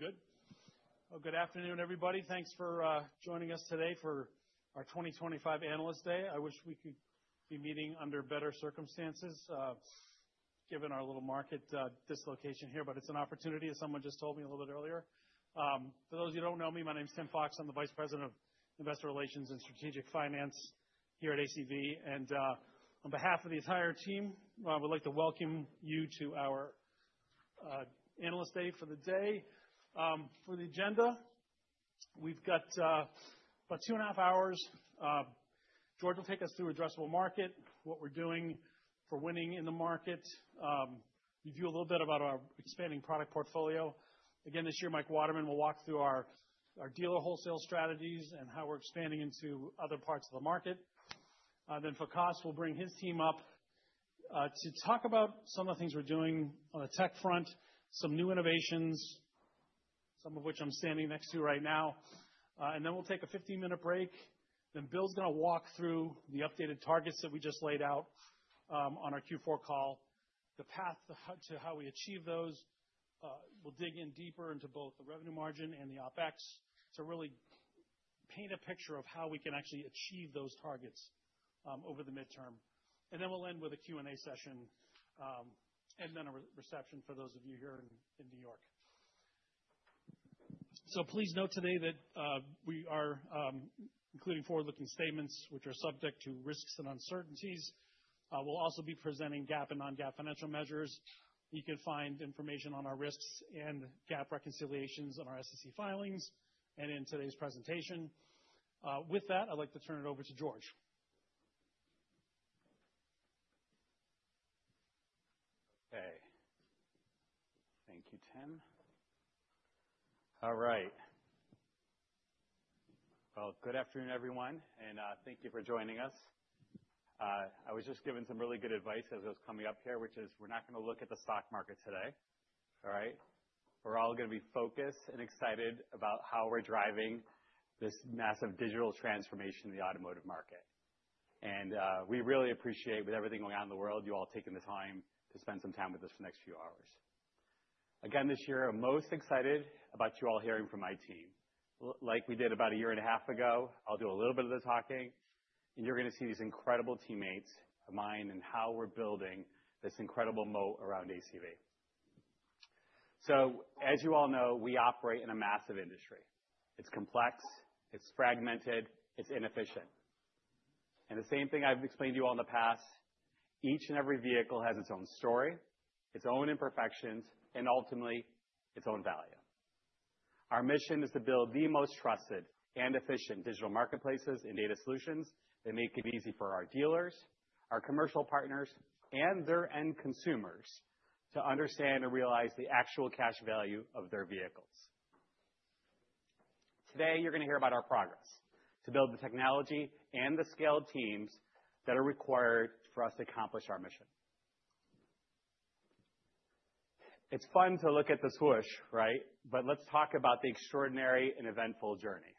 We good? Good afternoon, everybody. Thanks for joining us today for our 2025 Analyst Day. I wish we could be meeting under better circumstances, given our little market dislocation here, but it's an opportunity, as someone just told me a little bit earlier. For those who don't know me, my name's Tim Fox. I'm the Vice President of Investor Relations and Strategic Finance here at ACV. On behalf of the entire team, I would like to welcome you to our Analyst Day for the day. For the agenda, we've got about two and a half hours. George will take us through addressable market, what we're doing for winning in the market, review a little bit about our expanding product portfolio. Again, this year, Mike Waterman will walk through our dealer wholesale strategies and how we're expanding into other parts of the market. Then for cost, we'll bring his team up to talk about some of the things we're doing on the tech front, some new innovations, some of which I'm standing next to right now. Then we'll take a 15-minute break. Then Bill's gonna walk through the updated targets that we just laid out on our Q4 call, the path to how we achieve those. We'll dig in deeper into both the revenue margin and the OpEx to really paint a picture of how we can actually achieve those targets over the midterm. Then we'll end with a Q&A session, and then a reception for those of you here in New York. Please note today that we are including forward-looking statements, which are subject to risks and uncertainties. We'll also be presenting GAAP and non-GAAP financial measures. You can find information on our risks and GAAP reconciliations on our SEC filings and in today's presentation. With that, I'd like to turn it over to George. Okay. Thank you, Tim. All right. Good afternoon, everyone, and thank you for joining us. I was just given some really good advice as I was coming up here, which is we're not gonna look at the stock market today, all right? We're all gonna be focused and excited about how we're driving this massive digital transformation in the automotive market. We really appreciate, with everything going on in the world, you all taking the time to spend some time with us for the next few hours. Again, this year, I'm most excited about you all hearing from my team. Like we did about a year and a half ago, I'll do a little bit of the talking, and you're gonna see these incredible teammates of mine and how we're building this incredible moat around ACV. As you all know, we operate in a massive industry. It's complex, it's fragmented, it's inefficient. The same thing I've explained to you all in the past, each and every vehicle has its own story, its own imperfections, and ultimately, its own value. Our mission is to build the most trusted and efficient digital marketplaces and data solutions that make it easy for our dealers, our commercial partners, and their end consumers to understand and realize the actual cash value of their vehicles. Today, you're gonna hear about our progress to build the technology and the skilled teams that are required for us to accomplish our mission. It's fun to look at the swoosh, right? Let's talk about the extraordinary and eventful journey.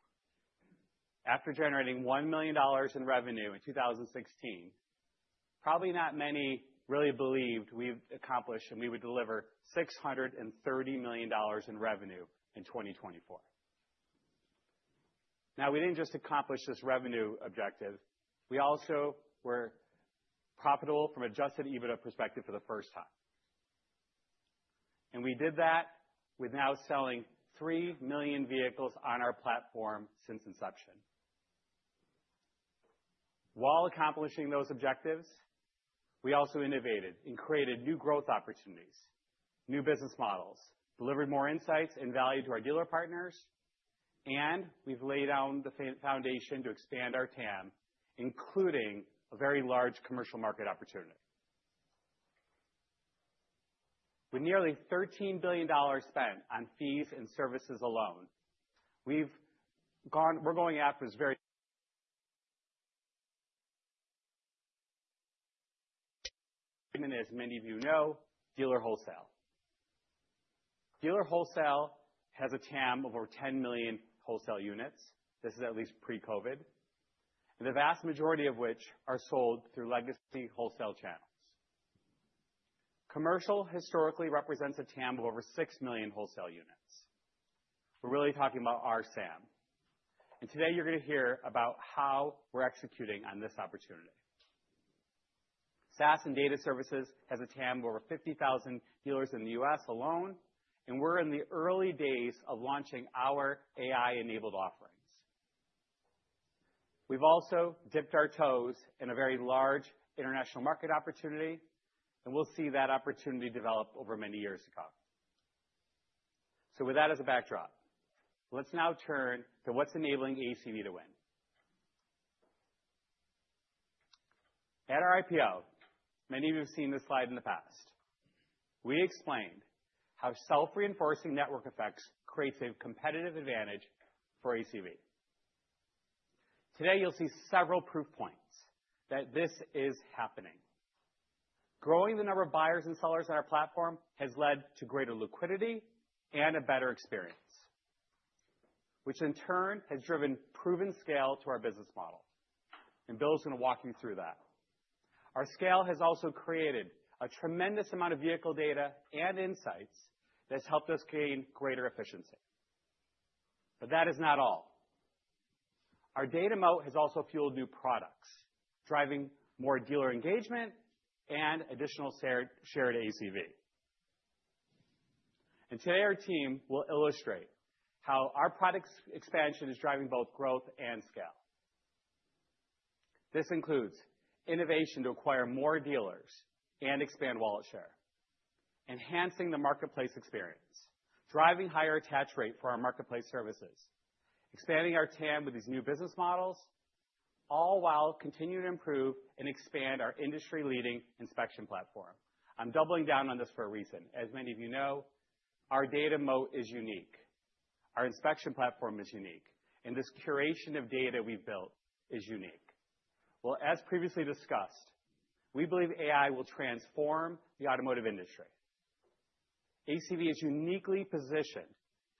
After generating $1 million in revenue in 2016, probably not many really believed we've accomplished and we would deliver $630 million in revenue in 2024. We didn't just accomplish this revenue objective. We also were profitable from a just-in-EBITDA perspective for the first time. We did that with now selling 3 million vehicles on our platform since inception. While accomplishing those objectives, we also innovated and created new growth opportunities, new business models, delivered more insights and value to our dealer partners, and we've laid down the foundation to expand our TAM, including a very large commercial market opportunity. With nearly $13 billion spent on fees and services alone, we've gone after, as many of you know, dealer wholesale. Dealer wholesale has a TAM of over 10 million wholesale units. This is at least pre-COVID, and the vast majority of which are sold through legacy wholesale channels. Commercial historically represents a TAM of over 6 million wholesale units. We're really talking about our SAM. Today, you're gonna hear about how we're executing on this opportunity. SaaS and data services has a TAM of over 50,000 dealers in the US alone, and we're in the early days of launching our AI-enabled offerings. We've also dipped our toes in a very large international market opportunity, and we'll see that opportunity develop over many years to come. With that as a backdrop, let's now turn to what's enabling ACV to win. At our IPO, many of you have seen this slide in the past. We explained how self-reinforcing network effects create a competitive advantage for ACV. Today, you'll see several proof points that this is happening. Growing the number of buyers and sellers on our platform has led to greater liquidity and a better experience, which in turn has driven proven scale to our business model. Bill's gonna walk you through that. Our scale has also created a tremendous amount of vehicle data and insights that's helped us gain greater efficiency. That is not all. Our data moat has also fueled new products, driving more dealer engagement and additional shared ACV. Today, our team will illustrate how our product's expansion is driving both growth and scale. This includes innovation to acquire more dealers and expand wallet share, enhancing the marketplace experience, driving higher attach rate for our marketplace services, expanding our TAM with these new business models, all while continuing to improve and expand our industry-leading inspection platform. I'm doubling down on this for a reason. As many of you know, our data moat is unique. Our inspection platform is unique, and this curation of data we've built is unique. Well, as previously discussed, we believe AI will transform the automotive industry. ACV is uniquely positioned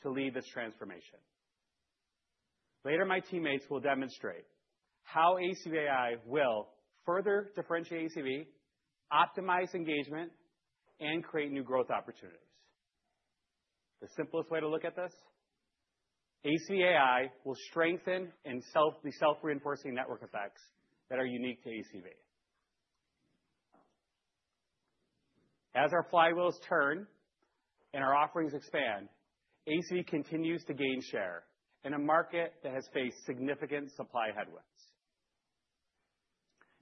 to lead this transformation. Later, my teammates will demonstrate how ACV AI will further differentiate ACV, optimize engagement, and create new growth opportunities. The simplest way to look at this, ACV AI will strengthen and be self-reinforcing network effects that are unique to ACV. As our flywheels turn and our offerings expand, ACV continues to gain share in a market that has faced significant supply headwinds.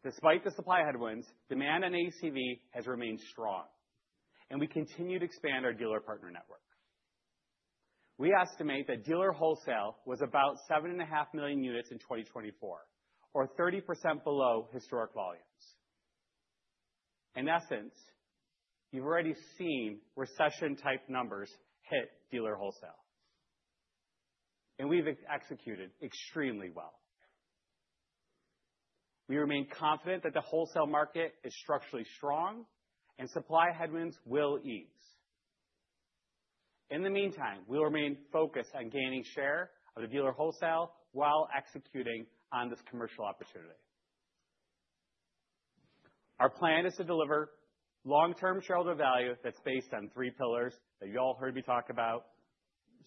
Despite the supply headwinds, demand on ACV has remained strong, and we continue to expand our dealer partner network. We estimate that dealer wholesale was about 7.5 million units in 2024, or 30% below historic volumes. In essence, you've already seen recession-type numbers hit dealer wholesale, and we've executed extremely well. We remain confident that the wholesale market is structurally strong and supply headwinds will ease. In the meantime, we'll remain focused on gaining share of the dealer wholesale while executing on this commercial opportunity. Our plan is to deliver long-term shareholder value that's based on three pillars that you all heard me talk about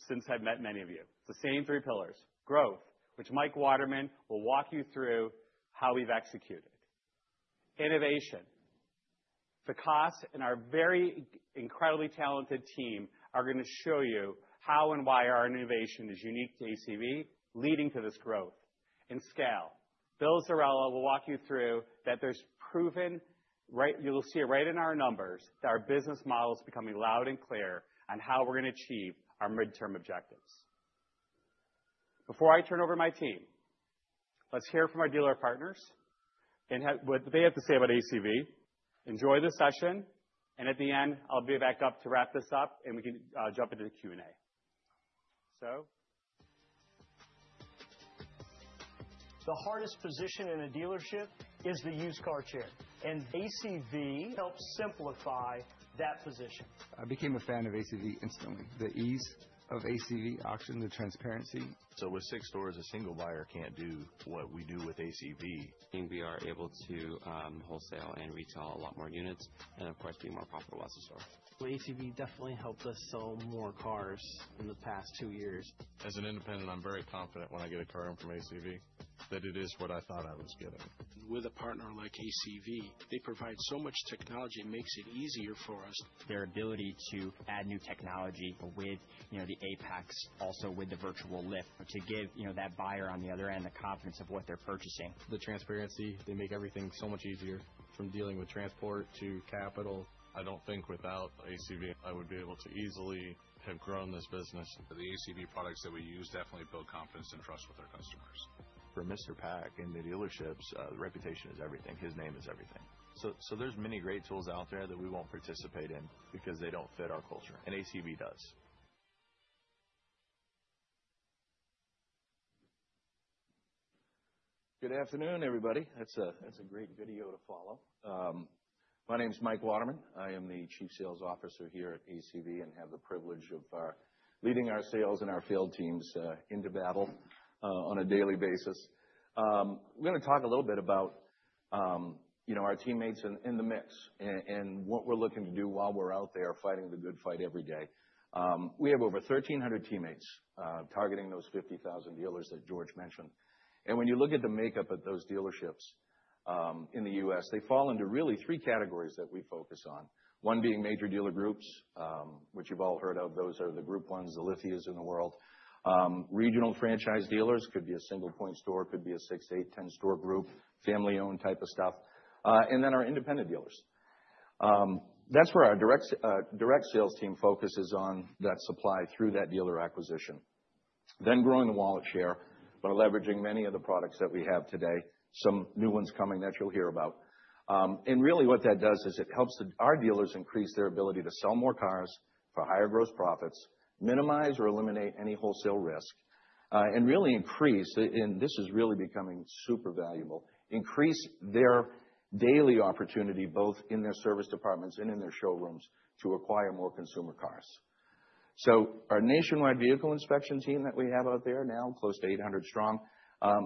since I've met many of you. It's the same three pillars: growth, which Mike Waterman will walk you through how we've executed; innovation. For cost, and our very incredibly talented team are gonna show you how and why our innovation is unique to ACV, leading to this growth and scale. Bill Zerella will walk you through that there's proven right you'll see it right in our numbers that our business model's becoming loud and clear on how we're gonna achieve our midterm objectives. Before I turn over my team, let's hear from our dealer partners and have what they have to say about ACV. Enjoy the session, and at the end, I'll be back up to wrap this up, and we can jump into the Q&A. The hardest position in a dealership is the used car chair, and ACV helps simplify that position. I became a fan of ACV instantly. The ease of ACV, the option, the transparency. With six stores, a single buyer can't do what we do with ACV. We are able to wholesale and retail a lot more units and, of course, be more profitable as a store. ACV definitely helped us sell more cars in the past two years. As an independent, I'm very confident when I get a car from ACV that it is what I thought I was getting. With a partner like ACV, they provide so much technology and make it easier for us. Their ability to add new technology with, you know, the APEX, also with the Virtual Lift to give, you know, that buyer on the other end the confidence of what they're purchasing. The transparency, they make everything so much easier from dealing with transport to capital. I don't think without ACV, I would be able to easily have grown this business. The ACV products that we use definitely build confidence and trust with our customers. For Mr. Pack and the dealerships, reputation is everything. His name is everything. There are many great tools out there that we won't participate in because they don't fit our culture, and ACV does. Good afternoon, everybody. That's a great video to follow. My name's Mike Waterman. I am the Chief Sales Officer here at ACV and have the privilege of leading our sales and our field teams into battle on a daily basis. We're gonna talk a little bit about, you know, our teammates in the mix and what we're looking to do while we're out there fighting the good fight every day. We have over 1,300 teammates, targeting those 50,000 dealers that George mentioned. When you look at the makeup of those dealerships in the US, they fall into really three categories that we focus on, one being major dealer groups, which you've all heard of. Those are the Group Ones, the Lithias in the world. Regional franchise dealers could be a single-point store, could be a 6, 8, 10-store group, family-owned type of stuff. and then our independent dealers. That's where our direct sales team focuses on that supply through that dealer acquisition. Then growing the wallet share, but leveraging many of the products that we have today, some new ones coming that you'll hear about. What that does is it helps our dealers increase their ability to sell more cars for higher gross profits, minimize or eliminate any wholesale risk, and really increase the, and this is really becoming super valuable, increase their daily opportunity both in their service departments and in their showrooms to acquire more consumer cars. Our nationwide vehicle inspection team that we have out there now, close to 800 strong,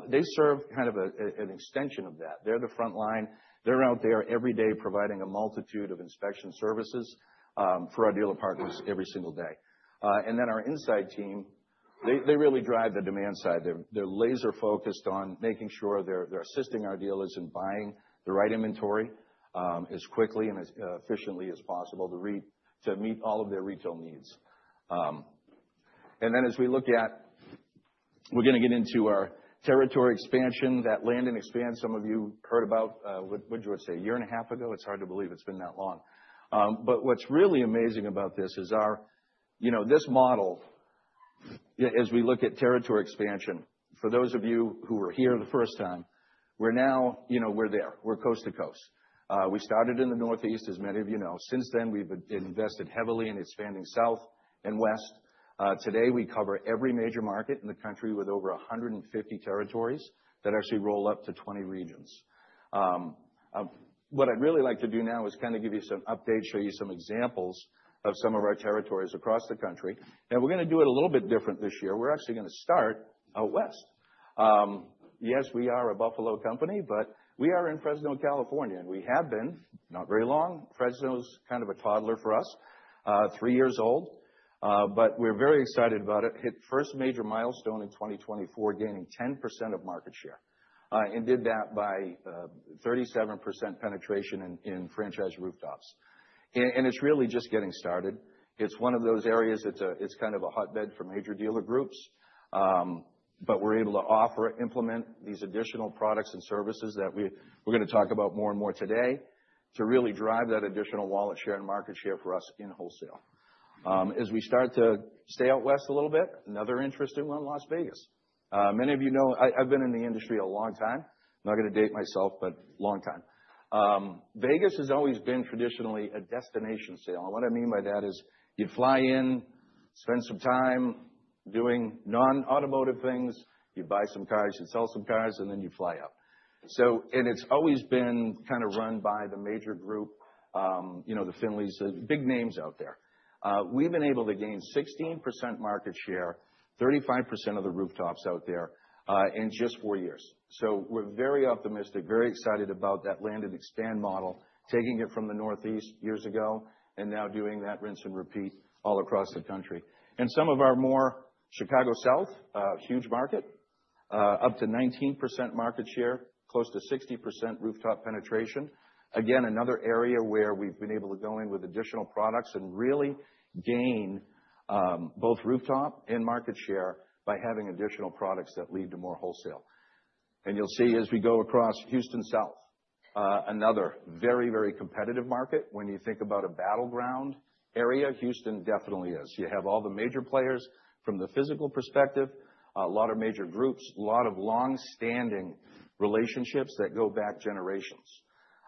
they serve kind of an extension of that. They're the frontline. They're out there every day providing a multitude of inspection services for our dealer partners every single day. and then our inside team, they really drive the demand side. They're laser-focused on making sure they're assisting our dealers in buying the right inventory, as quickly and as efficiently as possible to meet all of their retail needs. and then as we look at, we're gonna get into our territory expansion that Landon expands. Some of you heard about what George said a year and a half ago. It's hard to believe it's been that long. but what's really amazing about this is our, you know, this model, y as we look at territory expansion, for those of you who were here the first time, we're now, you know, we're there. We're coast to coast. we started in the Northeast, as many of you know. Since then, we've invested heavily in expanding south and west. Today, we cover every major market in the country with over 150 territories that actually roll up to 20 regions. What I'd really like to do now is kinda give you some updates, show you some examples of some of our territories across the country. We're gonna do it a little bit different this year. We're actually gonna start out west. Yes, we are a Buffalo company, but we are in Fresno, California, and we have been not very long. Fresno's kind of a toddler for us, three years old. We're very excited about it. Hit first major milestone in 2024, gaining 10% of market share, and did that by 37% penetration in franchise rooftops. It's really just getting started. It's one of those areas that's a, it's kind of a hotbed for major dealer groups. But we're able to offer, implement these additional products and services that we, we're gonna talk about more and more today to really drive that additional wallet share and market share for us in wholesale. As we start to stay out west a little bit, another interesting one, Las Vegas. Many of you know, I've been in the industry a long time. I'm not gonna date myself, but long time. Vegas has always been traditionally a destination sale. And what I mean by that is you fly in, spend some time doing non-automotive things, you buy some cars, you sell some cars, and then you fly out. It's always been kinda run by the major group, you know, the Finleys, the big names out there. We've been able to gain 16% market share, 35% of the rooftops out there, in just four years. We're very optimistic, very excited about that Land and Expand model, taking it from the Northeast years ago and now doing that rinse and repeat all across the country. Some of our more Chicago South, huge market, up to 19% market share, close to 60% rooftop penetration. Again, another area where we've been able to go in with additional products and really gain both rooftop and market share by having additional products that lead to more wholesale. You'll see as we go across Houston South, another very, very competitive market. When you think about a battleground area, Houston definitely is. You have all the major players from the physical perspective, a lot of major groups, a lot of long-standing relationships that go back generations.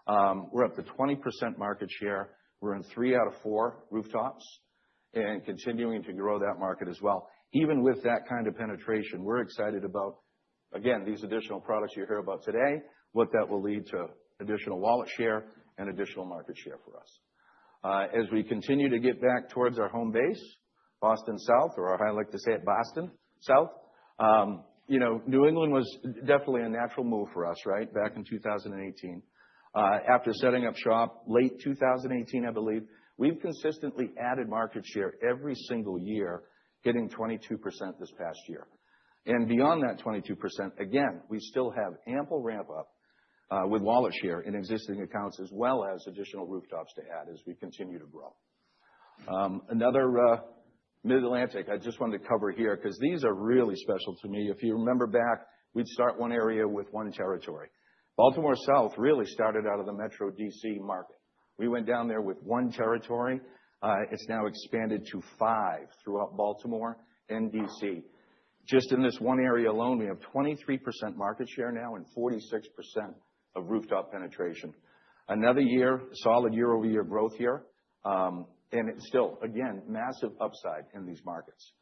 We're up to 20% market share. We're in three out of four rooftops and continuing to grow that market as well. Even with that kind of penetration, we're excited about, again, these additional products you hear about today, what that will lead to: additional wallet share and additional market share for us. As we continue to get back towards our home base, Boston South, or I like to say it Boston South, you know, New England was definitely a natural move for us, right, back in 2018. After setting up shop late 2018, I believe, we've consistently added market share every single year, hitting 22% this past year. Beyond that 22%, again, we still have ample ramp-up, with wallet share in existing accounts as well as additional rooftops to add as we continue to grow. Another, Mid-Atlantic I just wanted to cover here 'cause these are really special to me. If you remember back, we'd start one area with one territory. Baltimore South really started out of the Metro DC market. We went down there with one territory. It's now expanded to five throughout Baltimore and DC. Just in this one area alone, we have 23% market share now and 46% of rooftop penetration. Another year, solid year-over-year growth here. It's still, again, massive upside in these markets.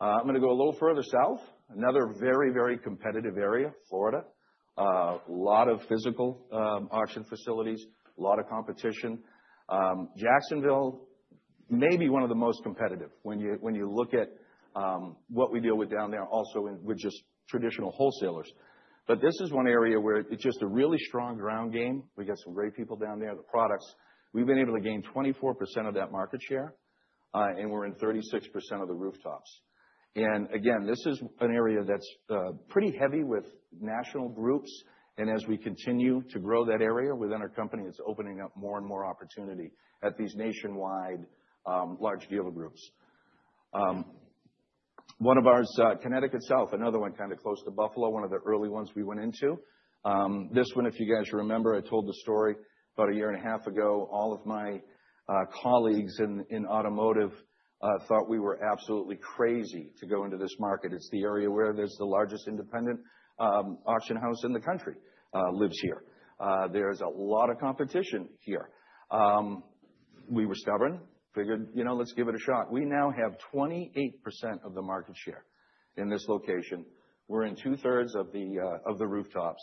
I'm gonna go a little further south. Another very, very competitive area, Florida. A lot of physical auction facilities, a lot of competition. Jacksonville, maybe one of the most competitive when you look at what we deal with down there also with just traditional wholesalers. This is one area where it's just a really strong ground game. We got some great people down there. The products, we've been able to gain 24% of that market share, and we're in 36% of the rooftops. This is an area that's pretty heavy with national groups. As we continue to grow that area within our company, it's opening up more and more opportunity at these nationwide, large dealer groups. One of ours, Connecticut South, another one kinda close to Buffalo, one of the early ones we went into. This one, if you guys remember, I told the story about a year and a half ago. All of my colleagues in automotive thought we were absolutely crazy to go into this market. It's the area where there's the largest independent auction house in the country, lives here. There's a lot of competition here. We were stubborn, figured, you know, let's give it a shot. We now have 28% of the market share in this location. We're in two-thirds of the rooftops.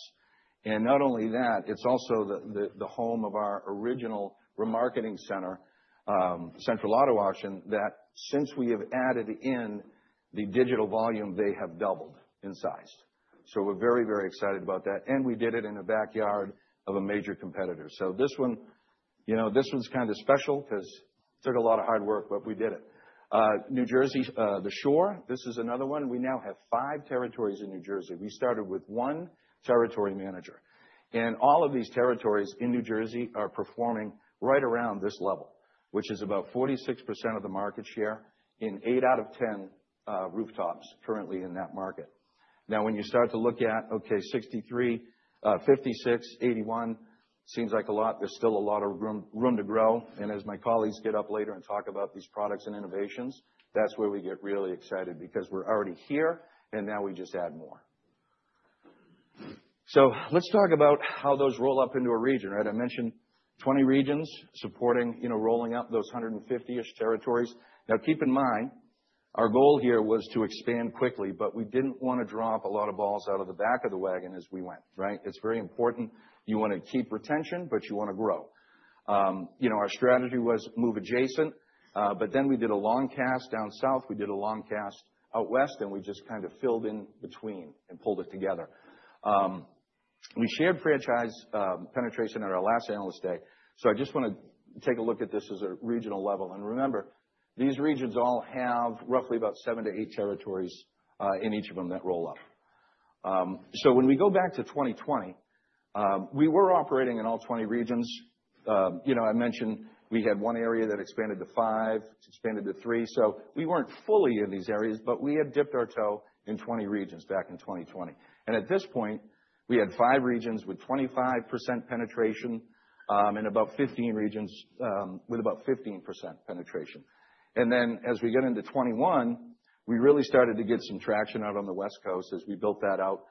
Not only that, it's also the home of our original remarketing center, Central Auto Auction, that since we have added in the digital volume, they have doubled in size. We are very, very excited about that. We did it in the backyard of a major competitor. This one, you know, this one's kinda special 'cause it took a lot of hard work, but we did it. New Jersey, the Shore, this is another one. We now have five territories in New Jersey. We started with one territory manager. All of these territories in New Jersey are performing right around this level, which is about 46% of the market share in 8 out of 10 rooftops currently in that market. Now, when you start to look at, okay, 63, 56, 81, seems like a lot. There's still a lot of room to grow. As my colleagues get up later and talk about these products and innovations, that's where we get really excited because we're already here, and now we just add more. Let's talk about how those roll up into a region, right? I mentioned 20 regions supporting, you know, rolling up those 150-ish territories. Now, keep in mind, our goal here was to expand quickly, but we didn't wanna drop a lot of balls out of the back of the wagon as we went, right? It's very important. You wanna keep retention, but you wanna grow. You know, our strategy was move adjacent. But then we did a long cast down south. We did a long cast out west, and we just kinda filled in between and pulled it together. We shared franchise, penetration at our last analyst day. I just wanna take a look at this as a regional level. And remember, these regions all have roughly about seven to eight territories in each of them that roll up. When we go back to 2020, we were operating in all 20 regions. You know, I mentioned we had one area that expanded to five. It expanded to three. We were not fully in these areas, but we had dipped our toe in 20 regions back in 2020. At this point, we had five regions with 25% penetration, and about 15 regions with about 15% penetration. As we get into 2021, we really started to get some traction out on the West Coast as we built that out.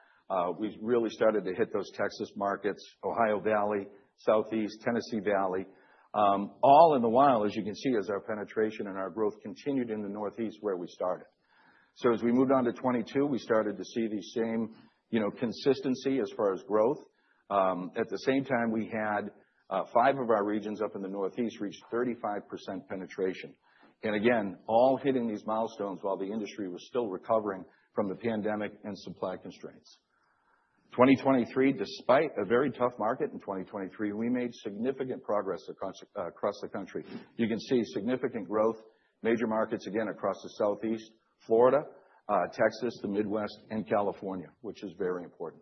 We really started to hit those Texas markets, Ohio Valley, Southeast, Tennessee Valley, all in the while, as you can see, as our penetration and our growth continued in the Northeast where we started. As we moved on to 2022, we started to see the same, you know, consistency as far as growth. At the same time, we had five of our regions up in the Northeast reach 35% penetration. Again, all hitting these milestones while the industry was still recovering from the pandemic and supply constraints. In 2023, despite a very tough market in 2023, we made significant progress across the country. You can see significant growth, major markets again across the Southeast, Florida, Texas, the Midwest, and California, which is very important.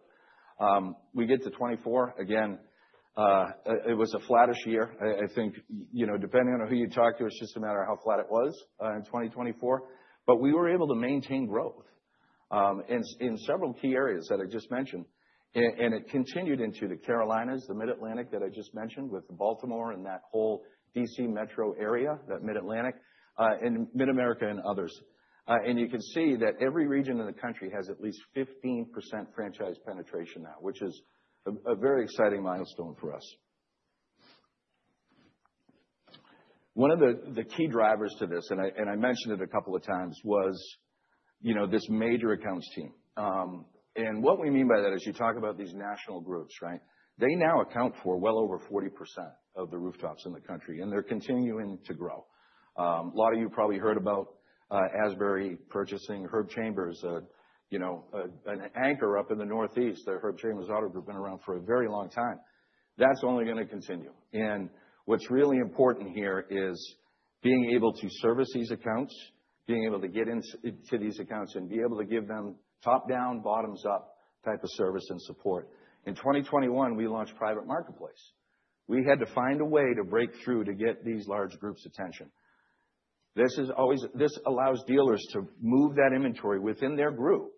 We get to 2024. Again, it was a flattish year. I think, you know, depending on who you talk to, it's just a matter of how flat it was, in 2024. But we were able to maintain growth, in, in several key areas that I just mentioned. And it continued into the Carolinas, the Mid-Atlantic that I just mentioned with the Baltimore and that whole DC Metro area, that Mid-Atlantic, and Mid-America and others. You can see that every region in the country has at least 15% franchise penetration now, which is a very exciting milestone for us. One of the key drivers to this, and I mentioned it a couple of times, was, you know, this major accounts team. What we mean by that is you talk about these national groups, right? They now account for well over 40% of the rooftops in the country, and they're continuing to grow. A lot of you probably heard about Asbury purchasing Herb Chambers, you know, an anchor up in the Northeast. The Herb Chambers Auto Group has been around for a very long time. That's only gonna continue. What's really important here is being able to service these accounts, being able to get into these accounts and be able to give them top-down, bottoms-up type of service and support. In 2021, we launched Private Marketplace. We had to find a way to break through to get these large groups' attention. This always allows dealers to move that inventory within their group.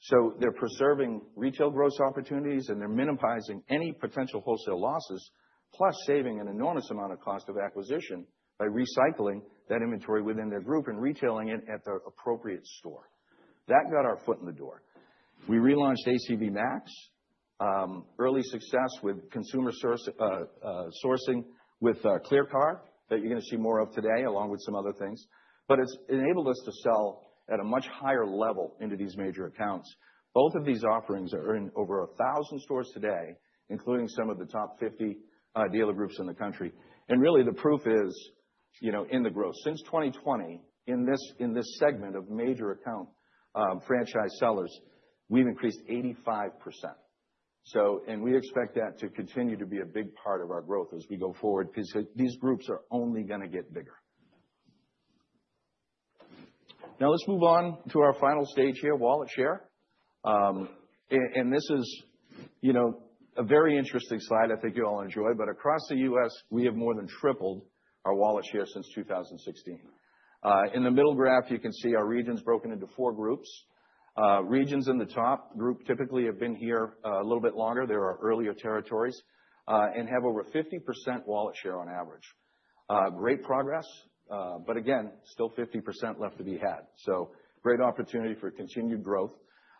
So they're preserving retail gross opportunities, and they're minimizing any potential wholesale losses, plus saving an enormous amount of cost of acquisition by recycling that inventory within their group and retailing it at the appropriate store. That got our foot in the door. We relaunched ACV MAX, early success with consumer source, sourcing with ClearCar that you're gonna see more of today along with some other things. It has enabled us to sell at a much higher level into these major accounts. Both of these offerings are in over 1,000 stores today, including some of the top 50 dealer groups in the country. Really, the proof is, you know, in the growth. Since 2020, in this segment of major account franchise sellers, we've increased 85%. We expect that to continue to be a big part of our growth as we go forward 'cause these groups are only gonna get bigger. Now, let's move on to our final stage here, wallet share. This is, you know, a very interesting slide I think you'll all enjoy. Across the U.S., we have more than tripled our wallet share since 2016. In the middle graph, you can see our regions broken into four groups. Regions in the top group typically have been here a little bit longer. They're our earlier territories, and have over 50% wallet share on average. Great progress, but again, still 50% left to be had. Great opportunity for continued growth.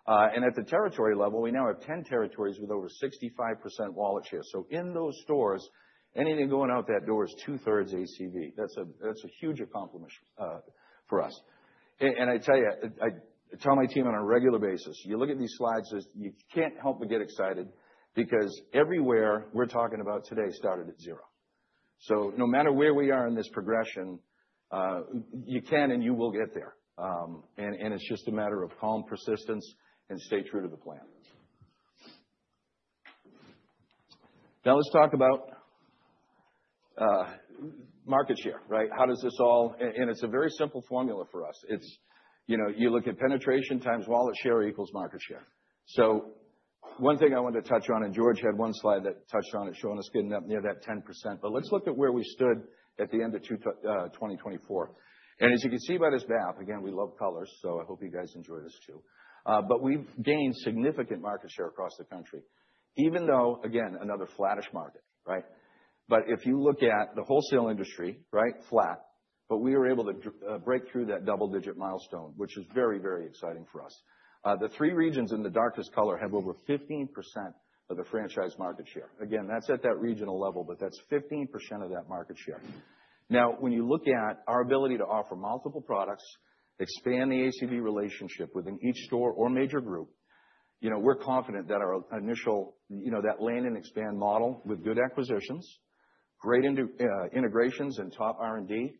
At the territory level, we now have 10 territories with over 65% wallet share. In those stores, anything going out that door is two-thirds ACV. That's a huge accomplish for us. I tell you, I tell my team on a regular basis, you look at these slides, you can't help but get excited because everywhere we're talking about today started at zero. No matter where we are in this progression, you can and you will get there, and it's just a matter of calm persistence and staying true to the plan. Now, let's talk about market share, right? How does this all, and it's a very simple formula for us. It's, you know, you look at penetration times wallet share equals market share. One thing I wanted to touch on, and George had one slide that touched on it showing us getting up near that 10%. Let's look at where we stood at the end of 2024. As you can see by this map, again, we love colors, so I hope you guys enjoy this too. We've gained significant market share across the country, even though, again, another flattish market, right? If you look at the wholesale industry, right, flat, but we were able to break through that double-digit milestone, which is very, very exciting for us. The three regions in the darkest color have over 15% of the franchise market share. Again, that's at that regional level, but that's 15% of that market share. Now, when you look at our ability to offer multiple products, expand the ACV relationship within each store or major group, you know, we're confident that our initial, you know, that land and expand model with good acquisitions, great integrations, and top R&D,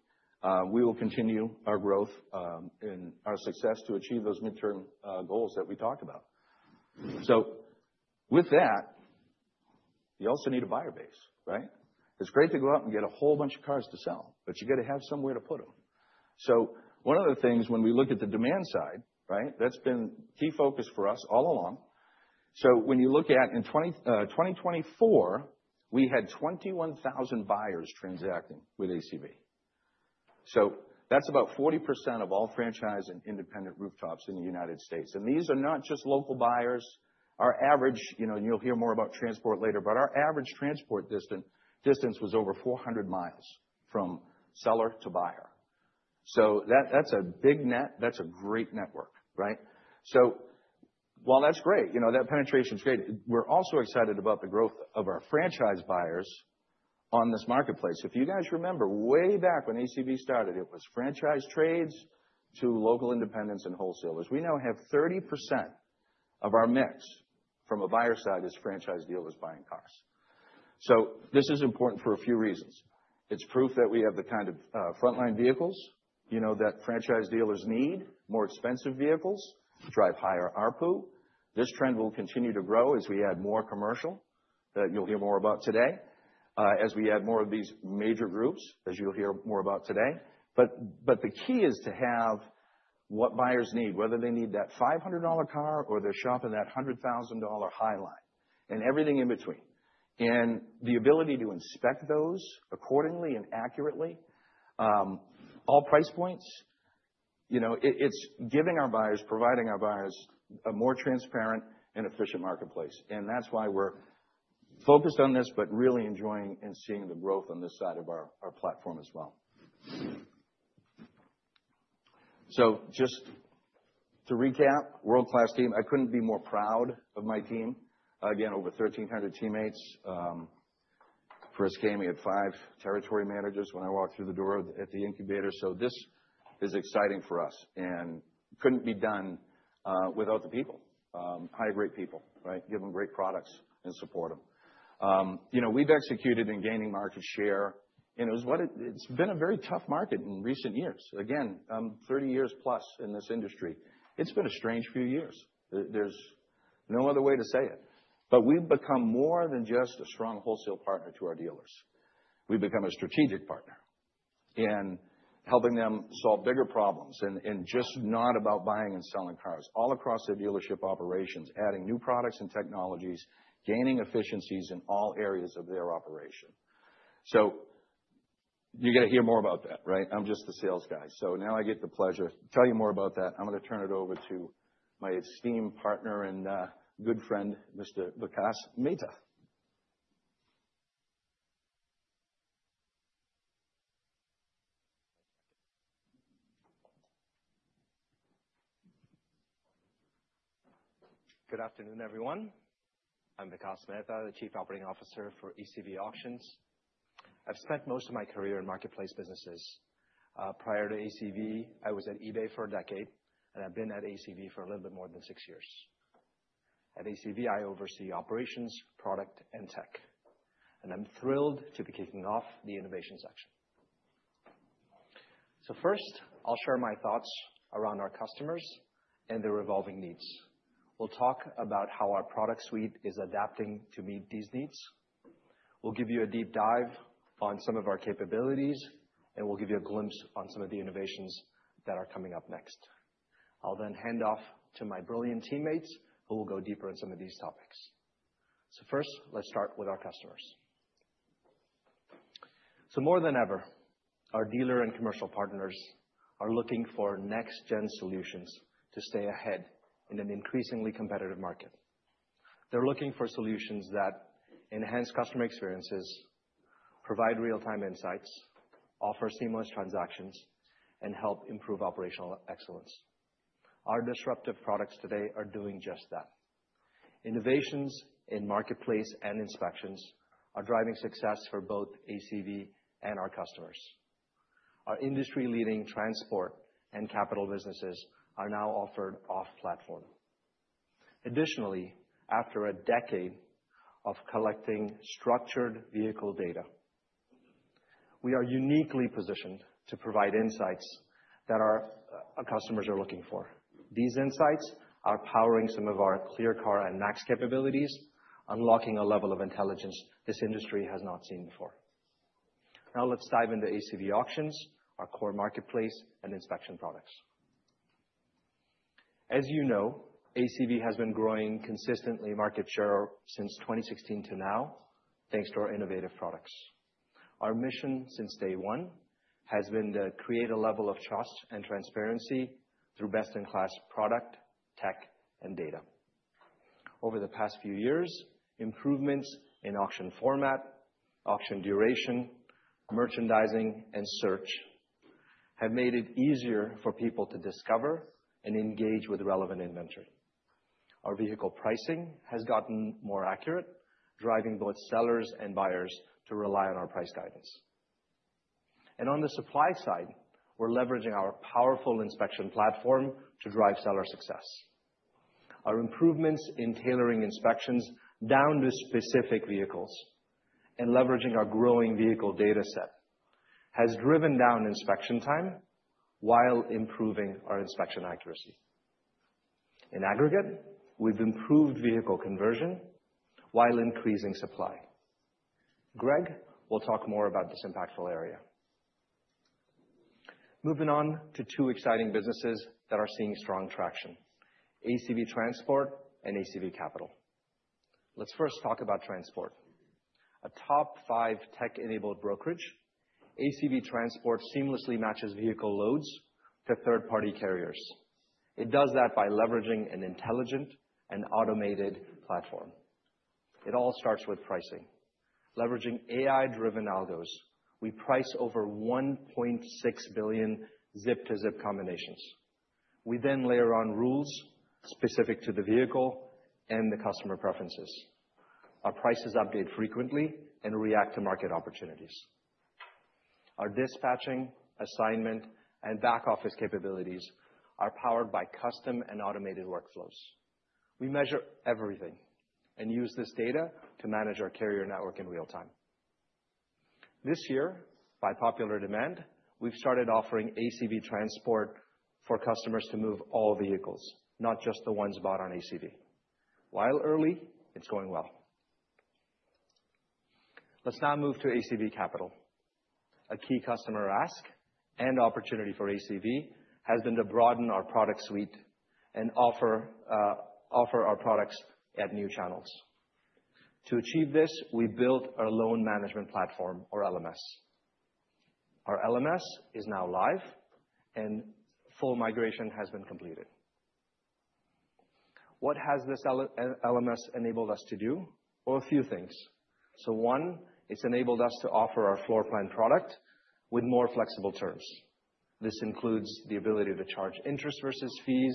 we will continue our growth, and our success to achieve those midterm goals that we talked about. With that, you also need a buyer base, right? It's great to go out and get a whole bunch of cars to sell, but you gotta have somewhere to put them. One of the things when we look at the demand side, right, that's been a key focus for us all along. When you look at in 2024, we had 21,000 buyers transacting with ACV. That's about 40% of all franchise and independent rooftops in the United States. These are not just local buyers. Our average, you know, and you'll hear more about transport later, but our average transport distance was over 400 mi from seller to buyer. That's a big net. That's a great network, right? While that's great, you know, that penetration's great, we're also excited about the growth of our franchise buyers on this marketplace. If you guys remember way back when ACV started, it was franchise trades to local independents and wholesalers. We now have 30% of our mix from a buyer side as franchise dealers buying cars. This is important for a few reasons. It's proof that we have the kind of, frontline vehicles, you know, that franchise dealers need, more expensive vehicles, drive higher ARPU. This trend will continue to grow as we add more commercial that you'll hear more about today, as we add more of these major groups as you'll hear more about today. The key is to have what buyers need, whether they need that $500 car or they're shopping that $100,000 high line and everything in between, and the ability to inspect those accordingly and accurately, all price points, you know, it's giving our buyers, providing our buyers a more transparent and efficient marketplace. That's why we're focused on this, but really enjoying and seeing the growth on this side of our, our platform as well. Just to recap, world-class team. I couldn't be more proud of my team. Again, over 1,300 teammates. For ACV, we had five territory managers when I walked through the door at the incubator. This is exciting for us and couldn't be done without the people. High-grade people, right? Give them great products and support them. You know, we've executed in gaining market share, and it has been a very tough market in recent years. Again, 30 years plus in this industry. It's been a strange few years. There's no other way to say it. We've become more than just a strong wholesale partner to our dealers. We've become a strategic partner in helping them solve bigger problems and just not about buying and selling cars all across their dealership operations, adding new products and technologies, gaining efficiencies in all areas of their operation. You gotta hear more about that, right? I'm just the sales guy. Now I get the pleasure of telling you more about that. I'm gonna turn it over to my esteemed partner and good friend, Mr. Vikas Mehta. Good afternoon, everyone. I'm Vikas Mehta, the Chief Operating Officer for ACV Auctions. I've spent most of my career in marketplace businesses. Prior to ACV, I was at eBay for a decade, and I've been at ACV for a little bit more than six years. At ACV, I oversee operations, product, and tech, and I'm thrilled to be kicking off the innovation section. First, I'll share my thoughts around our customers and their evolving needs. We'll talk about how our product suite is adapting to meet these needs. We'll give you a deep dive on some of our capabilities, and we'll give you a glimpse on some of the innovations that are coming up next. I'll then hand off to my brilliant teammates who will go deeper on some of these topics. First, let's start with our customers. More than ever, our dealer and commercial partners are looking for next-gen solutions to stay ahead in an increasingly competitive market. They're looking for solutions that enhance customer experiences, provide real-time insights, offer seamless transactions, and help improve operational excellence. Our disruptive products today are doing just that. Innovations in marketplace and inspections are driving success for both ACV and our customers. Our industry-leading transport and capital businesses are now offered off-platform. Additionally, after a decade of collecting structured vehicle data, we are uniquely positioned to provide insights that our customers are looking for. These insights are powering some of our Clear Car and MAX capabilities, unlocking a level of intelligence this industry has not seen before. Now, let's dive into ACV Auctions, our core marketplace, and inspection products. As you know, ACV has been growing consistently market share since 2016 to now, thanks to our innovative products. Our mission since day one has been to create a level of trust and transparency through best-in-class product, tech, and data. Over the past few years, improvements in auction format, auction duration, merchandising, and search have made it easier for people to discover and engage with relevant inventory. Our vehicle pricing has gotten more accurate, driving both sellers and buyers to rely on our price guidance. On the supply side, we're leveraging our powerful inspection platform to drive seller success. Our improvements in tailoring inspections down to specific vehicles and leveraging our growing vehicle data set have driven down inspection time while improving our inspection accuracy. In aggregate, we've improved vehicle conversion while increasing supply. Greg will talk more about this impactful area. Moving on to two exciting businesses that are seeing strong traction: ACV Transport and ACV Capital. Let's first talk about transport. A top five tech-enabled brokerage, ACV Transport seamlessly matches vehicle loads to third-party carriers. It does that by leveraging an intelligent and automated platform. It all starts with pricing. Leveraging AI-driven algos, we price over 1.6 billion zip-to-zip combinations. We then layer on rules specific to the vehicle and the customer preferences. Our prices update frequently and react to market opportunities. Our dispatching, assignment, and back office capabilities are powered by custom and automated workflows. We measure everything and use this data to manage our carrier network in real time. This year, by popular demand, we've started offering ACV Transport for customers to move all vehicles, not just the ones bought on ACV. While early, it's going well. Let's now move to ACV Capital. A key customer ask and opportunity for ACV has been to broaden our product suite and offer our products at new channels. To achieve this, we built our loan management platform, or LMS. Our LMS is now live, and full migration has been completed. What has this LMS enabled us to do? A few things. One, it's enabled us to offer our floor plan product with more flexible terms. This includes the ability to charge interest versus fees,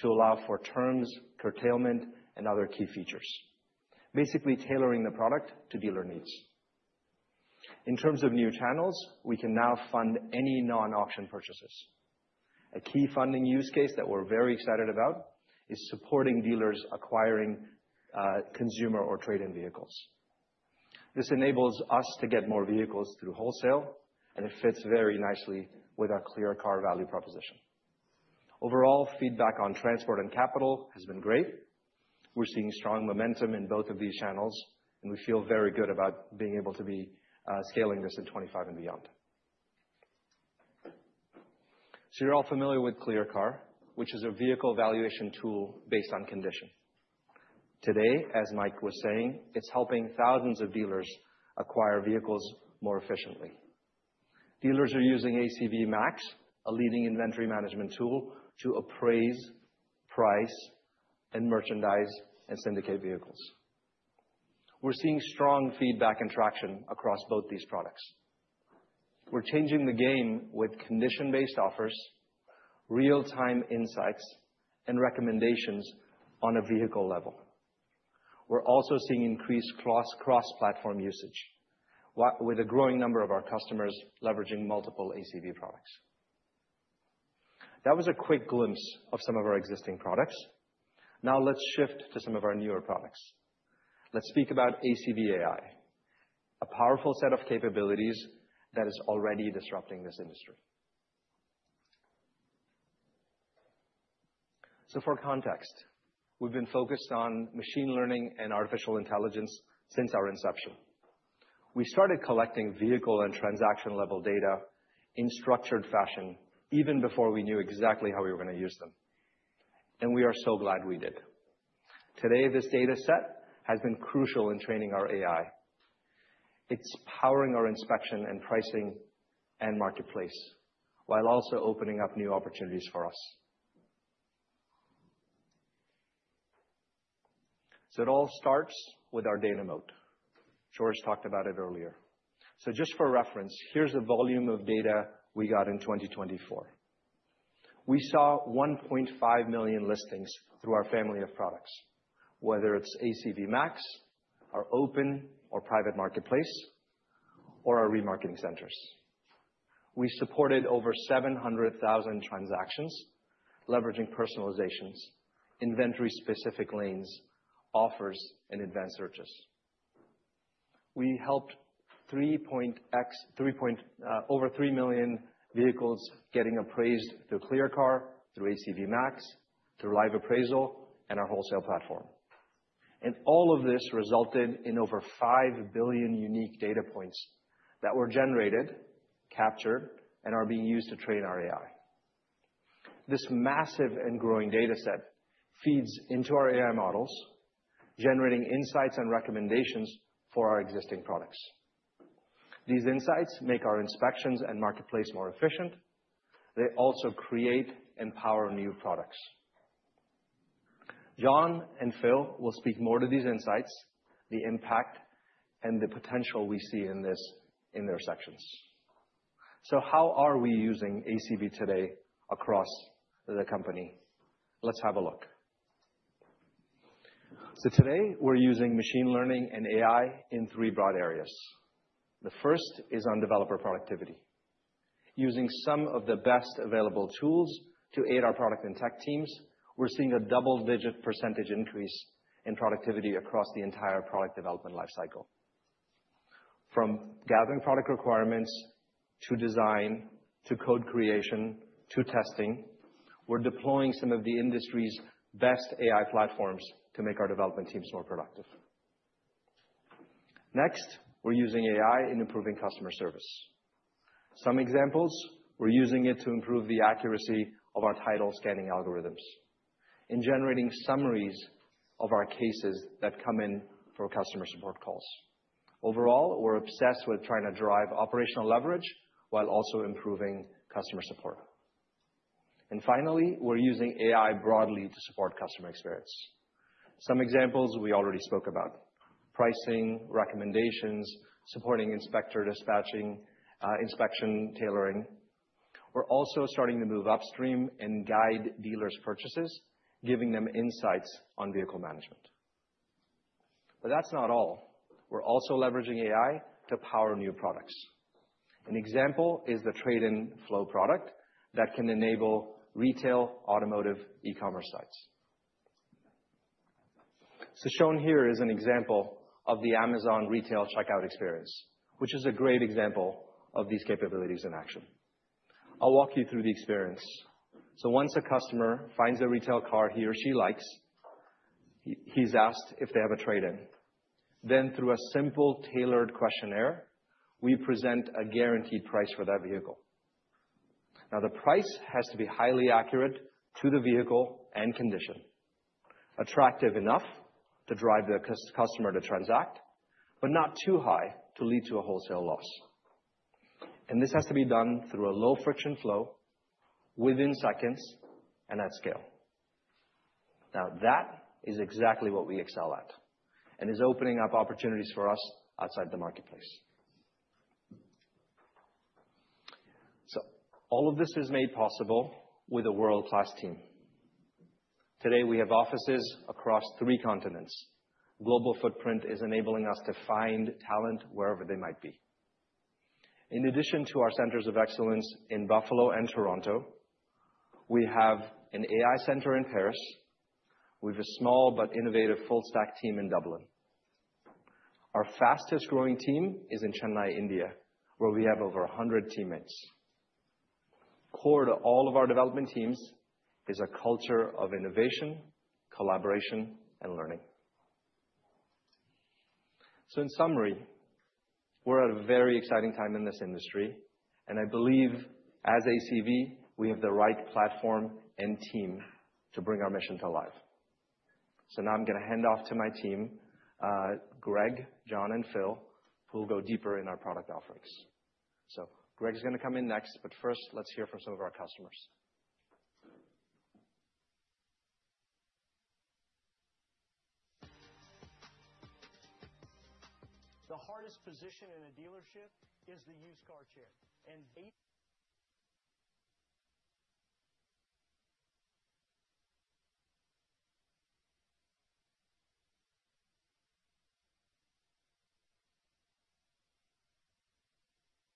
to allow for terms, curtailment, and other key features, basically tailoring the product to dealer needs. In terms of new channels, we can now fund any non-auction purchases. A key funding use case that we're very excited about is supporting dealers acquiring consumer or trade-in vehicles. This enables us to get more vehicles through wholesale, and it fits very nicely with our Clear Car value proposition. Overall, feedback on transport and capital has been great. We're seeing strong momentum in both of these channels, and we feel very good about being able to be scaling this in 2025 and beyond. You are all familiar with Clear Car, which is a vehicle valuation tool based on condition. Today, as Mike was saying, it's helping thousands of dealers acquire vehicles more efficiently. Dealers are using ACV MAX, a leading inventory management tool, to appraise, price, and merchandise and syndicate vehicles. We're seeing strong feedback and traction across both these products. We're changing the game with condition-based offers, real-time insights, and recommendations on a vehicle level. We're also seeing increased cross-platform usage, with a growing number of our customers leveraging multiple ACV products. That was a quick glimpse of some of our existing products. Now let's shift to some of our newer products. Let's speak about ACV AI, a powerful set of capabilities that is already disrupting this industry. For context, we've been focused on machine learning and artificial intelligence since our inception. We started collecting vehicle and transaction-level data in structured fashion even before we knew exactly how we were gonna use them. We are so glad we did. Today, this data set has been crucial in training our AI. It's powering our inspection and pricing and marketplace while also opening up new opportunities for us. It all starts with our data moat. George talked about it earlier. Just for reference, here's the volume of data we got in 2024. We saw 1.5 million listings through our family of products, whether it's ACV MAX, our open or private marketplace, or our remarketing centers. We supported over 700,000 transactions leveraging personalizations, inventory-specific lanes, offers, and advanced searches. We helped 3.x 3. over 3 million vehicles getting appraised through Clear Car, through ACV MAX, through live appraisal, and our wholesale platform. All of this resulted in over $5 billion unique data points that were generated, captured, and are being used to train our AI. This massive and growing data set feeds into our AI models, generating insights and recommendations for our existing products. These insights make our inspections and marketplace more efficient. They also create and power new products. John and Phil will speak more to these insights, the impact, and the potential we see in this in their sections. How are we using ACV today across the company? Let's have a look. Today, we're using machine learning and AI in three broad areas. The first is on developer productivity. Using some of the best available tools to aid our product and tech teams, we're seeing a double-digit % increase in productivity across the entire product development life cycle. From gathering product requirements to design to code creation to testing, we're deploying some of the industry's best AI platforms to make our development teams more productive. Next, we're using AI in improving customer service. Some examples: we're using it to improve the accuracy of our title scanning algorithms in generating summaries of our cases that come in for customer support calls. Overall, we're obsessed with trying to drive operational leverage while also improving customer support. Finally, we're using AI broadly to support customer experience. Some examples we already spoke about: pricing, recommendations, supporting inspector dispatching, inspection tailoring. We're also starting to move upstream and guide dealers' purchases, giving them insights on vehicle management. That's not all. We're also leveraging AI to power new products. An example is the trade-in flow product that can enable retail, automotive, e-commerce sites. Shown here is an example of the Amazon retail checkout experience, which is a great example of these capabilities in action. I'll walk you through the experience. Once a customer finds a retail car he or she likes, he's asked if they have a trade-in. Through a simple tailored questionnaire, we present a guaranteed price for that vehicle. Now, the price has to be highly accurate to the vehicle and condition, attractive enough to drive the customer to transact, but not too high to lead to a wholesale loss. This has to be done through a low-friction flow within seconds and at scale. That is exactly what we excel at and is opening up opportunities for us outside the marketplace. All of this is made possible with a world-class team. Today, we have offices across three continents. Global footprint is enabling us to find talent wherever they might be. In addition to our centers of excellence in Buffalo and Toronto, we have an AI center in Paris. We have a small but innovative full-stack team in Dublin. Our fastest-growing team is in Chennai, India, where we have over 100 teammates. Core to all of our development teams is a culture of innovation, collaboration, and learning. In summary, we're at a very exciting time in this industry, and I believe as ACV, we have the right platform and team to bring our mission to life. Now I'm gonna hand off to my team, Greg, John, and Phil, who will go deeper in our product offerings. Greg's gonna come in next, but first, let's hear from some of our customers. The hardest position in a dealership is the used car chair.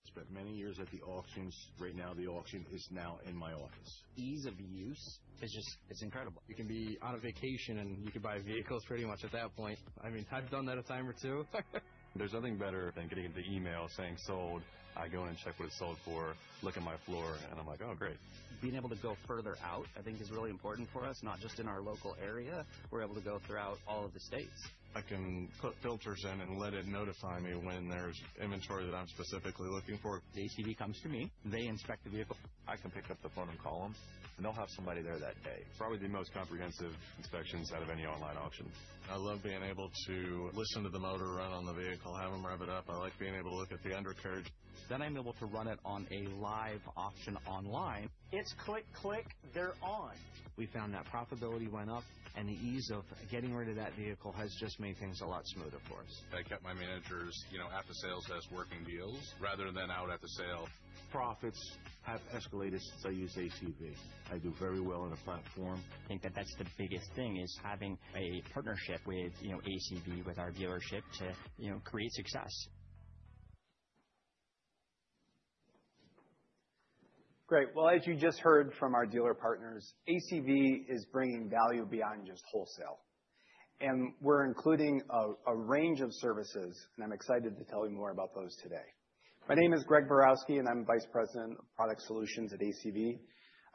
I spent many years at the auctions. Right now, the auction is now in my office. Ease of use is just, it's incredible. You can be on a vacation, and you can buy vehicles pretty much at that point. I mean, I've done that a time or two. There's nothing better than getting into email saying, "Sold." I go in and check what it's sold for, look at my floor, and I'm like, "Oh, great." Being able to go further out, I think, is really important for us, not just in our local area. We're able to go throughout all of the states. I can put filters in and let it notify me when there's inventory that I'm specifically looking for. ACV comes to me. They inspect the vehicle. I can pick up the phone and call them, and they'll have somebody there that day. Probably the most comprehensive inspections out of any online auction. I love being able to listen to the motor run on the vehicle, have them rev it up. I like being able to look at the undercarriage. I'm able to run it on a live auction online. It's click, click. They're on. We found that profitability went up, and the ease of getting rid of that vehicle has just made things a lot smoother for us. I kept my managers, you know, at the sales desk working deals rather than out at the sale. Profits have escalated since I used ACV. I do very well on the platform. I think that that's the biggest thing is having a partnership with, you know, ACV, with our dealership to, you know, create success. Great. As you just heard from our dealer partners, ACV is bringing value beyond just wholesale. We are including a range of services, and I'm excited to tell you more about those today. My name is Greg Borowski, and I'm Vice President of Product Solutions at ACV.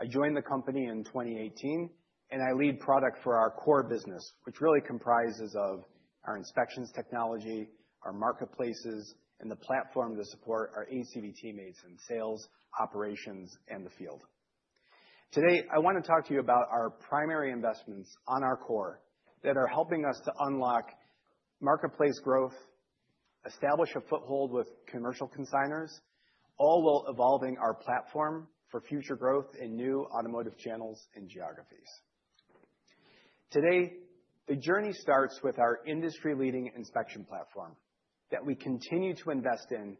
I joined the company in 2018, and I lead product for our core business, which really comprises our inspections technology, our marketplaces, and the platform to support our ACV teammates in sales, operations, and the field. Today, I wanna talk to you about our primary investments on our core that are helping us to unlock marketplace growth, establish a foothold with commercial consignors, all while evolving our platform for future growth in new automotive channels and geographies. Today, the journey starts with our industry-leading inspection platform that we continue to invest in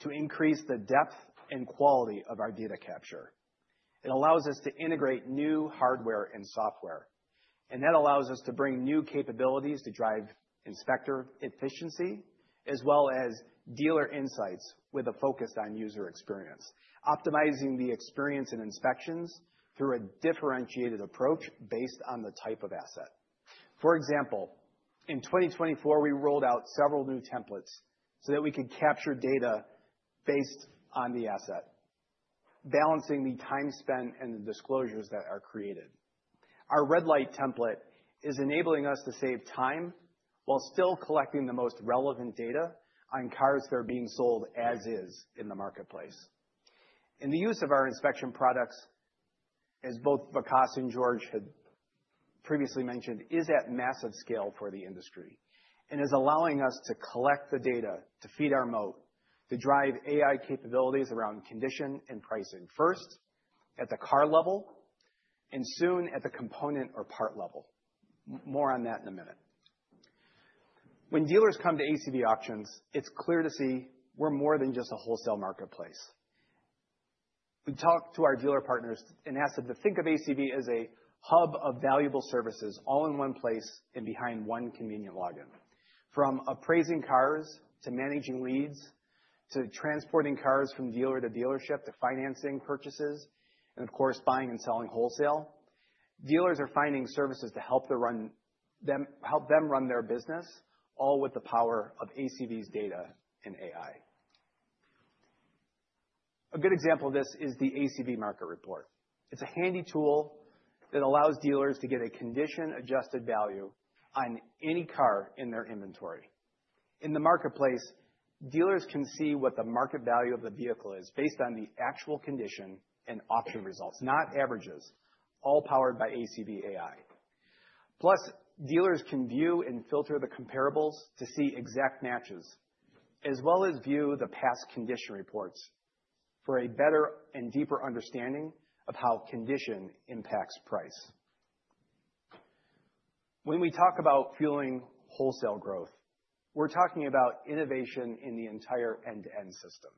to increase the depth and quality of our data capture. It allows us to integrate new hardware and software, and that allows us to bring new capabilities to drive inspector efficiency, as well as dealer insights with a focus on user experience, optimizing the experience and inspections through a differentiated approach based on the type of asset. For example, in 2024, we rolled out several new templates so that we could capture data based on the asset, balancing the time spent and the disclosures that are created. Our red light template is enabling us to save time while still collecting the most relevant data on cars that are being sold as is in the marketplace. The use of our inspection products, as both Vikas and George had previously mentioned, is at massive scale for the industry and is allowing us to collect the data to feed our moat, to drive AI capabilities around condition and pricing first at the car level and soon at the component or part level. More on that in a minute. When dealers come to ACV Auctions, it's clear to see we're more than just a wholesale marketplace. We talk to our dealer partners and ask them to think of ACV as a hub of valuable services all in one place and behind one convenient login. From appraising cars to managing leads to transporting cars from dealer to dealership to financing purchases, and of course, buying and selling wholesale, dealers are finding services to help them run their business, all with the power of ACV's data and AI. A good example of this is the ACV Market Report. It's a handy tool that allows dealers to get a condition-adjusted value on any car in their inventory. In the marketplace, dealers can see what the market value of the vehicle is based on the actual condition and auction results, not averages, all powered by ACV AI. Plus, dealers can view and filter the comparables to see exact matches, as well as view the past condition reports for a better and deeper understanding of how condition impacts price. When we talk about fueling wholesale growth, we're talking about innovation in the entire end-to-end system.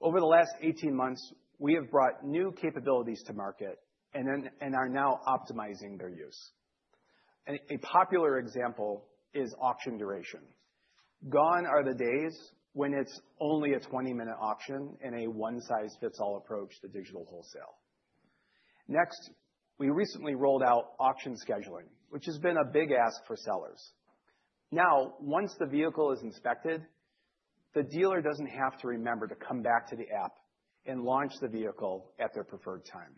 Over the last 18 months, we have brought new capabilities to market and are now optimizing their use. A popular example is auction duration. Gone are the days when it's only a 20-minute auction and a one-size-fits-all approach to digital wholesale. Next, we recently rolled out auction scheduling, which has been a big ask for sellers. Now, once the vehicle is inspected, the dealer doesn't have to remember to come back to the app and launch the vehicle at their preferred time.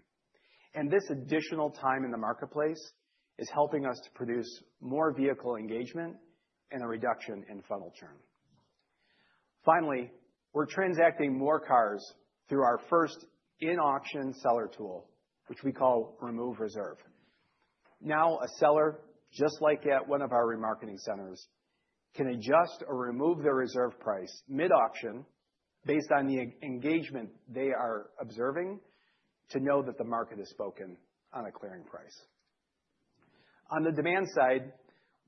This additional time in the marketplace is helping us to produce more vehicle engagement and a reduction in funnel churn. Finally, we're transacting more cars through our first in-auction seller tool, which we call Remove Reserve. Now, a seller, just like at one of our remarketing centers, can adjust or remove their reserve price mid-auction based on the engagement they are observing to know that the market has spoken on a clearing price. On the demand side,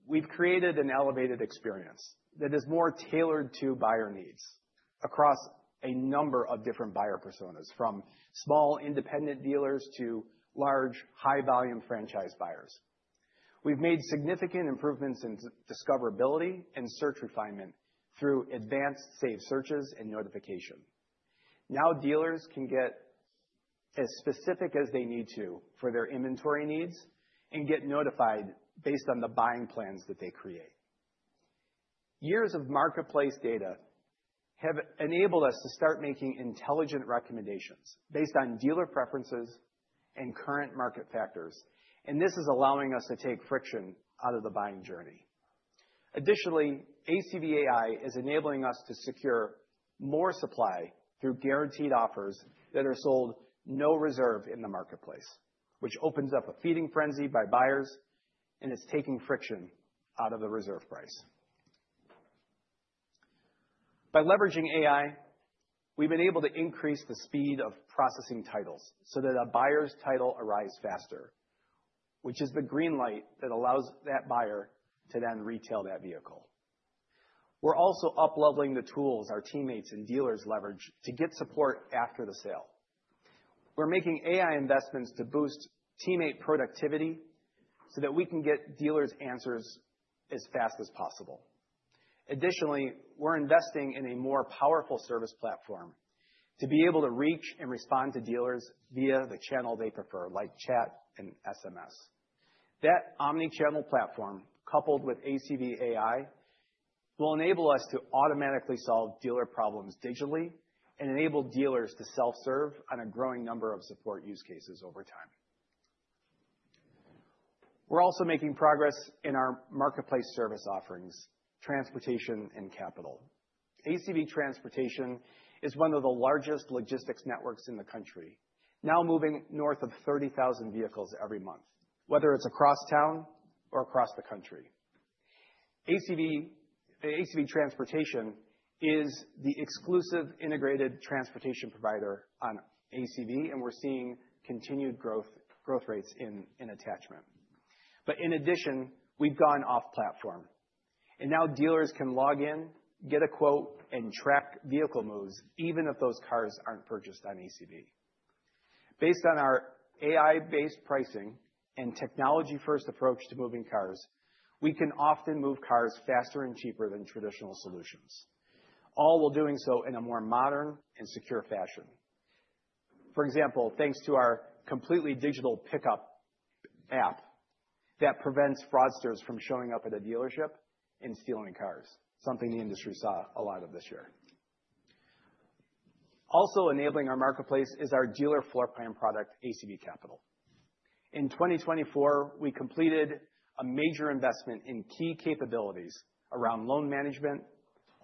we've created an elevated experience that is more tailored to buyer needs across a number of different buyer personas, from small independent dealers to large, high-volume franchise buyers. We've made significant improvements in discoverability and search refinement through advanced saved searches and notification. Now, dealers can get as specific as they need to for their inventory needs and get notified based on the buying plans that they create. Years of marketplace data have enabled us to start making intelligent recommendations based on dealer preferences and current market factors, and this is allowing us to take friction out of the buying journey. Additionally, ACV AI is enabling us to secure more supply through guaranteed offers that are sold no reserve in the marketplace, which opens up a feeding frenzy by buyers and is taking friction out of the reserve price. By leveraging AI, we've been able to increase the speed of processing titles so that a buyer's title arrives faster, which is the green light that allows that buyer to then retail that vehicle. We're also upleveling the tools our teammates and dealers leverage to get support after the sale. We're making AI investments to boost teammate productivity so that we can get dealers' answers as fast as possible. Additionally, we're investing in a more powerful service platform to be able to reach and respond to dealers via the channel they prefer, like chat and SMS. That omnichannel platform, coupled with ACV AI, will enable us to automatically solve dealer problems digitally and enable dealers to self-serve on a growing number of support use cases over time. We're also making progress in our marketplace service offerings, transportation, and capital. ACV Transport is one of the largest logistics networks in the country, now moving north of 30,000 vehicles every month, whether it's across town or across the country. ACV Transport is the exclusive integrated transportation provider on ACV, and we're seeing continued growth rates in attachment. In addition, we've gone off-platform, and now dealers can log in, get a quote, and track vehicle moves, even if those cars aren't purchased on ACV. Based on our AI-based pricing and technology-first approach to moving cars, we can often move cars faster and cheaper than traditional solutions, all while doing so in a more modern and secure fashion. For example, thanks to our completely digital pickup app that prevents fraudsters from showing up at a dealership and stealing cars, something the industry saw a lot of this year. Also enabling our marketplace is our dealer floor plan product, ACV Capital. In 2024, we completed a major investment in key capabilities around loan management,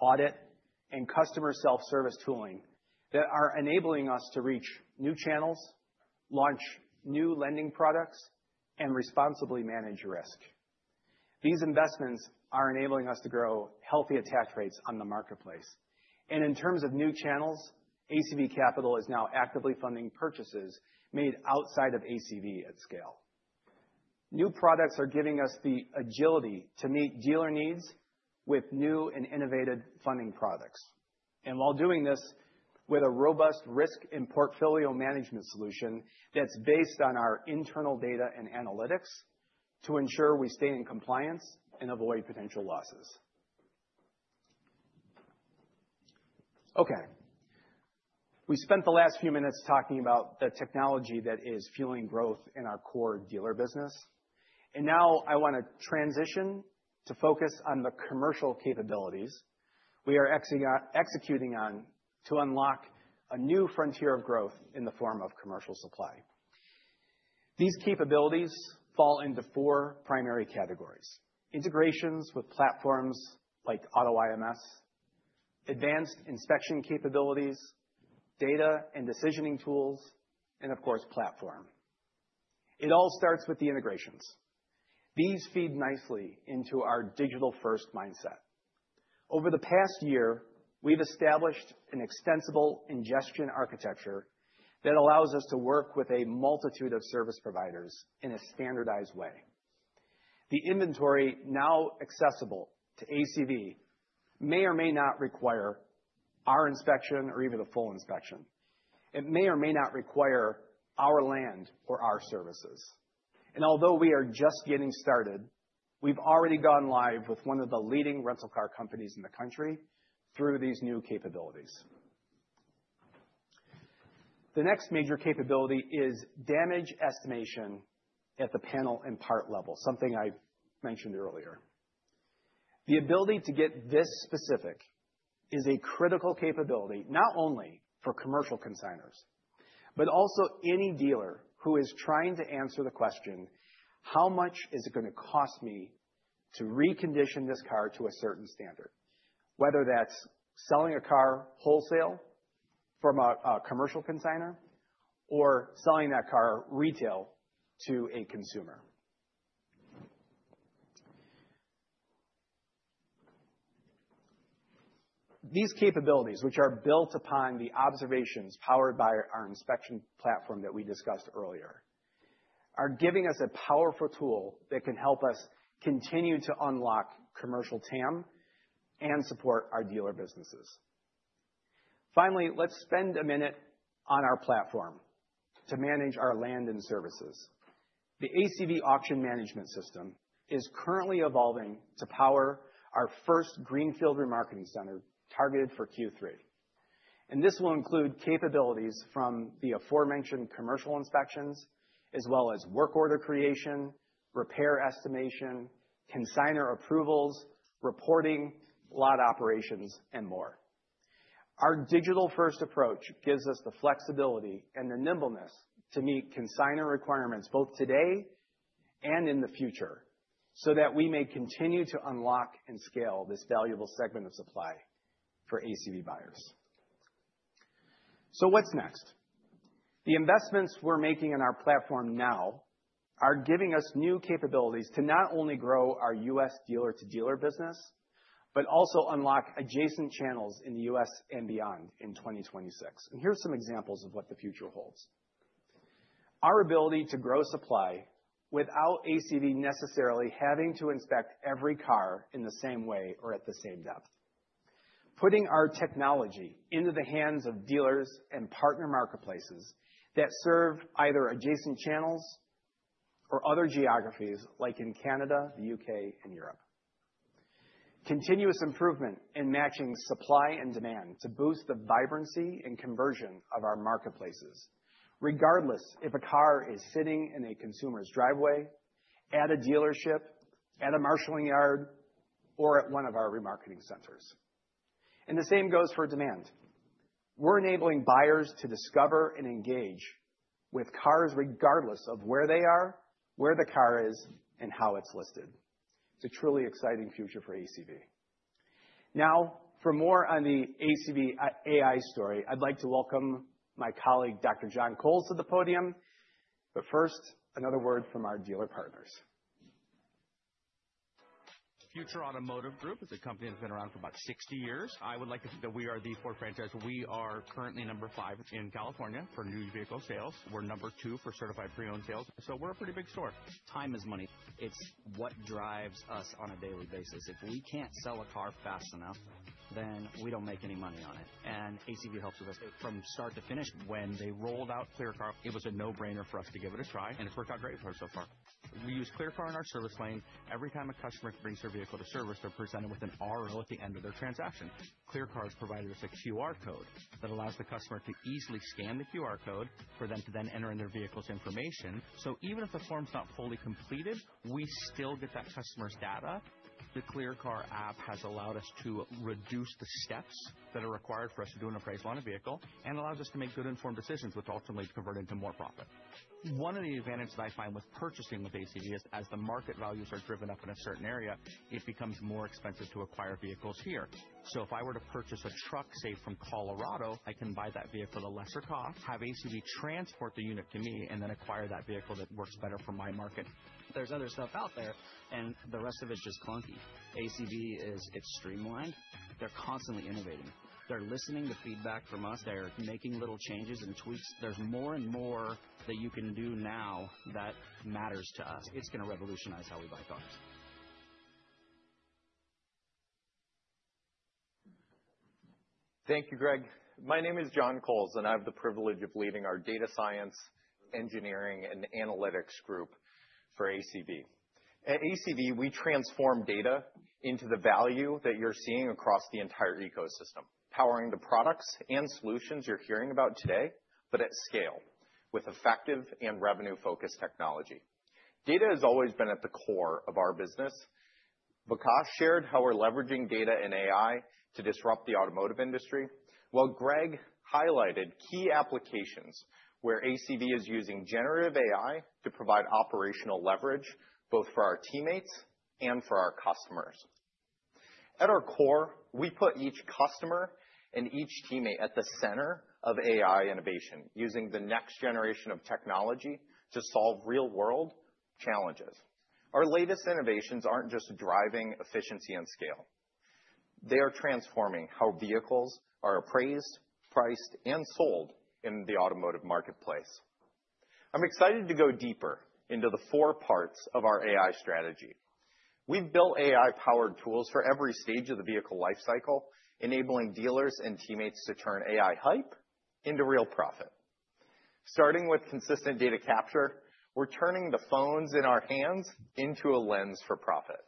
audit, and customer self-service tooling that are enabling us to reach new channels, launch new lending products, and responsibly manage risk. These investments are enabling us to grow healthy attach rates on the marketplace. In terms of new channels, ACV Capital is now actively funding purchases made outside of ACV at scale. New products are giving us the agility to meet dealer needs with new and innovative funding products. While doing this with a robust risk and portfolio management solution that's based on our internal data and analytics to ensure we stay in compliance and avoid potential losses. Okay. We spent the last few minutes talking about the technology that is fueling growth in our core dealer business. Now I wanna transition to focus on the commercial capabilities we are executing on to unlock a new frontier of growth in the form of commercial supply. These capabilities fall into four primary categories: integrations with platforms like AutoIMS, advanced inspection capabilities, data and decisioning tools, and of course, platform. It all starts with the integrations. These feed nicely into our digital-first mindset. Over the past year, we've established an extensible ingestion architecture that allows us to work with a multitude of service providers in a standardized way. The inventory now accessible to ACV may or may not require our inspection or even a full inspection. It may or may not require our land or our services. Although we are just getting started, we've already gone live with one of the leading rental car companies in the country through these new capabilities. The next major capability is damage estimation at the panel and part level, something I mentioned earlier. The ability to get this specific is a critical capability not only for commercial consignors, but also any dealer who is trying to answer the question, "How much is it gonna cost me to recondition this car to a certain standard?" Whether that's selling a car wholesale from a commercial consignor or selling that car retail to a consumer. These capabilities, which are built upon the observations powered by our inspection platform that we discussed earlier, are giving us a powerful tool that can help us continue to unlock commercial TAM and support our dealer businesses. Finally, let's spend a minute on our platform to manage our land and services. The ACV Auction Management System is currently evolving to power our first Greenfield Remarketing Center targeted for Q3. This will include capabilities from the aforementioned commercial inspections, as well as work order creation, repair estimation, consignor approvals, reporting, lot operations, and more. Our digital-first approach gives us the flexibility and the nimbleness to meet consignor requirements both today and in the future so that we may continue to unlock and scale this valuable segment of supply for ACV buyers. What's next? The investments we're making in our platform now are giving us new capabilities to not only grow our U.S. dealer-to-dealer business, but also unlock adjacent channels in the US and beyond in 2026. Here are some examples of what the future holds. Our ability to grow supply without ACV necessarily having to inspect every car in the same way or at the same depth, putting our technology into the hands of dealers and partner marketplaces that serve either adjacent channels or other geographies like in Canada, the U.K., and Europe. Continuous improvement and matching supply and demand to boost the vibrancy and conversion of our marketplaces, regardless if a car is sitting in a consumer's driveway, at a dealership, at a marshaling yard, or at one of our remarketing centers. The same goes for demand. We're enabling buyers to discover and engage with cars regardless of where they are, where the car is, and how it's listed. It's a truly exciting future for ACV. Now, for more on the ACV AI story, I'd like to welcome my colleague, Dr. John Coles, to the podium. First, another word from our dealer partners. Future Automotive Group is a company that's been around for about 60 years. I would like to think that we are the fourth franchise. We are currently number five in California for new vehicle sales. We're number two for certified pre-owned sales. We're a pretty big store. Time is money. It's what drives us on a daily basis. If we can't sell a car fast enough, we don't make any money on it. ACV helps with this from start to finish. When they rolled out ClearCar, it was a no-brainer for us to give it a try, and it's worked out great for us so far. We use ClearCar in our service plan. Every time a customer brings their vehicle to service, they're presented with an RO at the end of their transaction. ClearCar has provided us a QR code that allows the customer to easily scan the QR code for them to then enter in their vehicle's information. Even if the form's not fully completed, we still get that customer's data. The ClearCar app has allowed us to reduce the steps that are required for us to do an appraisal on a vehicle and allows us to make good, informed decisions, which ultimately convert into more profit. One of the advantages that I find with purchasing with ACV is as the market values are driven up in a certain area, it becomes more expensive to acquire vehicles here. If I were to purchase a truck, say, from Colorado, I can buy that vehicle at a lesser cost, have ACV transport the unit to me, and then acquire that vehicle that works better for my market. There's other stuff out there, and the rest of it's just clunky. ACV is extremely aligned. They're constantly innovating. They're listening to feedback from us. They're making little changes and tweaks. There's more and more that you can do now that matters to us. It's gonna revolutionize how we buy cars. Thank you, Greg. My name is John Coles, and I have the privilege of leading our data science, engineering, and analytics group for ACV. At ACV, we transform data into the value that you're seeing across the entire ecosystem, powering the products and solutions you're hearing about today, but at scale with effective and revenue-focused technology. Data has always been at the core of our business. Vikas shared how we're leveraging data and AI to disrupt the automotive industry, while Greg highlighted key applications where ACV is using generative AI to provide operational leverage both for our teammates and for our customers. At our core, we put each customer and each teammate at the center of AI innovation, using the next generation of technology to solve real-world challenges. Our latest innovations aren't just driving efficiency and scale. They are transforming how vehicles are appraised, priced, and sold in the automotive marketplace. I'm excited to go deeper into the four parts of our AI strategy. We've built AI-powered tools for every stage of the vehicle lifecycle, enabling dealers and teammates to turn AI hype into real profit. Starting with consistent data capture, we're turning the phones in our hands into a lens for profit.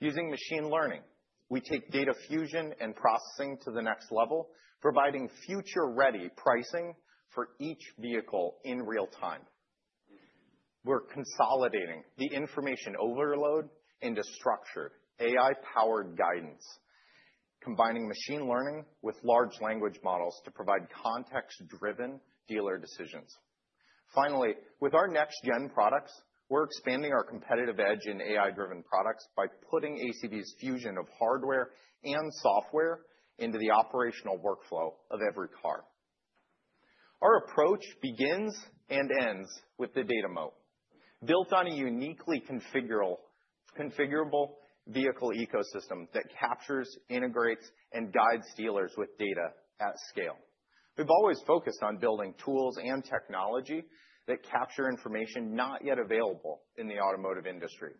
Using machine learning, we take data fusion and processing to the next level, providing future-ready pricing for each vehicle in real time. We're consolidating the information overload into structured AI-powered guidance, combining machine learning with large language models to provide context-driven dealer decisions. Finally, with our next-gen products, we're expanding our competitive edge in AI-driven products by putting ACV's fusion of hardware and software into the operational workflow of every car. Our approach begins and ends with the data moat, built on a uniquely configurable vehicle ecosystem that captures, integrates, and guides dealers with data at scale. We've always focused on building tools and technology that capture information not yet available in the automotive industry.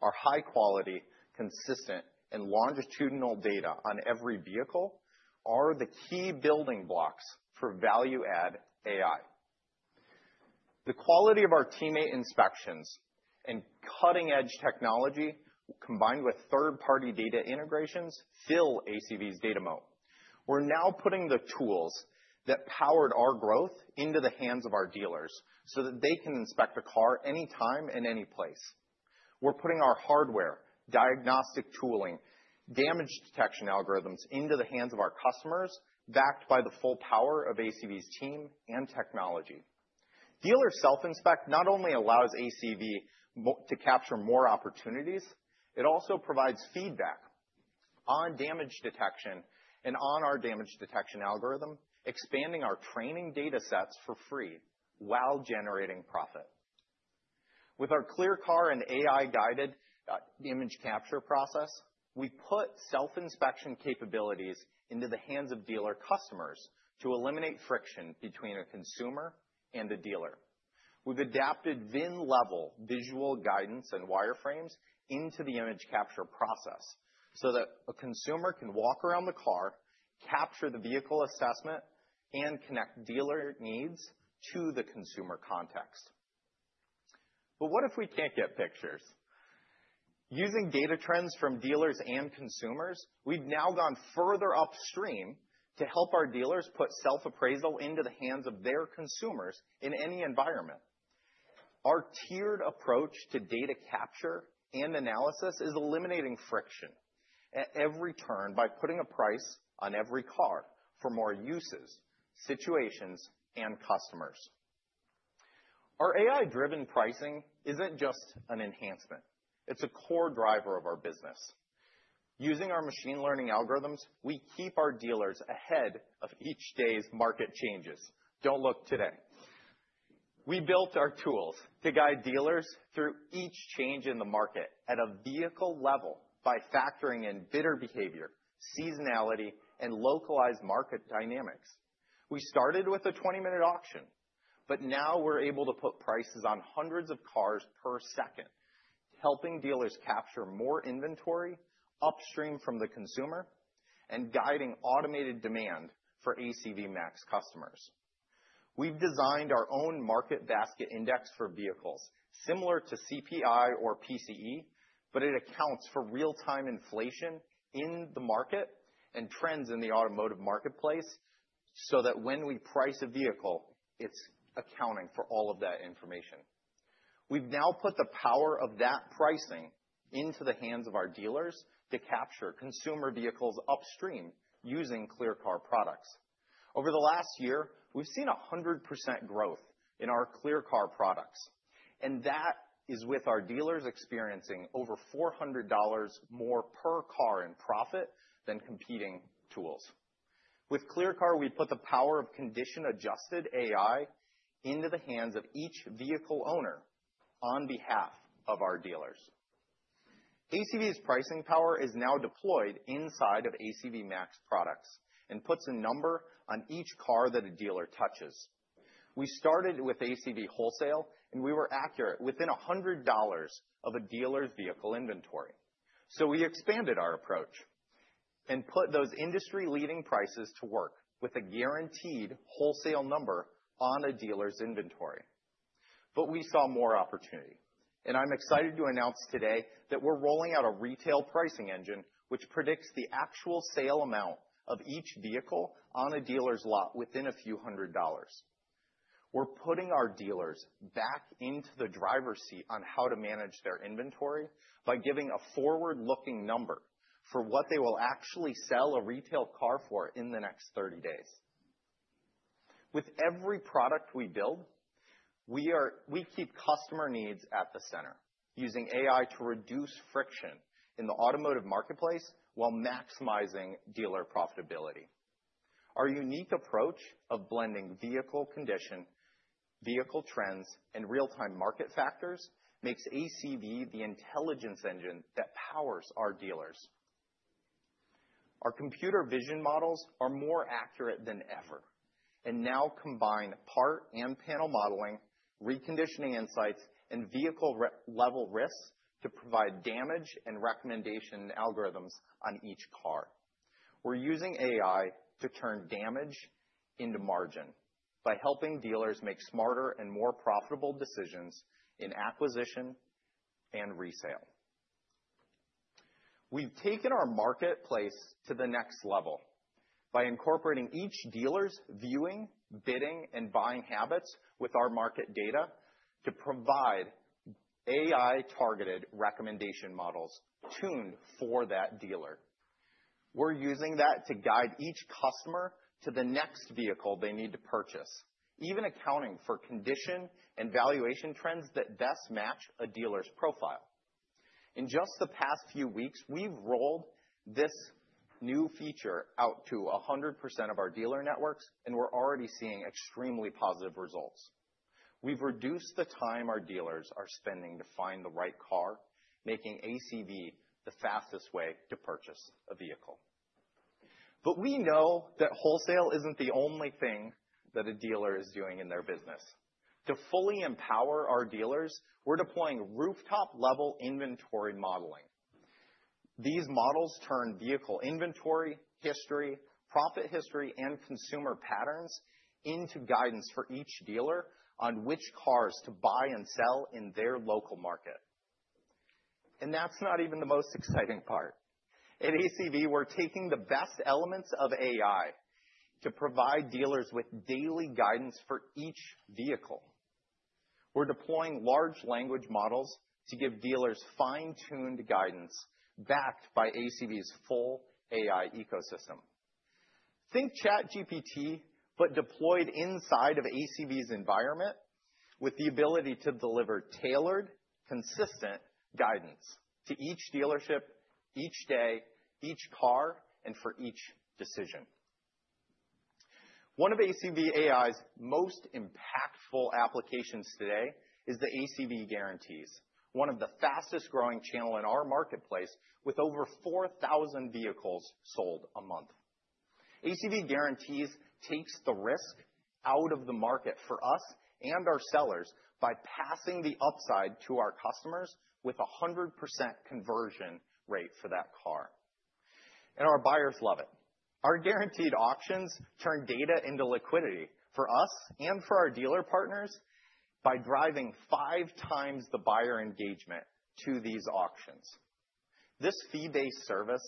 Our high-quality, consistent, and longitudinal data on every vehicle are the key building blocks for value-add AI. The quality of our teammate inspections and cutting-edge technology, combined with third-party data integrations, fill ACV's data moat. We're now putting the tools that powered our growth into the hands of our dealers so that they can inspect a car anytime and any place. We're putting our hardware, diagnostic tooling, and damage detection algorithms into the hands of our customers, backed by the full power of ACV's team and technology. Dealer self-inspect not only allows ACV to capture more opportunities, it also provides feedback on damage detection and on our damage detection algorithm, expanding our training data sets for free while generating profit. With our ClearCar and AI-guided image capture process, we put self-inspection capabilities into the hands of dealer customers to eliminate friction between a consumer and a dealer. We've adapted VIN-level visual guidance and wireframes into the image capture process so that a consumer can walk around the car, capture the vehicle assessment, and connect dealer needs to the consumer context. What if we can't get pictures? Using data trends from dealers and consumers, we've now gone further upstream to help our dealers put self-appraisal into the hands of their consumers in any environment. Our tiered approach to data capture and analysis is eliminating friction at every turn by putting a price on every car for more uses, situations, and customers. Our AI-driven pricing isn't just an enhancement. It's a core driver of our business. Using our machine learning algorithms, we keep our dealers ahead of each day's market changes. Don't look today. We built our tools to guide dealers through each change in the market at a vehicle level by factoring in bidder behavior, seasonality, and localized market dynamics. We started with a 20-minute auction, but now we're able to put prices on hundreds of cars per second, helping dealers capture more inventory upstream from the consumer and guiding automated demand for ACV MAX customers. We've designed our own market basket index for vehicles, similar to CPI or PCE, but it accounts for real-time inflation in the market and trends in the automotive marketplace so that when we price a vehicle, it's accounting for all of that information. We've now put the power of that pricing into the hands of our dealers to capture consumer vehicles upstream using ClearCar products. Over the last year, we've seen 100% growth in our ClearCar products, and that is with our dealers experiencing over $400 more per car in profit than competing tools. With ClearCar, we put the power of condition-adjusted AI into the hands of each vehicle owner on behalf of our dealers. ACV's pricing power is now deployed inside of ACV MAX products and puts a number on each car that a dealer touches. We started with ACV wholesale, and we were accurate within $100 of a dealer's vehicle inventory. We expanded our approach and put those industry-leading prices to work with a guaranteed wholesale number on a dealer's inventory. We saw more opportunity, and I'm excited to announce today that we're rolling out a retail pricing engine, which predicts the actual sale amount of each vehicle on a dealer's lot within a few hundred dollars. We're putting our dealers back into the driver's seat on how to manage their inventory by giving a forward-looking number for what they will actually sell a retail car for in the next 30 days. With every product we build, we keep customer needs at the center, using AI to reduce friction in the automotive marketplace while maximizing dealer profitability. Our unique approach of blending vehicle condition, vehicle trends, and real-time market factors makes ACV the intelligence engine that powers our dealers. Our computer vision models are more accurate than ever and now combine part and panel modeling, reconditioning insights, and vehicle-level risks to provide damage and recommendation algorithms on each car. We're using AI to turn damage into margin by helping dealers make smarter and more profitable decisions in acquisition and resale. We've taken our marketplace to the next level by incorporating each dealer's viewing, bidding, and buying habits with our market data to provide AI-targeted recommendation models tuned for that dealer. We're using that to guide each customer to the next vehicle they need to purchase, even accounting for condition and valuation trends that best match a dealer's profile. In just the past few weeks, we've rolled this new feature out to 100% of our dealer networks, and we're already seeing extremely positive results. We've reduced the time our dealers are spending to find the right car, making ACV the fastest way to purchase a vehicle. We know that wholesale isn't the only thing that a dealer is doing in their business. To fully empower our dealers, we're deploying rooftop-level inventory modeling. These models turn vehicle inventory, history, profit history, and consumer patterns into guidance for each dealer on which cars to buy and sell in their local market. That is not even the most exciting part. At ACV, we are taking the best elements of AI to provide dealers with daily guidance for each vehicle. We are deploying large language models to give dealers fine-tuned guidance backed by ACV's full AI ecosystem. Think ChatGPT, but deployed inside of ACV's environment with the ability to deliver tailored, consistent guidance to each dealership, each day, each car, and for each decision. One of ACV AI's most impactful applications today is the ACV Guarantees, one of the fastest-growing channels in our marketplace with over 4,000 vehicles sold a month. ACV Guarantees takes the risk out of the market for us and our sellers by passing the upside to our customers with a 100% conversion rate for that car. Our buyers love it. Our guaranteed auctions turn data into liquidity for us and for our dealer partners by driving five times the buyer engagement to these auctions. This fee-based service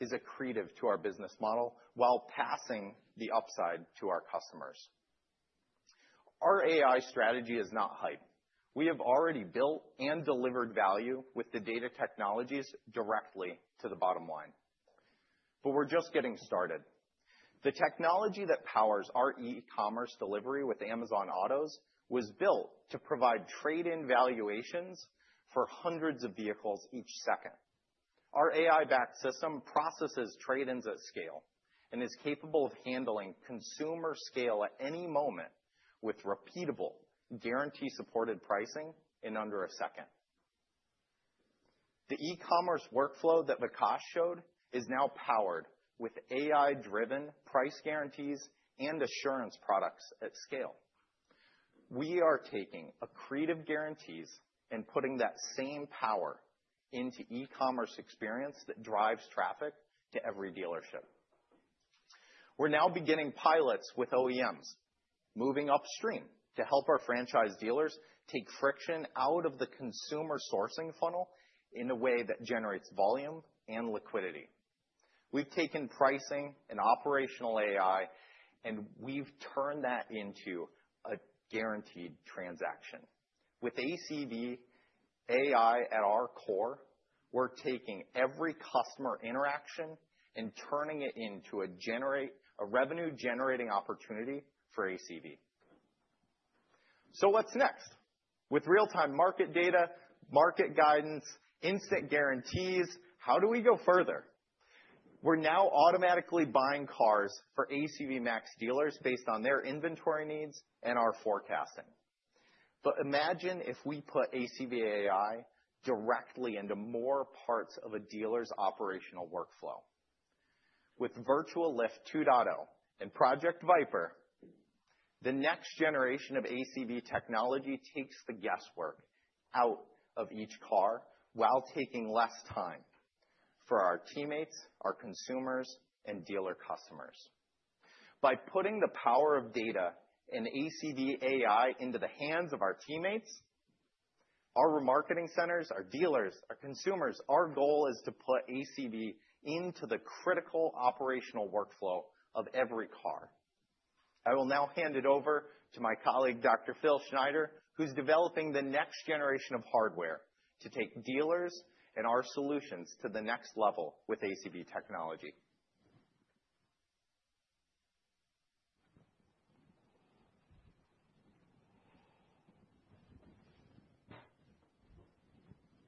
is accretive to our business model while passing the upside to our customers. Our AI strategy is not hype. We have already built and delivered value with the data technologies directly to the bottom line. We're just getting started. The technology that powers our e-commerce delivery with Amazon Autos was built to provide trade-in valuations for hundreds of vehicles each second. Our AI-backed system processes trade-ins at scale and is capable of handling consumer scale at any moment with repeatable, guarantee-supported pricing in under a second. The e-commerce workflow that Vikas showed is now powered with AI-driven price guarantees and assurance products at scale. We are taking accretive guarantees and putting that same power into e-commerce experience that drives traffic to every dealership. We're now beginning pilots with OEMs, moving upstream to help our franchise dealers take friction out of the consumer sourcing funnel in a way that generates volume and liquidity. We've taken pricing and operational AI, and we've turned that into a guaranteed transaction. With ACV AI at our core, we're taking every customer interaction and turning it into a revenue-generating opportunity for ACV. What's next? With real-time market data, market guidance, instant guarantees, how do we go further? We're now automatically buying cars for ACV MAX dealers based on their inventory needs and our forecasting. Imagine if we put ACV AI directly into more parts of a dealer's operational workflow. With Virtual Lift 2.0 and Project Viper, the next generation of ACV technology takes the guesswork out of each car while taking less time for our teammates, our consumers, and dealer customers. By putting the power of data and ACV AI into the hands of our teammates, our remarketing centers, our dealers, our consumers, our goal is to put ACV into the critical operational workflow of every car. I will now hand it over to my colleague, Dr. Phil Schneider, who's developing the next generation of hardware to take dealers and our solutions to the next level with ACV technology.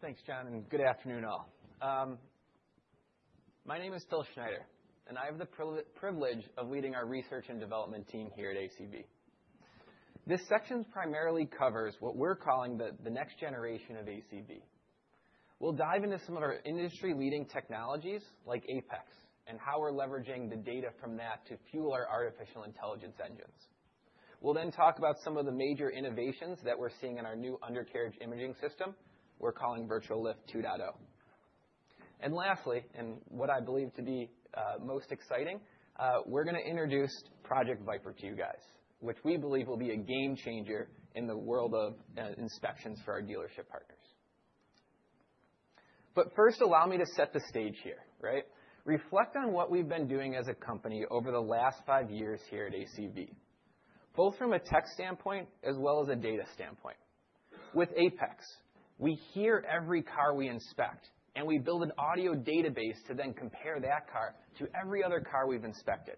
Thanks, John, and good afternoon all. My name is Phil Schneider, and I have the privilege of leading our research and development team here at ACV. This section primarily covers what we're calling the next generation of ACV. We'll dive into some of our industry-leading technologies like APEX and how we're leveraging the data from that to fuel our artificial intelligence engines. We'll then talk about some of the major innovations that we're seeing in our new undercarriage imaging system we're calling Virtual Lift 2.0. Lastly, and what I believe to be most exciting, we're going to introduce Project Viper to you guys, which we believe will be a game changer in the world of inspections for our dealership partners. First, allow me to set the stage here, right? Reflect on what we've been doing as a company over the last five years here at ACV, both from a tech standpoint as well as a data standpoint. With APEX, we hear every car we inspect, and we build an audio database to then compare that car to every other car we've inspected.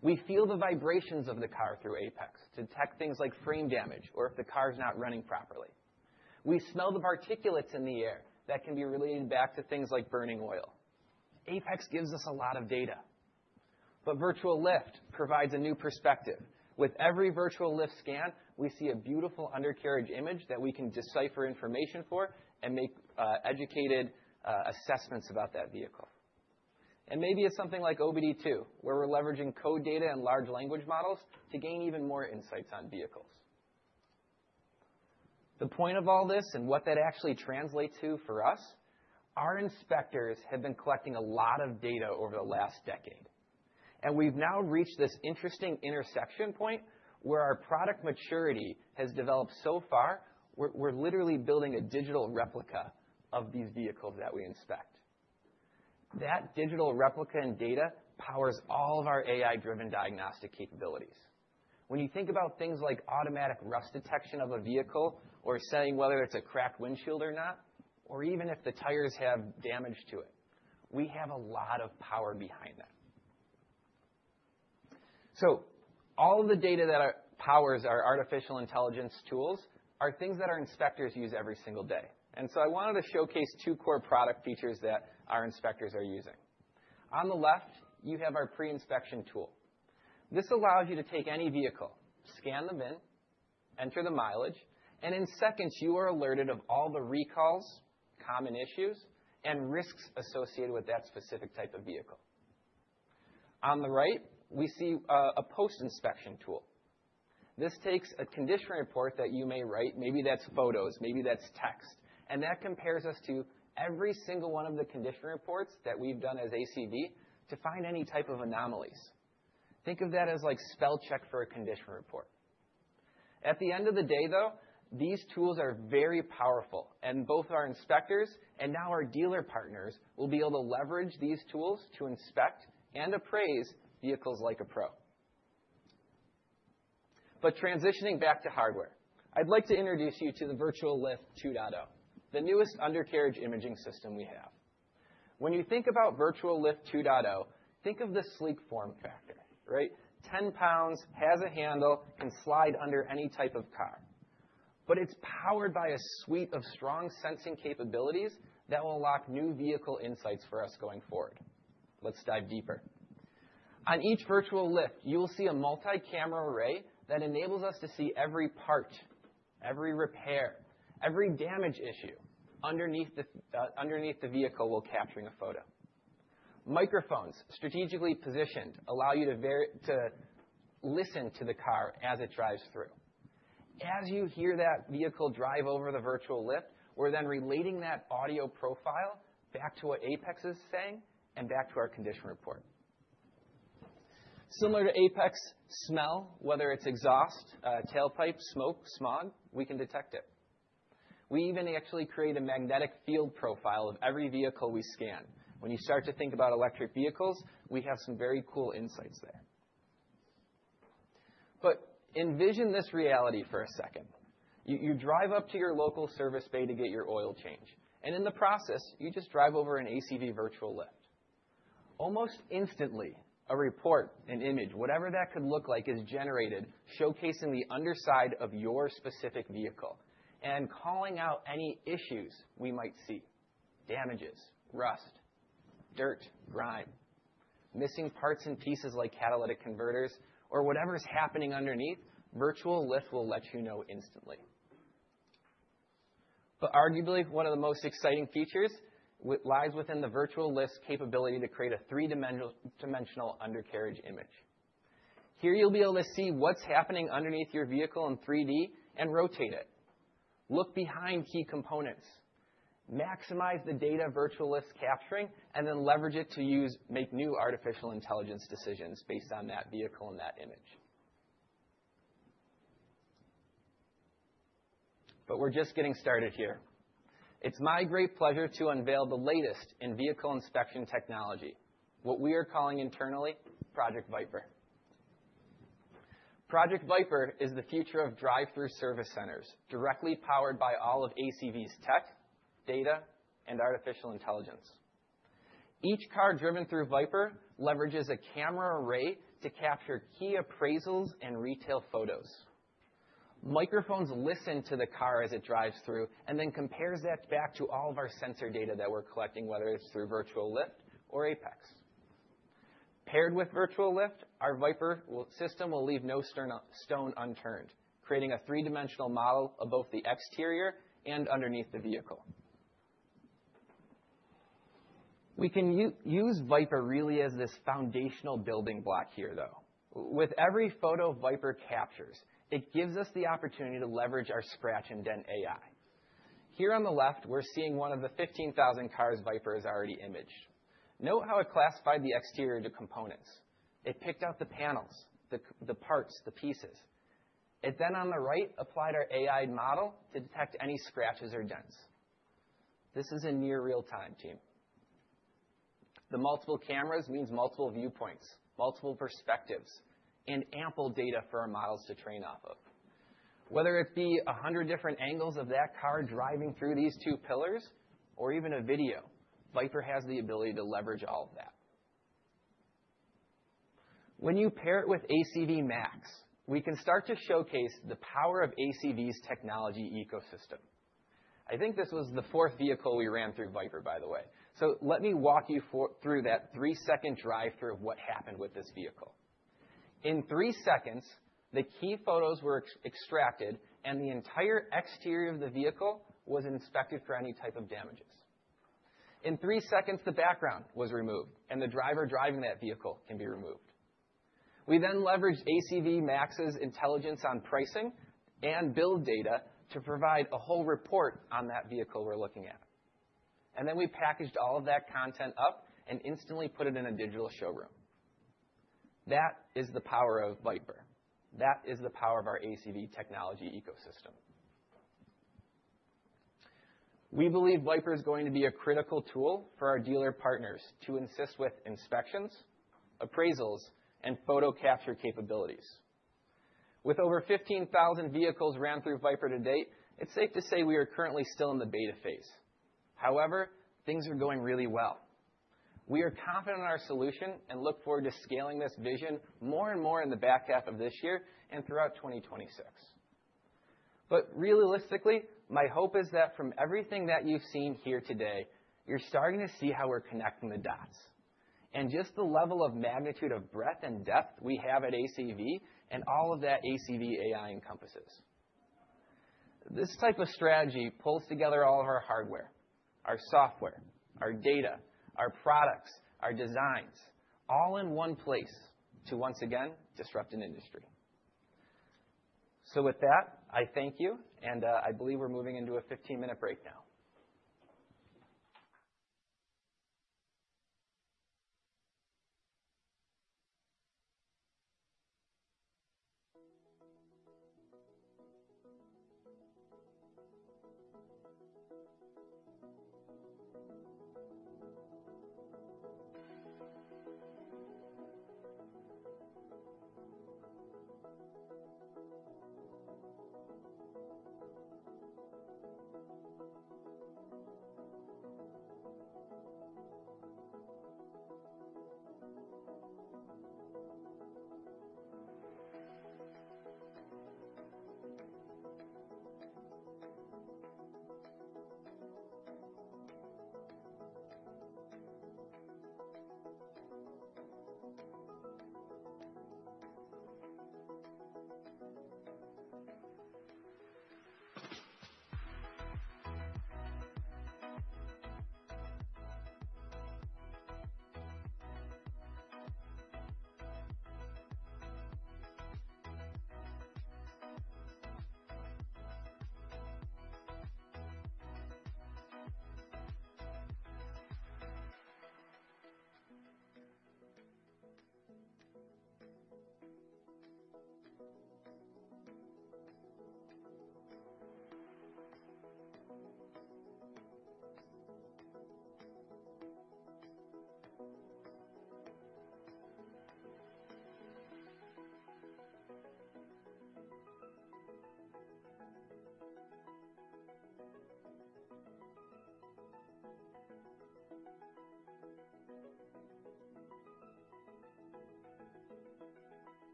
We feel the vibrations of the car through APEX to detect things like frame damage or if the car's not running properly. We smell the particulates in the air that can be related back to things like burning oil. APEX gives us a lot of data. Virtual Lift provides a new perspective. With every Virtual Lift scan, we see a beautiful undercarriage image that we can decipher information for and make educated assessments about that vehicle. Maybe it's something like OBD2, where we're leveraging code data and large language models to gain even more insights on vehicles. The point of all this and what that actually translates to for us, our inspectors have been collecting a lot of data over the last decade. We have now reached this interesting intersection point where our product maturity has developed so far where we are literally building a digital replica of these vehicles that we inspect. That digital replica and data powers all of our AI-driven diagnostic capabilities. When you think about things like automatic rust detection of a vehicle or saying whether it is a cracked windshield or not, or even if the tires have damage to it, we have a lot of power behind that. All of the data that powers our artificial intelligence tools are things that our inspectors use every single day. I wanted to showcase two core product features that our inspectors are using. On the left, you have our pre-inspection tool. This allows you to take any vehicle, scan them in, enter the mileage, and in seconds, you are alerted of all the recalls, common issues, and risks associated with that specific type of vehicle. On the right, we see a post-inspection tool. This takes a condition report that you may write. Maybe that's photos. Maybe that's text. And that compares us to every single one of the condition reports that we've done as ACV to find any type of anomalies. Think of that as like spell check for a condition report. At the end of the day, though, these tools are very powerful, and both our inspectors and now our dealer partners will be able to leverage these tools to inspect and appraise vehicles like a pro. Transitioning back to hardware, I'd like to introduce you to the Virtual Lift 2.0, the newest undercarriage imaging system we have. When you think about Virtual Lift 2.0, think of the sleek form factor, right? Ten pounds, has a handle, can slide under any type of car. It is powered by a suite of strong sensing capabilities that will unlock new vehicle insights for us going forward. Let's dive deeper. On each Virtual Lift, you'll see a multi-camera array that enables us to see every part, every repair, every damage issue underneath the vehicle while capturing a photo. Microphones, strategically positioned, allow you to listen to the car as it drives through. As you hear that vehicle drive over the Virtual Lift, we're then relating that audio profile back to what APEX is saying and back to our condition report. Similar to APEX, smell, whether it's exhaust, tailpipe, smoke, smog, we can detect it. We even actually create a magnetic field profile of every vehicle we scan. When you start to think about electric vehicles, we have some very cool insights there. Envision this reality for a second. You drive up to your local service bay to get your oil change. In the process, you just drive over an ACV Virtual Lift. Almost instantly, a report, an image, whatever that could look like, is generated showcasing the underside of your specific vehicle and calling out any issues we might see: damages, rust, dirt, grime, missing parts and pieces like catalytic converters, or whatever's happening underneath. Virtual Lift will let you know instantly. Arguably, one of the most exciting features lies within the Virtual Lift's capability to create a three-dimensional undercarriage image. Here, you'll be able to see what's happening underneath your vehicle in 3D and rotate it, look behind key components, maximize the data Virtual Lift's capturing, and then leverage it to make new artificial intelligence decisions based on that vehicle and that image. We're just getting started here. It's my great pleasure to unveil the latest in vehicle inspection technology, what we are calling internally Project Viper. Project Viper is the future of drive-through service centers directly powered by all of ACV's tech, data, and artificial intelligence. Each car driven through Viper leverages a camera array to capture key appraisals and retail photos. Microphones listen to the car as it drives through and then compare that back to all of our sensor data that we're collecting, whether it's through Virtual Lift or APEX. Paired with Virtual Lift, our Viper system will leave no stone unturned, creating a three-dimensional model of both the exterior and underneath the vehicle. We can use Viper really as this foundational building block here, though. With every photo Viper captures, it gives us the opportunity to leverage our scratch-and-dent AI. Here on the left, we're seeing one of the 15,000 cars Viper has already imaged. Note how it classified the exterior to components. It picked out the panels, the parts, the pieces. It then, on the right, applied our AI model to detect any scratches or dents. This is in near real time, team. The multiple cameras means multiple viewpoints, multiple perspectives, and ample data for our models to train off of. Whether it be 100 different angles of that car driving through these two pillars or even a video, Viper has the ability to leverage all of that. When you pair it with ACV MAX, we can start to showcase the power of ACV's technology ecosystem. I think this was the fourth vehicle we ran through Project Viper, by the way. Let me walk you through that three-second drive-through of what happened with this vehicle. In three seconds, the key photos were extracted, and the entire exterior of the vehicle was inspected for any type of damages. In three seconds, the background was removed, and the driver driving that vehicle can be removed. We then leveraged ACV MAX's intelligence on pricing and build data to provide a whole report on that vehicle we're looking at. We packaged all of that content up and instantly put it in a digital showroom. That is the power of Project Viper. That is the power of our ACV technology ecosystem. We believe Viper is going to be a critical tool for our dealer partners to assist with inspections, appraisals, and photo capture capabilities. With over 15,000 vehicles run through Viper to date, it's safe to say we are currently still in the beta phase. However, things are going really well. We are confident in our solution and look forward to scaling this vision more and more in the back half of this year and throughout 2026. Realistically, my hope is that from everything that you've seen here today, you're starting to see how we're connecting the dots and just the level of magnitude of breadth and depth we have at ACV and all that ACV AI encompasses. This type of strategy pulls together all of our hardware, our software, our data, our products, our designs, all in one place to, once again, disrupt an industry. With that, I thank you, and I believe we're moving into a 15-minute break now.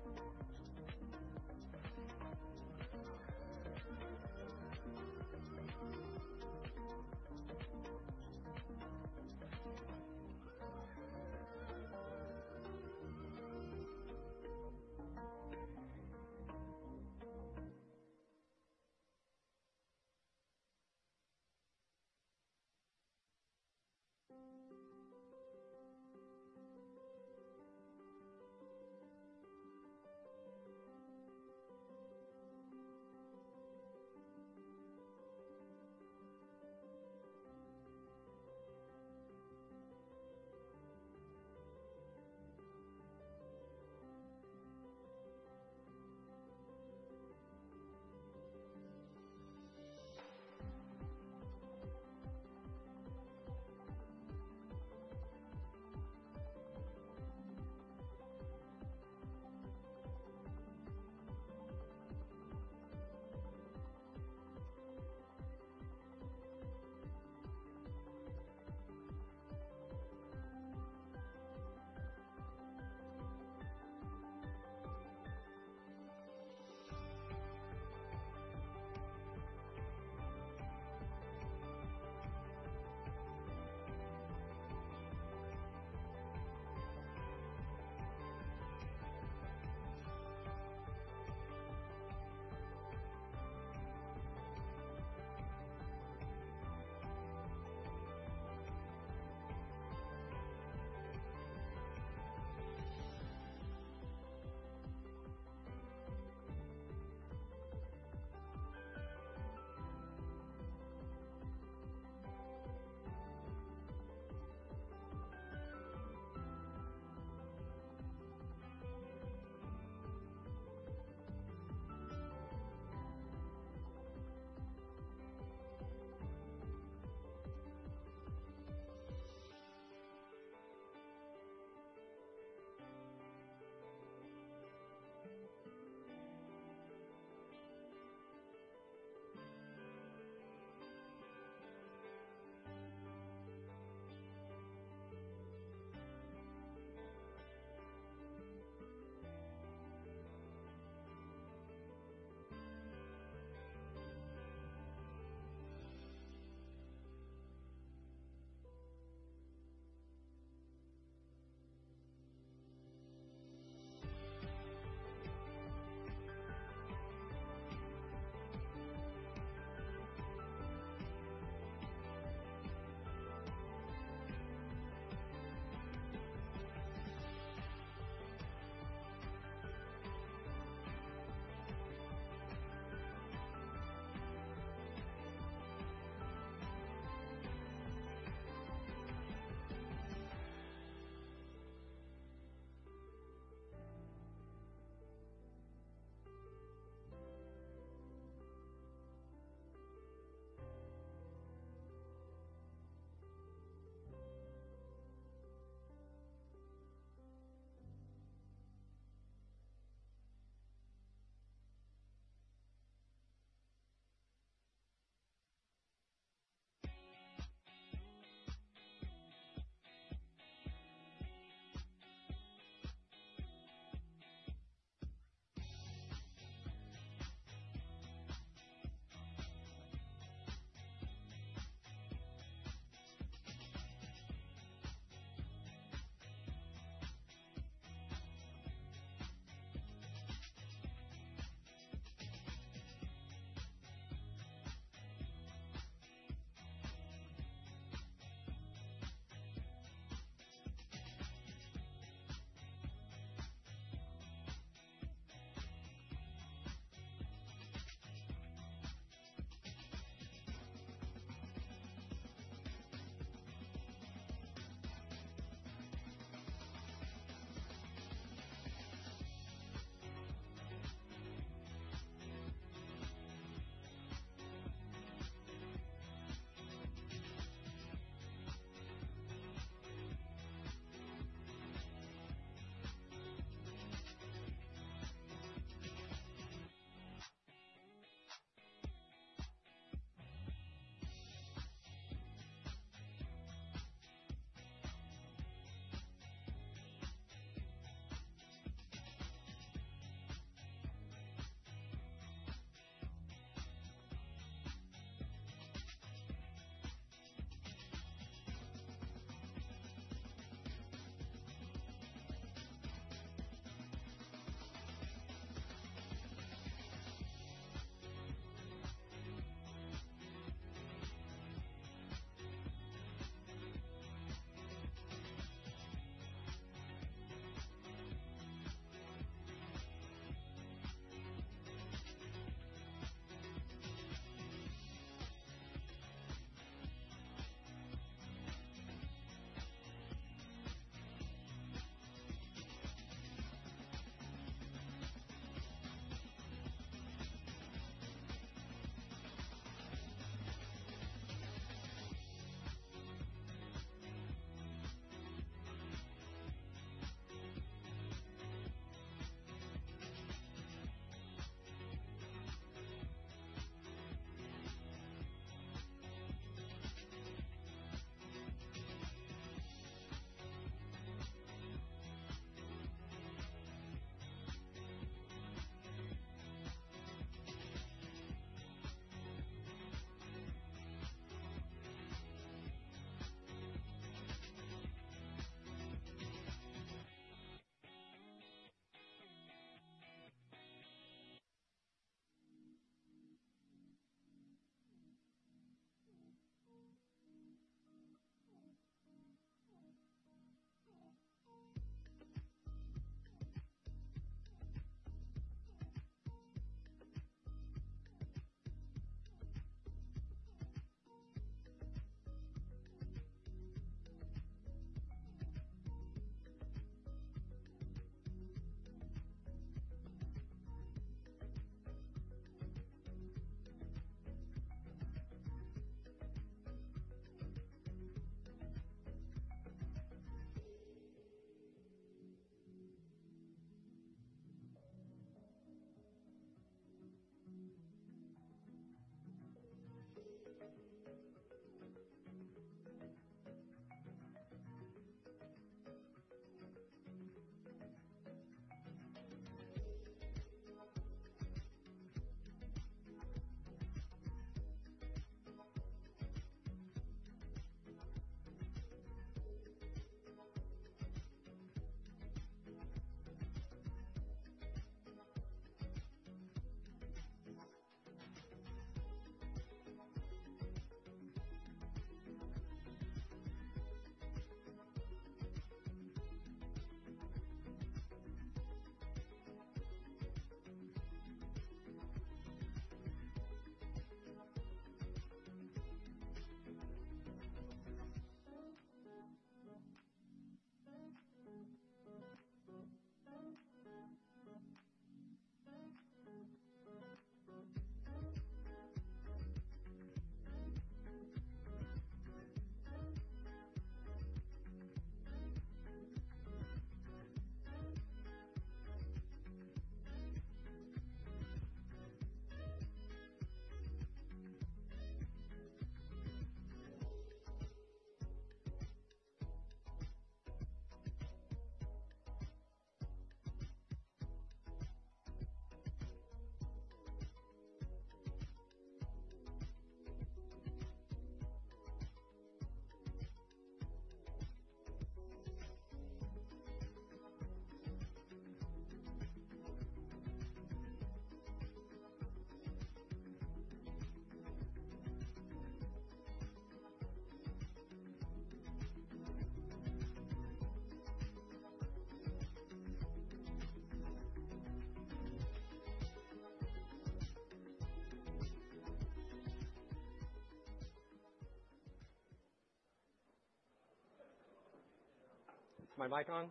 My mic on?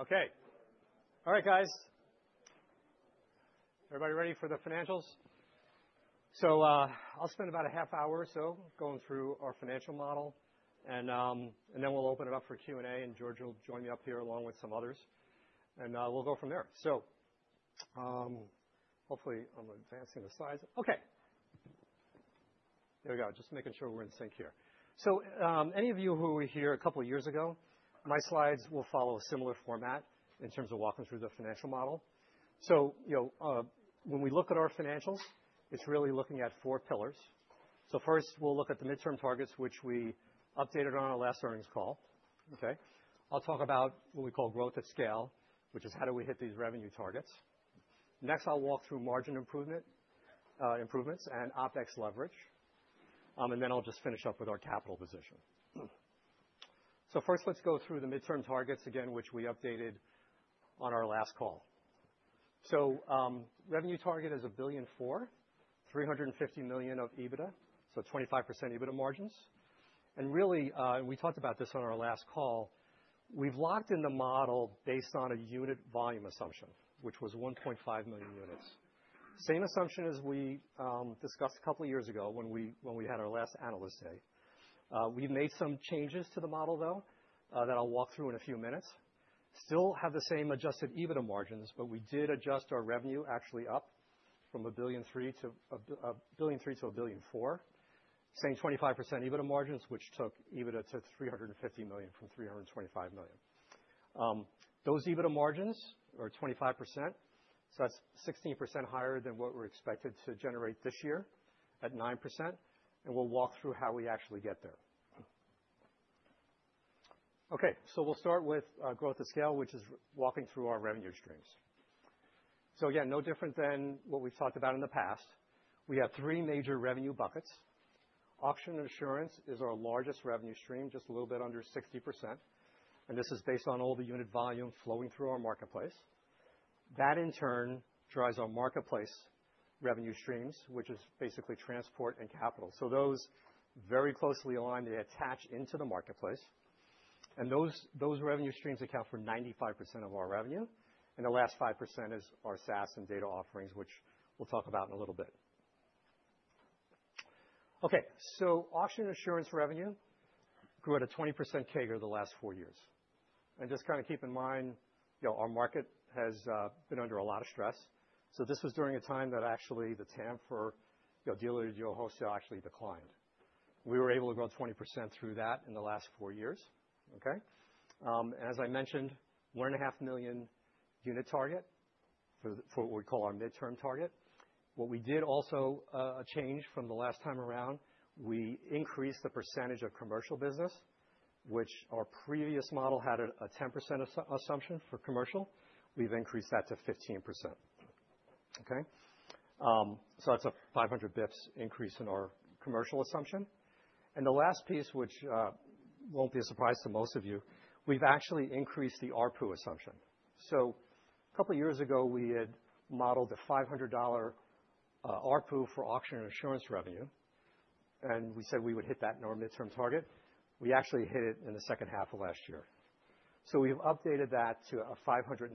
Okay. All right, guys. Everybody ready for the financials? I'll spend about a half hour or so going through our financial model, and then we'll open it up for Q&A, and George will join me up here along with some others, and we'll go from there. Hopefully I'm advancing the slides. Okay. There we go. Just making sure we're in sync here. Any of you who were here a couple of years ago, my slides will follow a similar format in terms of walking through the financial model. When we look at our financials, it's really looking at four pillars. First, we'll look at the midterm targets, which we updated on our last earnings call. Okay. I'll talk about what we call growth at scale, which is how do we hit these revenue targets. Next, I'll walk through margin improvements and OpEx leverage, and then I'll just finish up with our capital position. First, let's go through the midterm targets again, which we updated on our last call. Revenue target is $1.4 billion, $350 million of EBITDA, so 25% EBITDA margins. Really, we talked about this on our last call. We've locked in the model based on a unit volume assumption, which was 1.5 million units. Same assumption as we discussed a couple of years ago when we had our last analyst day. We've made some changes to the model, though, that I'll walk through in a few minutes. Still have the same adjusted EBITDA margins, but we did adjust our revenue actually up from $1.3 billion to $1.3 billion to $1.4 billion, saying 25% EBITDA margins, which took EBITDA to $350 million from $325 million. Those EBITDA margins are 25%, so that's 16% higher than what we're expected to generate this year at 9%. We'll walk through how we actually get there. Okay. We'll start with growth at scale, which is walking through our revenue streams. Again, no different than what we've talked about in the past. We have three major revenue buckets. Auction and insurance is our largest revenue stream, just a little bit under 60%. This is based on all the unit volume flowing through our marketplace. That, in turn, drives our marketplace revenue streams, which is basically transport and capital. Those very closely align. They attach into the marketplace. Those revenue streams account for 95% of our revenue. The last 5% is our SaaS and data offerings, which we'll talk about in a little bit. Auction and insurance revenue grew at a 20% CAGR the last four years. Just kind of keep in mind, our market has been under a lot of stress. This was during a time that actually the TAM for dealer-to-dealer wholesale actually declined. We were able to grow 20% through that in the last four years. As I mentioned, one and a half million unit target for what we call our midterm target. What we did also change from the last time around, we increased the percentage of commercial business, which our previous model had a 10% assumption for commercial. We've increased that to 15%. That's a 500 basis points increase in our commercial assumption. The last piece, which won't be a surprise to most of you, we've actually increased the ARPU assumption. A couple of years ago, we had modeled the $500 ARPU for auction and insurance revenue, and we said we would hit that in our midterm target. We actually hit it in the second half of last year. We've updated that to a $560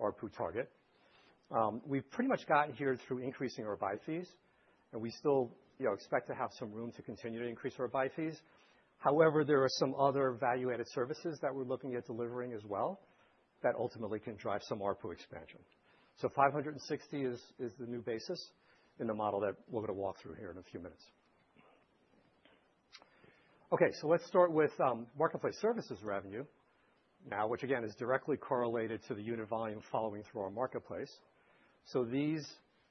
ARPU target. We've pretty much gotten here through increasing our buy fees, and we still expect to have some room to continue to increase our buy fees. However, there are some other value-added services that we're looking at delivering as well that ultimately can drive some ARPU expansion. $560 is the new basis in the model that we're going to walk through here in a few minutes. Okay. Let's start with marketplace services revenue now, which again is directly correlated to the unit volume following through our marketplace.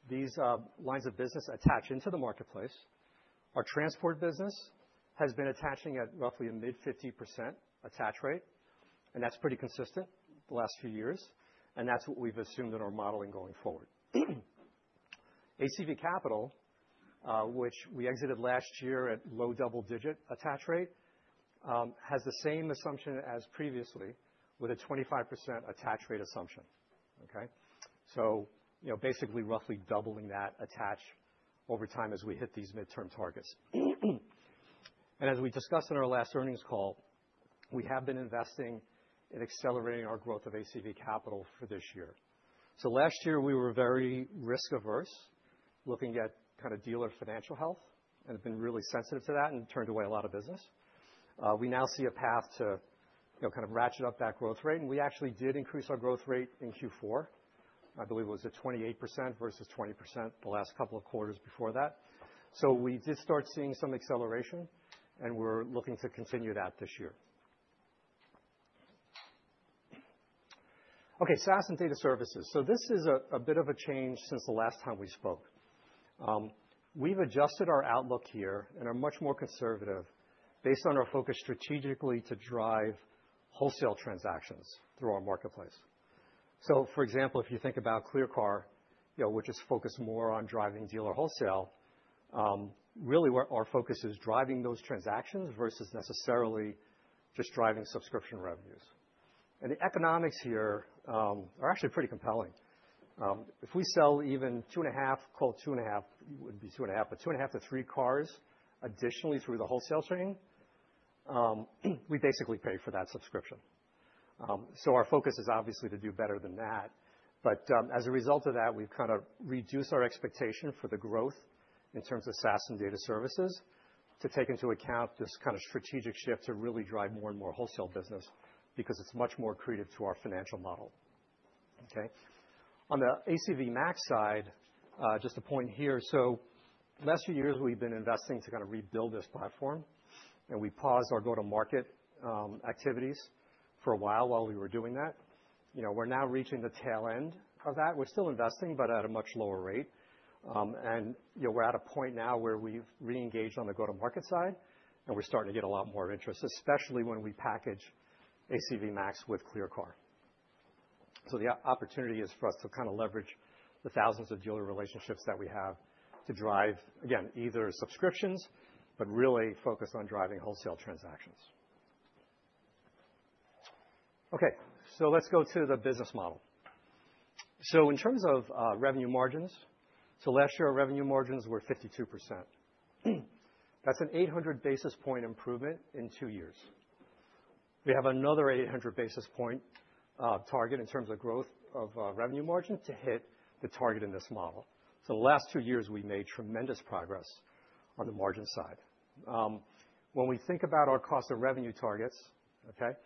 These lines of business attach into the marketplace. Our transport business has been attaching at roughly a mid-50% attach rate, and that's pretty consistent the last few years. That's what we've assumed in our modeling going forward. ACV Capital, which we exited last year at low double-digit attach rate, has the same assumption as previously with a 25% attach rate assumption. Okay. Basically, roughly doubling that attach over time as we hit these midterm targets. As we discussed in our last earnings call, we have been investing in accelerating our growth of ACV Capital for this year. Last year, we were very risk averse, looking at kind of dealer financial health, and have been really sensitive to that and turned away a lot of business. We now see a path to kind of ratchet up that growth rate. We actually did increase our growth rate in Q4. I believe it was 28% versus 20% the last couple of quarters before that. We did start seeing some acceleration, and we're looking to continue that this year. Okay. SaaS and data services. This is a bit of a change since the last time we spoke. We've adjusted our outlook here and are much more conservative based on our focus strategically to drive wholesale transactions through our marketplace. For example, if you think about ClearCar, which is focused more on driving dealer wholesale, really our focus is driving those transactions versus necessarily just driving subscription revenues. The economics here are actually pretty compelling. If we sell even two and a half, call it two and a half, it would be two and a half, but two and a half to three cars additionally through the wholesale chain, we basically pay for that subscription. Our focus is obviously to do better than that. As a result of that, we've kind of reduced our expectation for the growth in terms of SaaS and data services to take into account this kind of strategic shift to really drive more and more wholesale business because it's much more accretive to our financial model. Okay. On the ACV MAX side, just a point here. The last few years, we've been investing to kind of rebuild this platform, and we paused our go-to-market activities for a while while we were doing that. We're now reaching the tail end of that. We're still investing, but at a much lower rate. We're at a point now where we've re-engaged on the go-to-market side, and we're starting to get a lot more interest, especially when we package ACV MAX with ClearCar. The opportunity is for us to kind of leverage the thousands of dealer relationships that we have to drive, again, either subscriptions, but really focus on driving wholesale transactions. Okay. Let's go to the business model. In terms of revenue margins, last year, our revenue margins were 52%. That's an 800 basis point improvement in two years. We have another 800 basis point target in terms of growth of revenue margin to hit the target in this model. The last two years, we made tremendous progress on the margin side. When we think about our cost of revenue targets, there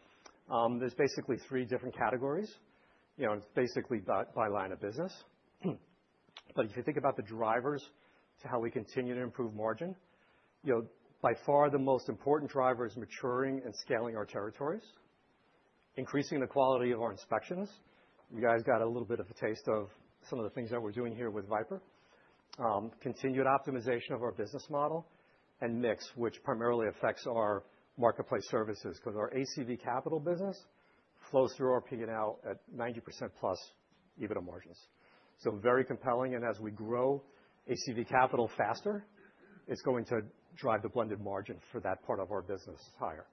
are basically three different categories. It is basically by line of business. If you think about the drivers to how we continue to improve margin, by far the most important driver is maturing and scaling our territories, increasing the quality of our inspections. You guys got a little bit of a taste of some of the things that we are doing here with Viper, continued optimization of our business model, and mix, which primarily affects our marketplace services because our ACV Capital business flows through our P&L at 90% plus EBITDA margins. Very compelling. As we grow ACV Capital faster, it's going to drive the blended margin for that part of our business higher.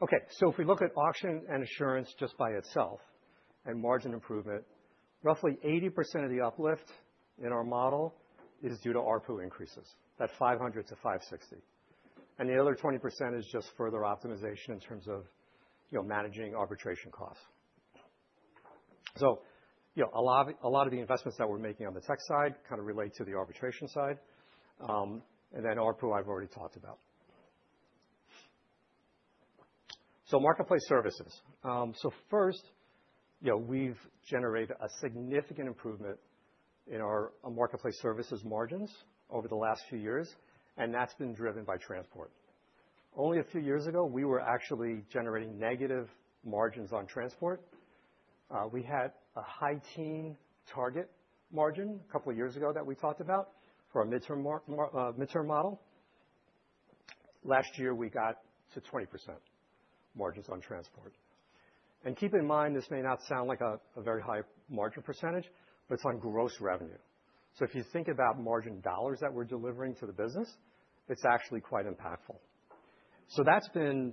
Okay. If we look at auction and insurance just by itself and margin improvement, roughly 80% of the uplift in our model is due to ARPU increases at $500-$560. The other 20% is just further optimization in terms of managing arbitration costs. A lot of the investments that we're making on the tech side kind of relate to the arbitration side. ARPU, I've already talked about. Marketplace services. First, we've generated a significant improvement in our marketplace services margins over the last few years, and that's been driven by transport. Only a few years ago, we were actually generating negative margins on transport. We had a high teen target margin a couple of years ago that we talked about for our midterm model. Last year, we got to 20% margins on transport. Keep in mind, this may not sound like a very high margin percentage, but it's on gross revenue. If you think about margin dollars that we're delivering to the business, it's actually quite impactful. That's been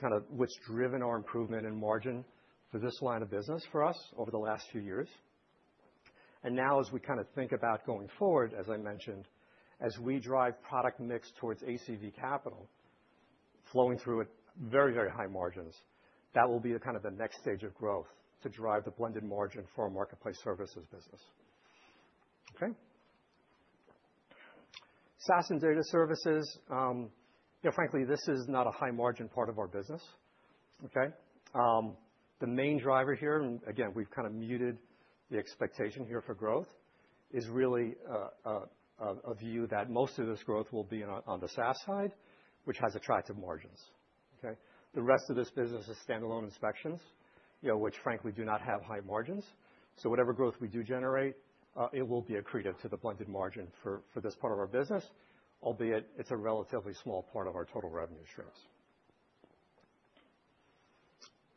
kind of what's driven our improvement in margin for this line of business for us over the last few years. Now, as we kind of think about going forward, as I mentioned, as we drive product mix towards ACV Capital flowing through at very, very high margins, that will be kind of the next stage of growth to drive the blended margin for our marketplace services business. Okay. SaaS and data services, frankly, this is not a high margin part of our business. Okay. The main driver here, and again, we've kind of muted the expectation here for growth, is really a view that most of this growth will be on the SaaS side, which has attractive margins. Okay. The rest of this business is standalone inspections, which frankly do not have high margins. So whatever growth we do generate, it will be accretive to the blended margin for this part of our business, albeit it's a relatively small part of our total revenue streams.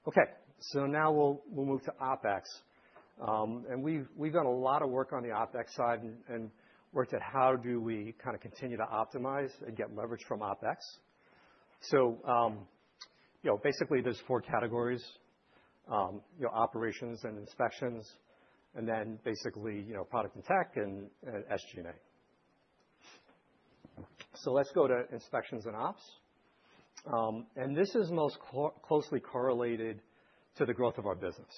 Okay. Now we'll move to OpEx. We've done a lot of work on the OpEx side and worked at how do we kind of continue to optimize and get leverage from OpEx. Basically, there's four categories: operations and inspections, and then basically product and tech and SG&A. Let's go to inspections and ops. This is most closely correlated to the growth of our business.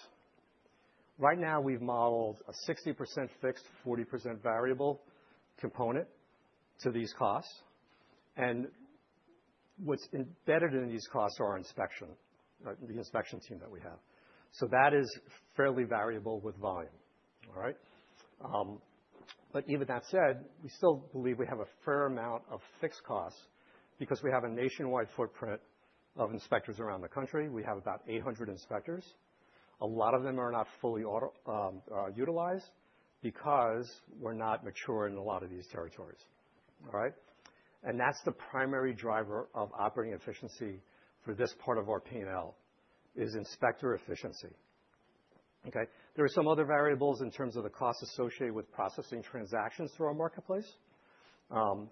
Right now, we've modeled a 60% fixed, 40% variable component to these costs. What's embedded in these costs are the inspection team that we have. That is fairly variable with volume. Even that said, we still believe we have a fair amount of fixed costs because we have a nationwide footprint of inspectors around the country. We have about 800 inspectors. A lot of them are not fully utilized because we're not mature in a lot of these territories. That's the primary driver of operating efficiency for this part of our P&L, is inspector efficiency. There are some other variables in terms of the costs associated with processing transactions through our marketplace.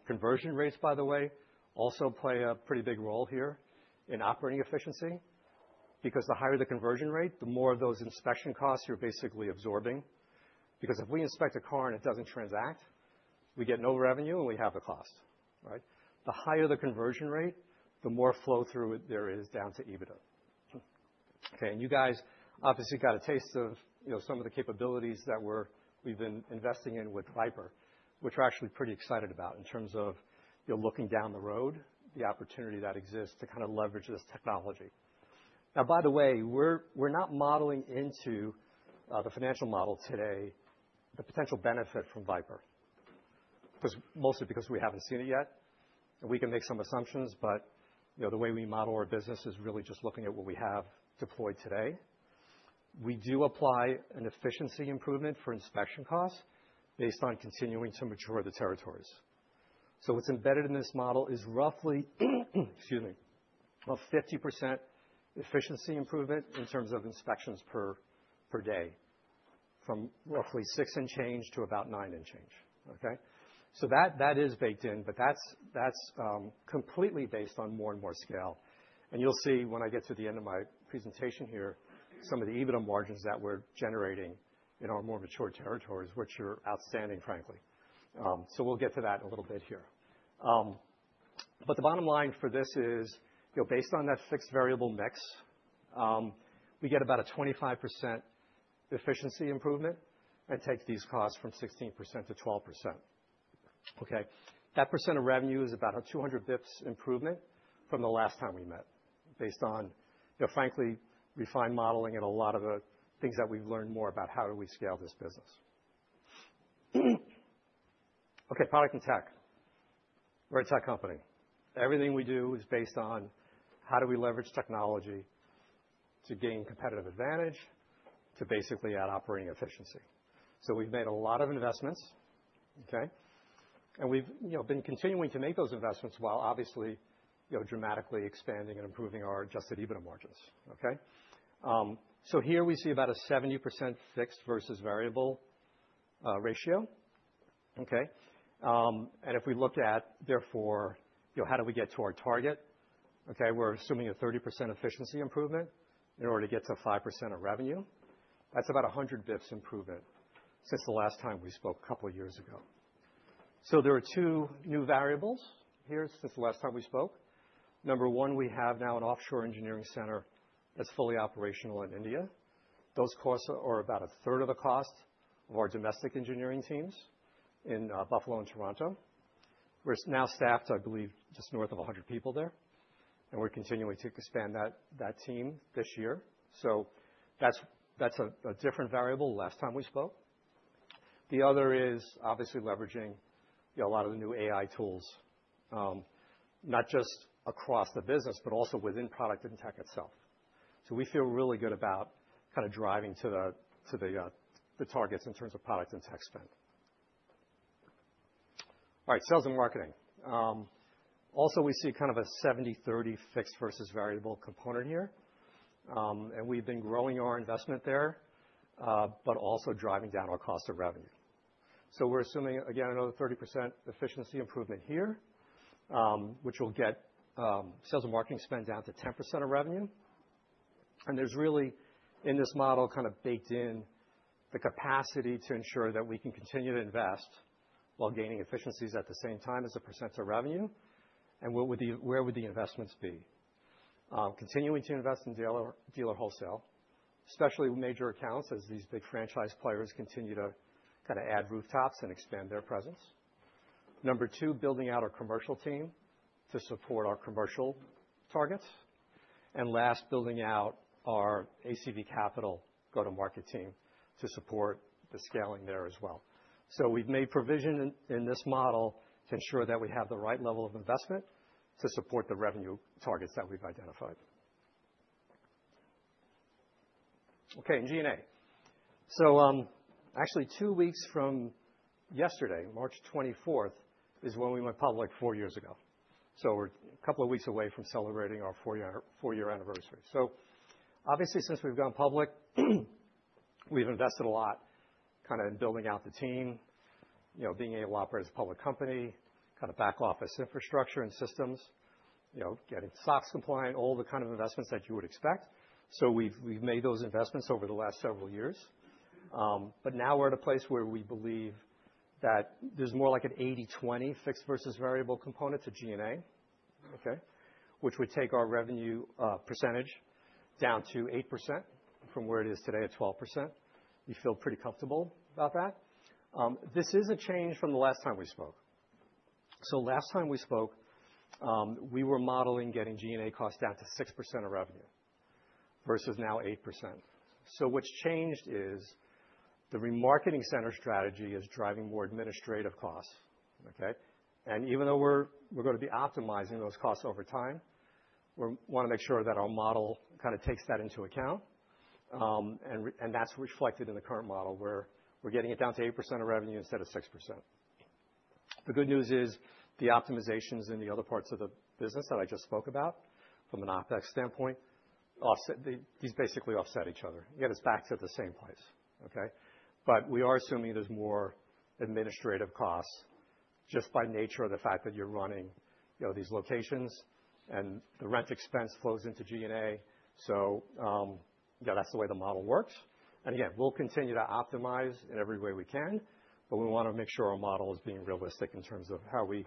Conversion rates, by the way, also play a pretty big role here in operating efficiency because the higher the conversion rate, the more of those inspection costs you're basically absorbing. Because if we inspect a car and it doesn't transact, we get no revenue and we have the cost. Right. The higher the conversion rate, the more flow through it there is down to EBITDA. Okay. You guys obviously got a taste of some of the capabilities that we've been investing in with Viper, which we're actually pretty excited about in terms of looking down the road, the opportunity that exists to kind of leverage this technology. Now, by the way, we're not modeling into the financial model today the potential benefit from Viper mostly because we haven't seen it yet. We can make some assumptions, but the way we model our business is really just looking at what we have deployed today. We do apply an efficiency improvement for inspection costs based on continuing to mature the territories. What's embedded in this model is roughly, excuse me, a 50% efficiency improvement in terms of inspections per day from roughly six and change to about nine and change. That is baked in, but that's completely based on more and more scale. You'll see when I get to the end of my presentation here, some of the EBITDA margins that we're generating in our more mature territories, which are outstanding, frankly. We'll get to that in a little bit here. The bottom line for this is based on that fixed variable mix, we get about a 25% efficiency improvement and take these costs from 16% to 12%. That percent of revenue is about a 200 basis points improvement from the last time we met based on, frankly, refined modeling and a lot of the things that we've learned more about how do we scale this business. Product and tech. We're a tech company. Everything we do is based on how do we leverage technology to gain competitive advantage to basically add operating efficiency. We've made a lot of investments. We've been continuing to make those investments while obviously dramatically expanding and improving our adjusted EBITDA margins. Here we see about a 70% fixed versus variable ratio. If we look at, therefore, how do we get to our target? We're assuming a 30% efficiency improvement in order to get to 5% of revenue. That's about a 100 basis points improvement since the last time we spoke a couple of years ago. There are two new variables here since the last time we spoke. Number one, we have now an offshore engineering center that's fully operational in India. Those costs are about a third of the cost of our domestic engineering teams in Buffalo and Toronto. We're now staffed, I believe, just north of 100 people there. We're continuing to expand that team this year. That's a different variable from last time we spoke. The other is obviously leveraging a lot of the new AI tools, not just across the business, but also within product and tech itself. We feel really good about kind of driving to the targets in terms of product and tech spend. All right. Sales and marketing. Also, we see kind of a 70/30 fixed versus variable component here. We've been growing our investment there, but also driving down our cost of revenue. We're assuming, again, another 30% efficiency improvement here, which will get sales and marketing spend down to 10% of revenue. There's really, in this model, kind of baked in the capacity to ensure that we can continue to invest while gaining efficiencies at the same time as a percent of revenue. Where would the investments be? Continuing to invest in dealer wholesale, especially major accounts as these big franchise players continue to kind of add rooftops and expand their presence. Number two, building out our commercial team to support our commercial targets. Last, building out our ACV Capital go-to-market team to support the scaling there as well. We've made provision in this model to ensure that we have the right level of investment to support the revenue targets that we've identified. Okay. G&A. Actually, two weeks from yesterday, March 24th, is when we went public four years ago. We're a couple of weeks away from celebrating our four-year anniversary. Obviously, since we've gone public, we've invested a lot kind of in building out the team, being able to operate as a public company, kind of back office infrastructure and systems, getting SOX compliant, all the kind of investments that you would expect. We've made those investments over the last several years. Now we're at a place where we believe that there's more like an 80/20 fixed versus variable component to G&A, which would take our revenue percentage down to 8% from where it is today at 12%. We feel pretty comfortable about that. This is a change from the last time we spoke. Last time we spoke, we were modeling getting G&A costs down to 6% of revenue versus now 8%. What's changed is the remarketing center strategy is driving more administrative costs. Okay. Even though we're going to be optimizing those costs over time, we want to make sure that our model kind of takes that into account. That's reflected in the current model where we're getting it down to 8% of revenue instead of 6%. The good news is the optimizations in the other parts of the business that I just spoke about from an OpEx standpoint, these basically offset each other. It gets back to the same place. Okay. We are assuming there's more administrative costs just by nature of the fact that you're running these locations and the rent expense flows into G&A. Yeah, that's the way the model works. Again, we'll continue to optimize in every way we can, but we want to make sure our model is being realistic in terms of how we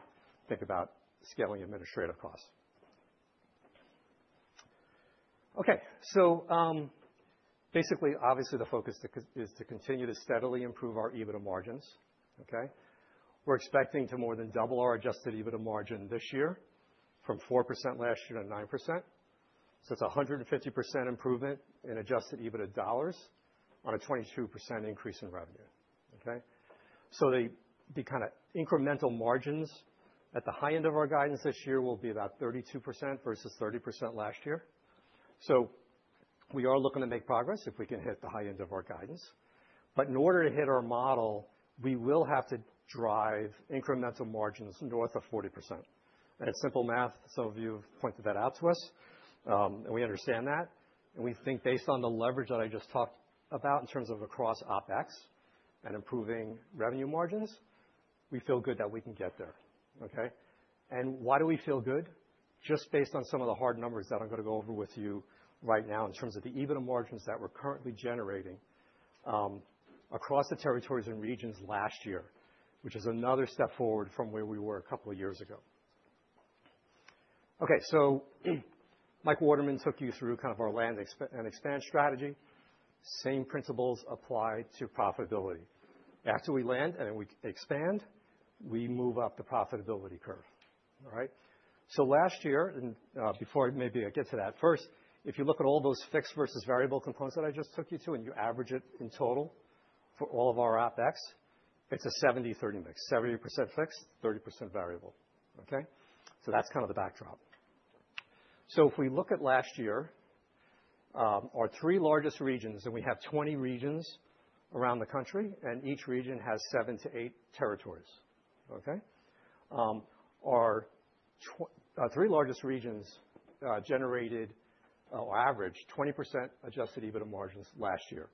think about scaling administrative costs. Okay. Basically, obviously, the focus is to continue to steadily improve our EBITDA margins. Okay. We're expecting to more than double our adjusted EBITDA margin this year from 4% last year to 9%. It's a 150% improvement in adjusted EBITDA dollars on a 22% increase in revenue. Okay. The kind of incremental margins at the high end of our guidance this year will be about 32% versus 30% last year. We are looking to make progress if we can hit the high end of our guidance. In order to hit our model, we will have to drive incremental margins north of 40%. It's simple math. Some of you have pointed that out to us. We understand that. We think based on the leverage that I just talked about in terms of across OpEx and improving revenue margins, we feel good that we can get there. Okay. Why do we feel good? Just based on some of the hard numbers that I'm going to go over with you right now in terms of the EBITDA margins that we're currently generating across the territories and regions last year, which is another step forward from where we were a couple of years ago. Okay. Mike Waterman took you through kind of our land and expand strategy. Same principles apply to profitability. After we land and we expand, we move up the profitability curve. All right. Last year, and before maybe I get to that, first, if you look at all those fixed versus variable components that I just took you to and you average it in total for all of our OpEx, it's a 70/30 mix. 70% fixed, 30% variable. Okay. That's kind of the backdrop. If we look at last year, our three largest regions, and we have 20 regions around the country, and each region has seven to eight territories. Our three largest regions generated or averaged 20% adjusted EBITDA margins last year.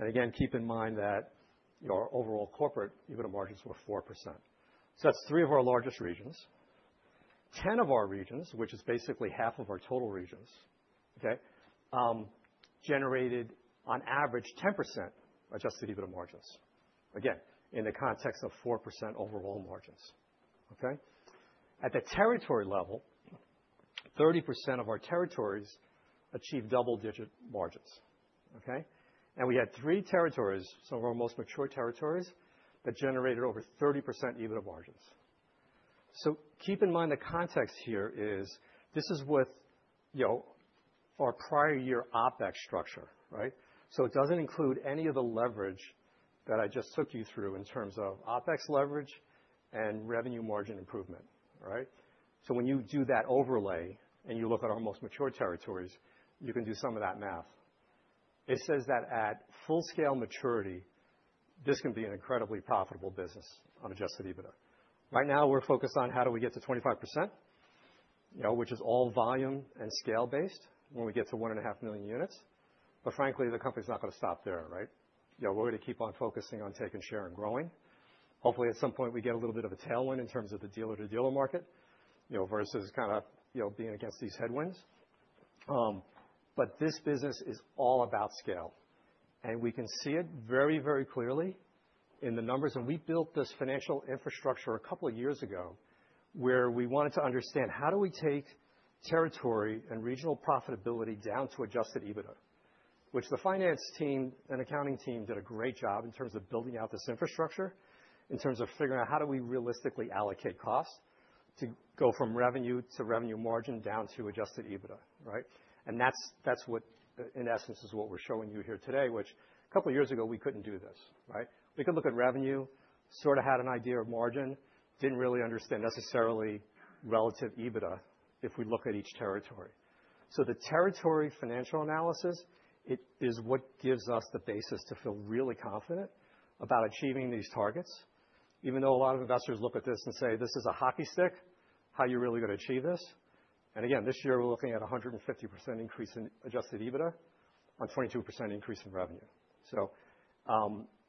Again, keep in mind that our overall corporate EBITDA margins were 4%. That's three of our largest regions. Ten of our regions, which is basically half of our total regions, generated on average 10% adjusted EBITDA margins. Again, in the context of 4% overall margins. Okay. At the territory level, 30% of our territories achieved double-digit margins. Okay. We had three territories, some of our most mature territories, that generated over 30% EBITDA margins. Keep in mind the context here is this is with our prior year OpEx structure. Right. It does not include any of the leverage that I just took you through in terms of OpEx leverage and revenue margin improvement. Right. When you do that overlay and you look at our most mature territories, you can do some of that math. It says that at full-scale maturity, this can be an incredibly profitable business on adjusted EBITDA. Right now, we're focused on how do we get to 25%, which is all volume and scale-based when we get to one and a half million units. Frankly, the company's not going to stop there. Right. We're going to keep on focusing on taking share and growing. Hopefully, at some point, we get a little bit of a tailwind in terms of the dealer-to-dealer market versus kind of being against these headwinds. This business is all about scale. We can see it very, very clearly in the numbers. We built this financial infrastructure a couple of years ago where we wanted to understand how do we take territory and regional profitability down to adjusted EBITDA, which the finance team and accounting team did a great job in terms of building out this infrastructure, in terms of figuring out how do we realistically allocate costs to go from revenue to revenue margin down to adjusted EBITDA. Right. That is what, in essence, is what we are showing you here today, which a couple of years ago, we could not do this. Right. We could look at revenue, sort of had an idea of margin, did not really understand necessarily relative EBITDA if we look at each territory. The territory financial analysis, it is what gives us the basis to feel really confident about achieving these targets, even though a lot of investors look at this and say, "This is a hockey stick. How are you really going to achieve this?" Again, this year, we're looking at a 150% increase in adjusted EBITDA on 22% increase in revenue.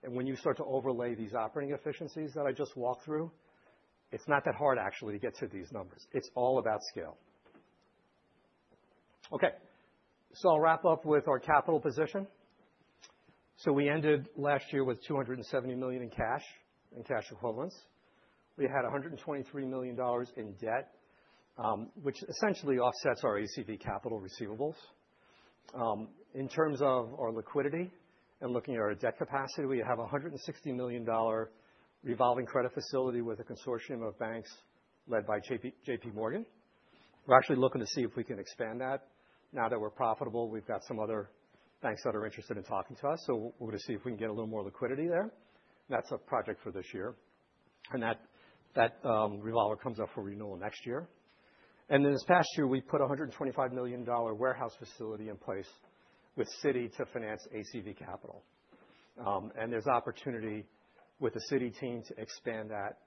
When you start to overlay these operating efficiencies that I just walked through, it's not that hard, actually, to get to these numbers. It's all about scale. Okay. I'll wrap up with our capital position. We ended last year with $270 million in cash and cash equivalents. We had $123 million in debt, which essentially offsets our ACV Capital receivables. In terms of our liquidity and looking at our debt capacity, we have a $160 million revolving credit facility with a consortium of banks led by JP Morgan. We are actually looking to see if we can expand that. Now that we are profitable, we have some other banks that are interested in talking to us. We are going to see if we can get a little more liquidity there. That is a project for this year. That revolver comes up for renewal next year. This past year, we put a $125 million warehouse facility in place with Citi to finance ACV Capital. There is opportunity with the Citi team to expand that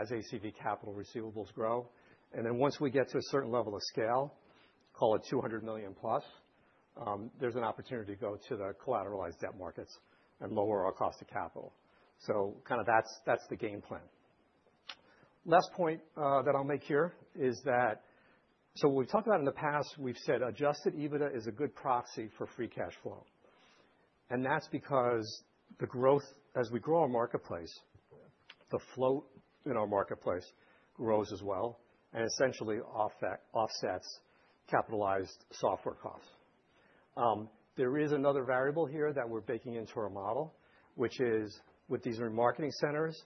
as ACV Capital receivables grow. Once we get to a certain level of scale, call it $200 million plus, there is an opportunity to go to the collateralized debt markets and lower our cost of capital. Kind of that's the game plan. Last point that I'll make here is that what we've talked about in the past, we've said adjusted EBITDA is a good proxy for free cash flow. That's because the growth, as we grow our marketplace, the float in our marketplace grows as well and essentially offsets capitalized software costs. There is another variable here that we're baking into our model, which is with these remarketing centers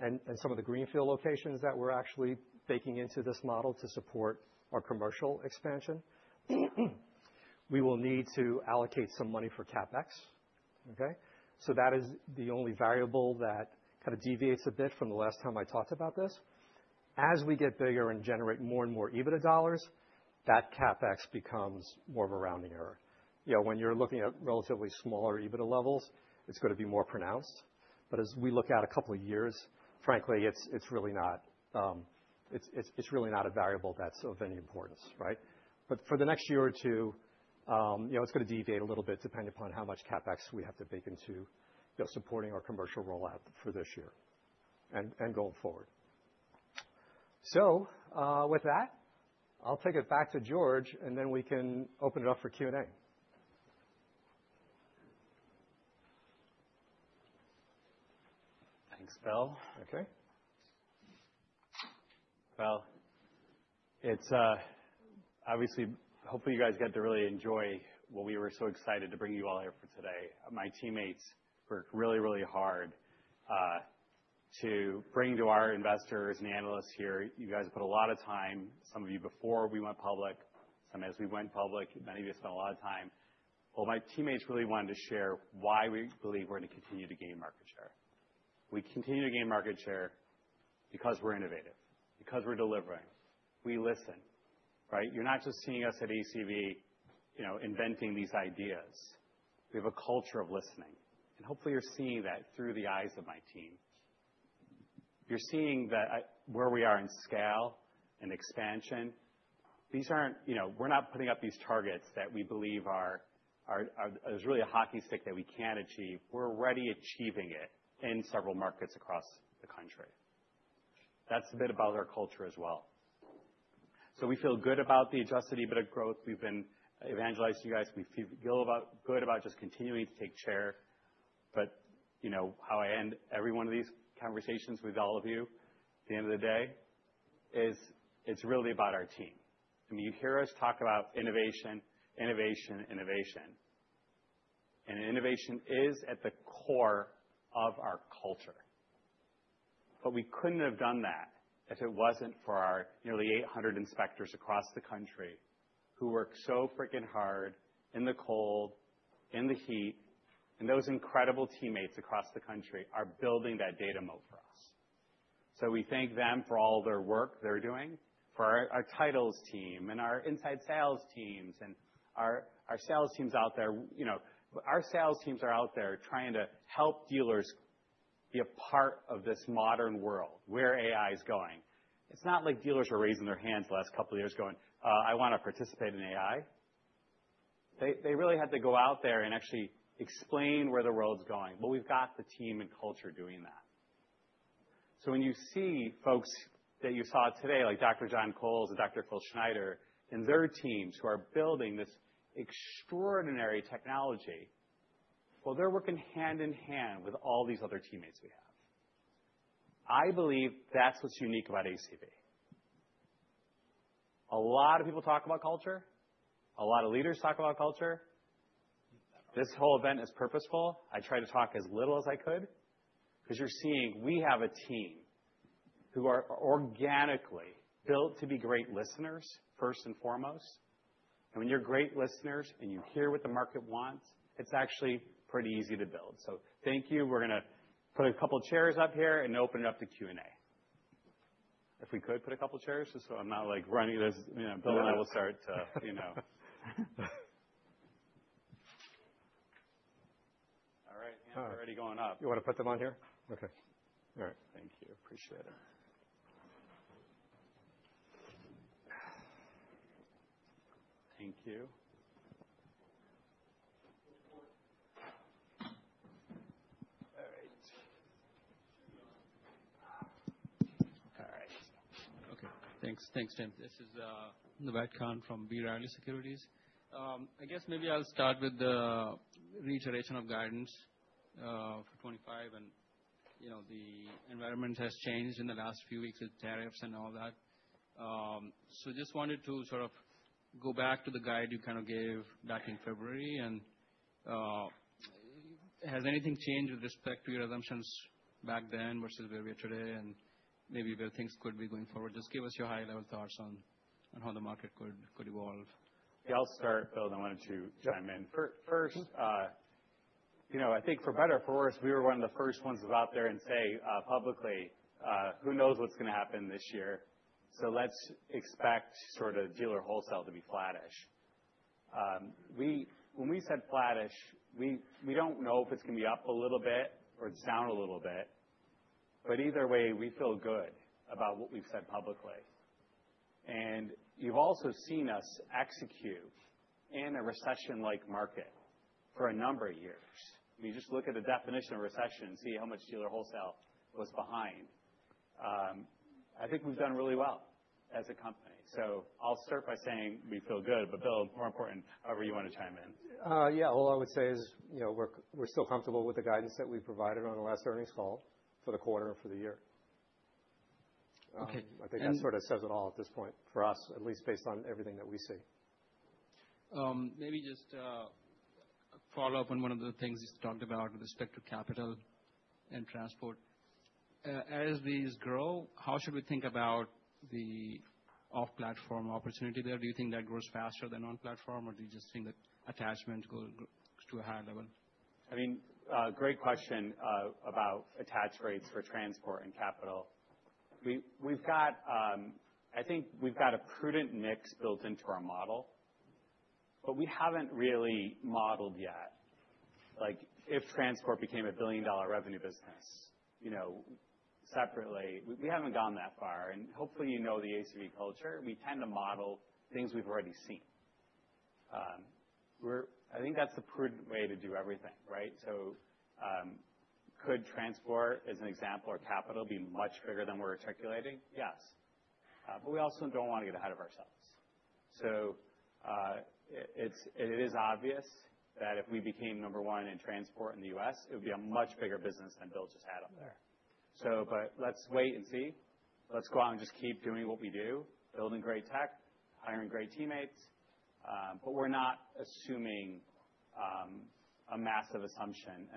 and some of the greenfield locations that we're actually baking into this model to support our commercial expansion. We will need to allocate some money for CapEx. That is the only variable that kind of deviates a bit from the last time I talked about this. As we get bigger and generate more and more EBITDA dollars, that CapEx becomes more of a rounding error. When you're looking at relatively smaller EBITDA levels, it's going to be more pronounced. As we look at a couple of years, frankly, it's really not a variable that's of any importance. Right. For the next year or two, it's going to deviate a little bit depending upon how much CapEx we have to bake into supporting our commercial rollout for this year and going forward. With that, I'll take it back to George, and then we can open it up for Q&A. Thanks, Bill. Okay. It's obviously, hopefully, you guys get to really enjoy what we were so excited to bring you all here for today. My teammates worked really, really hard to bring to our investors and analysts here. You guys put a lot of time, some of you before we went public, some as we went public. Many of you spent a lot of time. My teammates really wanted to share why we believe we're going to continue to gain market share. We continue to gain market share because we're innovative, because we're delivering. We listen. Right. You're not just seeing us at ACV inventing these ideas. We have a culture of listening. Hopefully, you're seeing that through the eyes of my team. You're seeing where we are in scale and expansion. We're not putting up these targets that we believe are really a hockey stick that we can't achieve. We're already achieving it in several markets across the country. That's a bit about our culture as well. We feel good about the adjusted EBITDA growth. We've been evangelizing you guys. We feel good about just continuing to take charge. How I end every one of these conversations with all of you at the end of the day is it's really about our team. I mean, you hear us talk about innovation, innovation, innovation. Innovation is at the core of our culture. We couldn't have done that if it wasn't for our nearly 800 inspectors across the country who work so freaking hard in the cold, in the heat. Those incredible teammates across the country are building that data moat for us. We thank them for all their work they're doing, for our titles team and our inside sales teams and our sales teams out there. Our sales teams are out there trying to help dealers be a part of this modern world where AI is going. It's not like dealers are raising their hands the last couple of years going, "I want to participate in AI." They really had to go out there and actually explain where the world's going. We've got the team and culture doing that. When you see folks that you saw today, like Dr. John Coles and Dr. Phil Schneider and their teams who are building this extraordinary technology, they're working hand in hand with all these other teammates we have. I believe that's what's unique about ACV. A lot of people talk about culture. A lot of leaders talk about culture. This whole event is purposeful. I try to talk as little as I could because you're seeing we have a team who are organically built to be great listeners, first and foremost. When you're great listeners and you hear what the market wants, it's actually pretty easy to build. Thank you. We're going to put a couple of chairs up here and open it up to Q&A. If we could put a couple of chairs just so I'm not running this. Bill and I will start. All right. Hands are already going up. You want to put them on here? Okay. All right. Thank you. Appreciate it. Thank you. All right. Okay. Thanks. Thanks, Tim. This is Naved Khan from B. Rally Securities. I guess maybe I'll start with the reiteration of guidance for 2025. The environment has changed in the last few weeks with tariffs and all that. Just wanted to sort of go back to the guide you kind of gave back in February. Has anything changed with respect to your assumptions back then versus where we are today and maybe where things could be going forward? Just give us your high-level thoughts on how the market could evolve. I'll start, Bill, and I wanted to chime in. First, I think for better or for worse, we were one of the first ones to go out there and say publicly, "Who knows what's going to happen this year?" Let's expect sort of dealer wholesale to be flattish. When we said flattish, we don't know if it's going to be up a little bit or it's down a little bit. Either way, we feel good about what we've said publicly. You have also seen us execute in a recession-like market for a number of years. I mean, just look at the definition of recession and see how much dealer wholesale was behind. I think we've done really well as a company. I'll start by saying we feel good. Bill, more important, however you want to chime in. Yeah. All I would say is we're still comfortable with the guidance that we provided on the last earnings call for the quarter and for the year. I think that sort of says it all at this point for us, at least based on everything that we see. Maybe just a follow-up on one of the things you talked about with respect to capital and transport. As these grow, how should we think about the off-platform opportunity there? Do you think that grows faster than on-platform, or do you just think that attachment goes to a higher level? I mean, great question about attach rates for transport and capital. I think we've got a prudent mix built into our model, but we haven't really modeled yet. If transport became a billion-dollar revenue business separately, we haven't gone that far. Hopefully, you know the ACV culture. We tend to model things we've already seen. I think that's the prudent way to do everything. Right. Could transport, as an example, or capital be much bigger than we're articulating? Yes. We also don't want to get ahead of ourselves. It is obvious that if we became number one in transport in the U.S., it would be a much bigger business than Bill just had up there. Let's wait and see. Let's go out and just keep doing what we do, building great tech, hiring great teammates. We are not assuming a massive assumption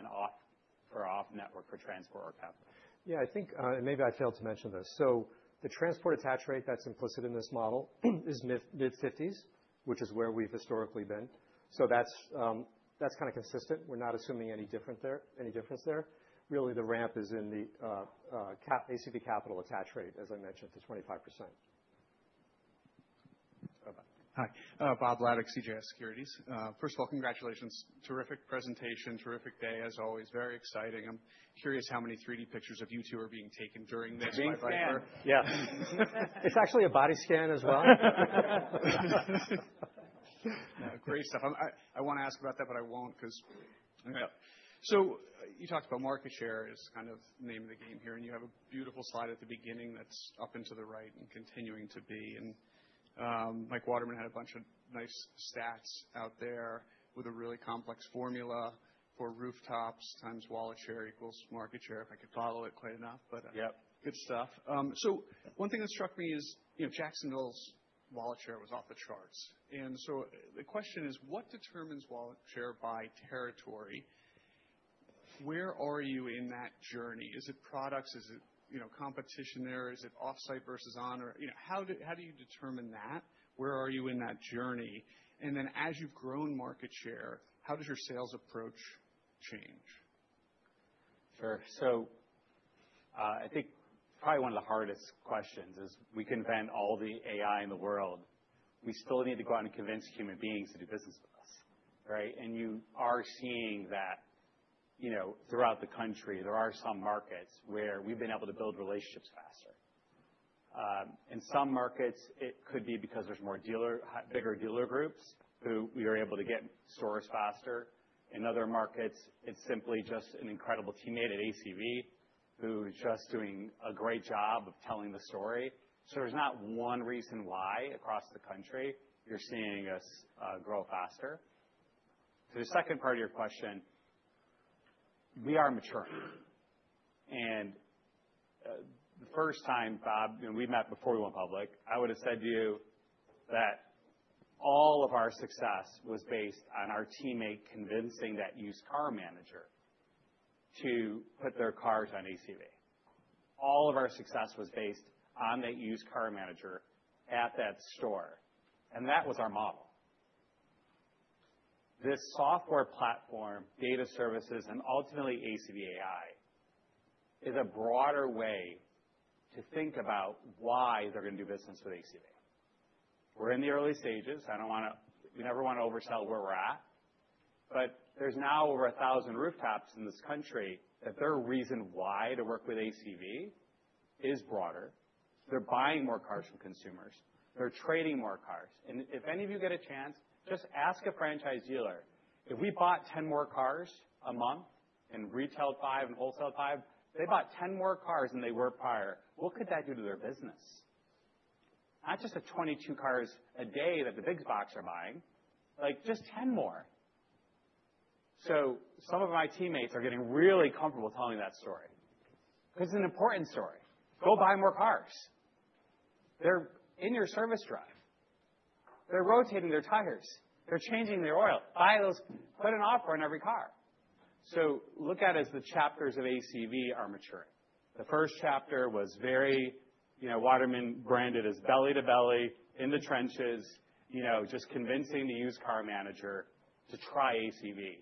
for off-network for transport or capital. Yeah. I think, and maybe I failed to mention this, the transport attach rate that's implicit in this model is mid-50s, which is where we've historically been. That's kind of consistent. We're not assuming any difference there. Really, the ramp is in the ACV Capital attach rate, as I mentioned, to 25%. Hi. Bob Ladock, CJS Securities. First of all, congratulations. Terrific presentation, terrific day as always. Very exciting. I'm curious how many 3D pictures of you two are being taken during this. A body scan? Yeah. It's actually a body scan as well. Great stuff. I want to ask about that, but I won't because. You talked about market share as kind of the name of the game here. You have a beautiful slide at the beginning that's up and to the right and continuing to be. Mike Waterman had a bunch of nice stats out there with a really complex formula for rooftops times wallet share equals market share if I could follow it quite enough. Good stuff. One thing that struck me is Jacksonville's wallet share was off the charts. The question is, what determines wallet share by territory? Where are you in that journey? Is it products? Is it competition there? Is it off-site versus on? How do you determine that? Where are you in that journey? As you've grown market share, how does your sales approach change? Sure. I think probably one of the hardest questions is we can invent all the AI in the world. We still need to go out and convince human beings to do business with us. Right. You are seeing that throughout the country, there are some markets where we've been able to build relationships faster. In some markets, it could be because there's bigger dealer groups who we are able to get stores faster. In other markets, it's simply just an incredible teammate at ACV who is just doing a great job of telling the story. There's not one reason why across the country you're seeing us grow faster. To the second part of your question, we are mature. The first time, Bob, we met before we went public, I would have said to you that all of our success was based on our teammate convincing that used car manager to put their cars on ACV. All of our success was based on that used car manager at that store. That was our model. This software platform, data services, and ultimately ACV AI is a broader way to think about why they're going to do business with ACV. We're in the early stages. We never want to oversell where we're at. There's now over 1,000 rooftops in this country that their reason why to work with ACV is broader. They're buying more cars from consumers. They're trading more cars. If any of you get a chance, just ask a franchise dealer. If we bought 10 more cars a month and retailed 5 and wholesaled 5, they bought 10 more cars than they were prior. What could that do to their business? Not just the 22 cars a day that the big box are buying, just 10 more. Some of my teammates are getting really comfortable telling that story because it's an important story. Go buy more cars. They're in your service drive. They're rotating their tires. They're changing their oil. Buy those. Put an offer on every car. Look at it as the chapters of ACV are maturing. The first chapter was very Waterman branded as belly to belly in the trenches, just convincing the used car manager to try ACV.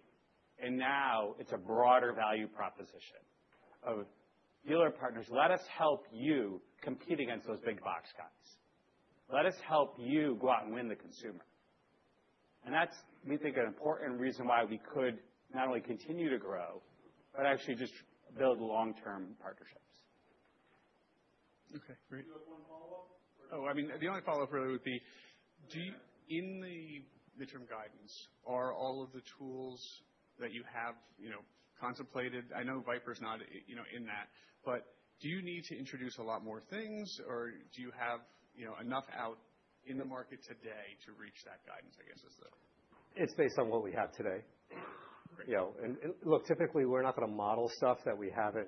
Now it's a broader value proposition of dealer partners. Let us help you compete against those big box guys. Let us help you go out and win the consumer. That is, we think, an important reason why we could not only continue to grow, but actually just build long-term partnerships. Okay. Great. Oh, I mean, the only follow-up really would be, in the midterm guidance, are all of the tools that you have contemplated? I know Viper's not in that. Do you need to introduce a lot more things, or do you have enough out in the market today to reach that guidance, I guess? It's based on what we have today. Look, typically, we're not going to model stuff that we haven't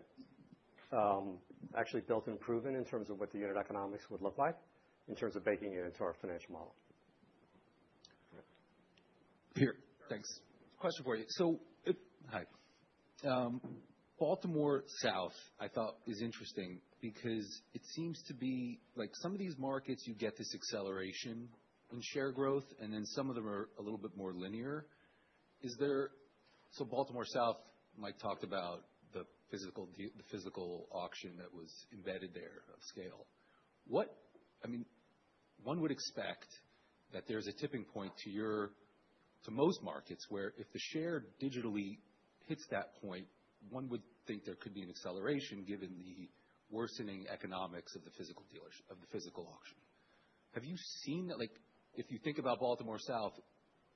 actually built and proven in terms of what the unit economics would look like in terms of baking it into our financial model. Peter, thanks. Question for you. Baltimore South, I thought, is interesting because it seems to be like some of these markets, you get this acceleration in share growth, and then some of them are a little bit more linear. Baltimore South, Mike talked about the physical auction that was embedded there of scale. I mean, one would expect that there's a tipping point to most markets where if the share digitally hits that point, one would think there could be an acceleration given the worsening economics of the physical auction. Have you seen that? If you think about Baltimore South,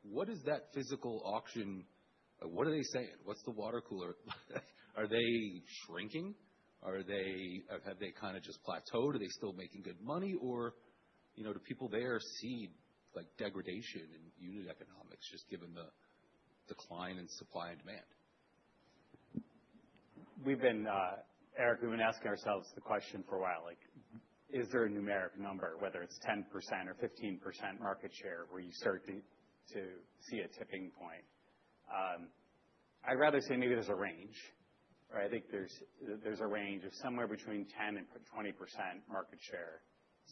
what is that physical auction? What are they saying? What's the water cooler? Are they shrinking? Have they kind of just plateaued? Are they still making good money? Or do people there see degradation in unit economics just given the decline in supply and demand? Eric, we've been asking ourselves the question for a while. Is there a numeric number, whether it's 10% or 15% market share where you start to see a tipping point? I'd rather say maybe there's a range. I think there's a range of somewhere between 10%-20% market share.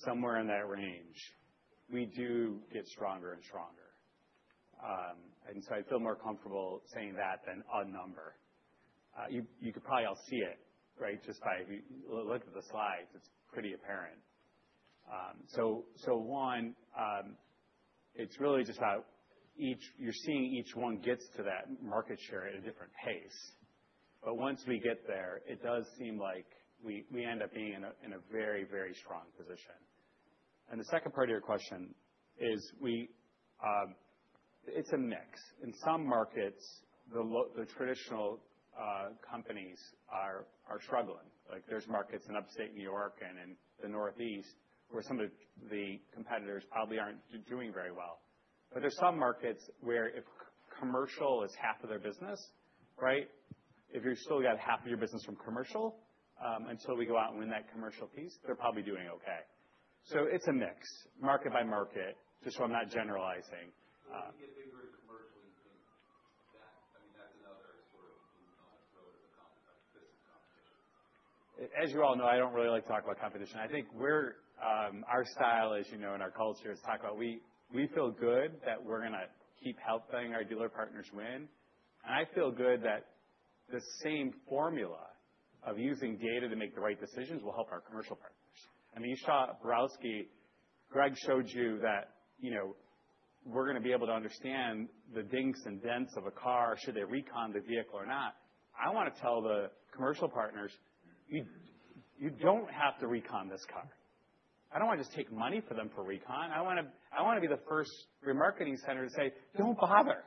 Somewhere in that range, we do get stronger and stronger. I feel more comfortable saying that than a number. You could probably all see it just by looking at the slides. It's pretty apparent. One, it's really just that you're seeing each one gets to that market share at a different pace. Once we get there, it does seem like we end up being in a very, very strong position. The second part of your question is it's a mix. In some markets, the traditional companies are struggling. Are markets in upstate New York and in the Northeast where some of the competitors probably are not doing very well. There are some markets where if commercial is half of their business, if you have still got half of your business from commercial until we go out and win that commercial piece, they are probably doing okay. It is a mix, market by market, just so I am not generalizing. If you get bigger in commercial, you think that, I mean, that's another sort of road of business competition. As you all know, I don't really like to talk about competition. I think our style, as you know, in our culture is to talk about we feel good that we're going to keep helping our dealer partners win. I feel good that the same formula of using data to make the right decisions will help our commercial partners. I mean, you saw Borowski, Greg showed you that we're going to be able to understand the dings and dents of a car, should they recon the vehicle or not. I want to tell the commercial partners, you don't have to recon this car. I don't want to just take money from them for recon. I want to be the first remarketing center to say, "Don't bother.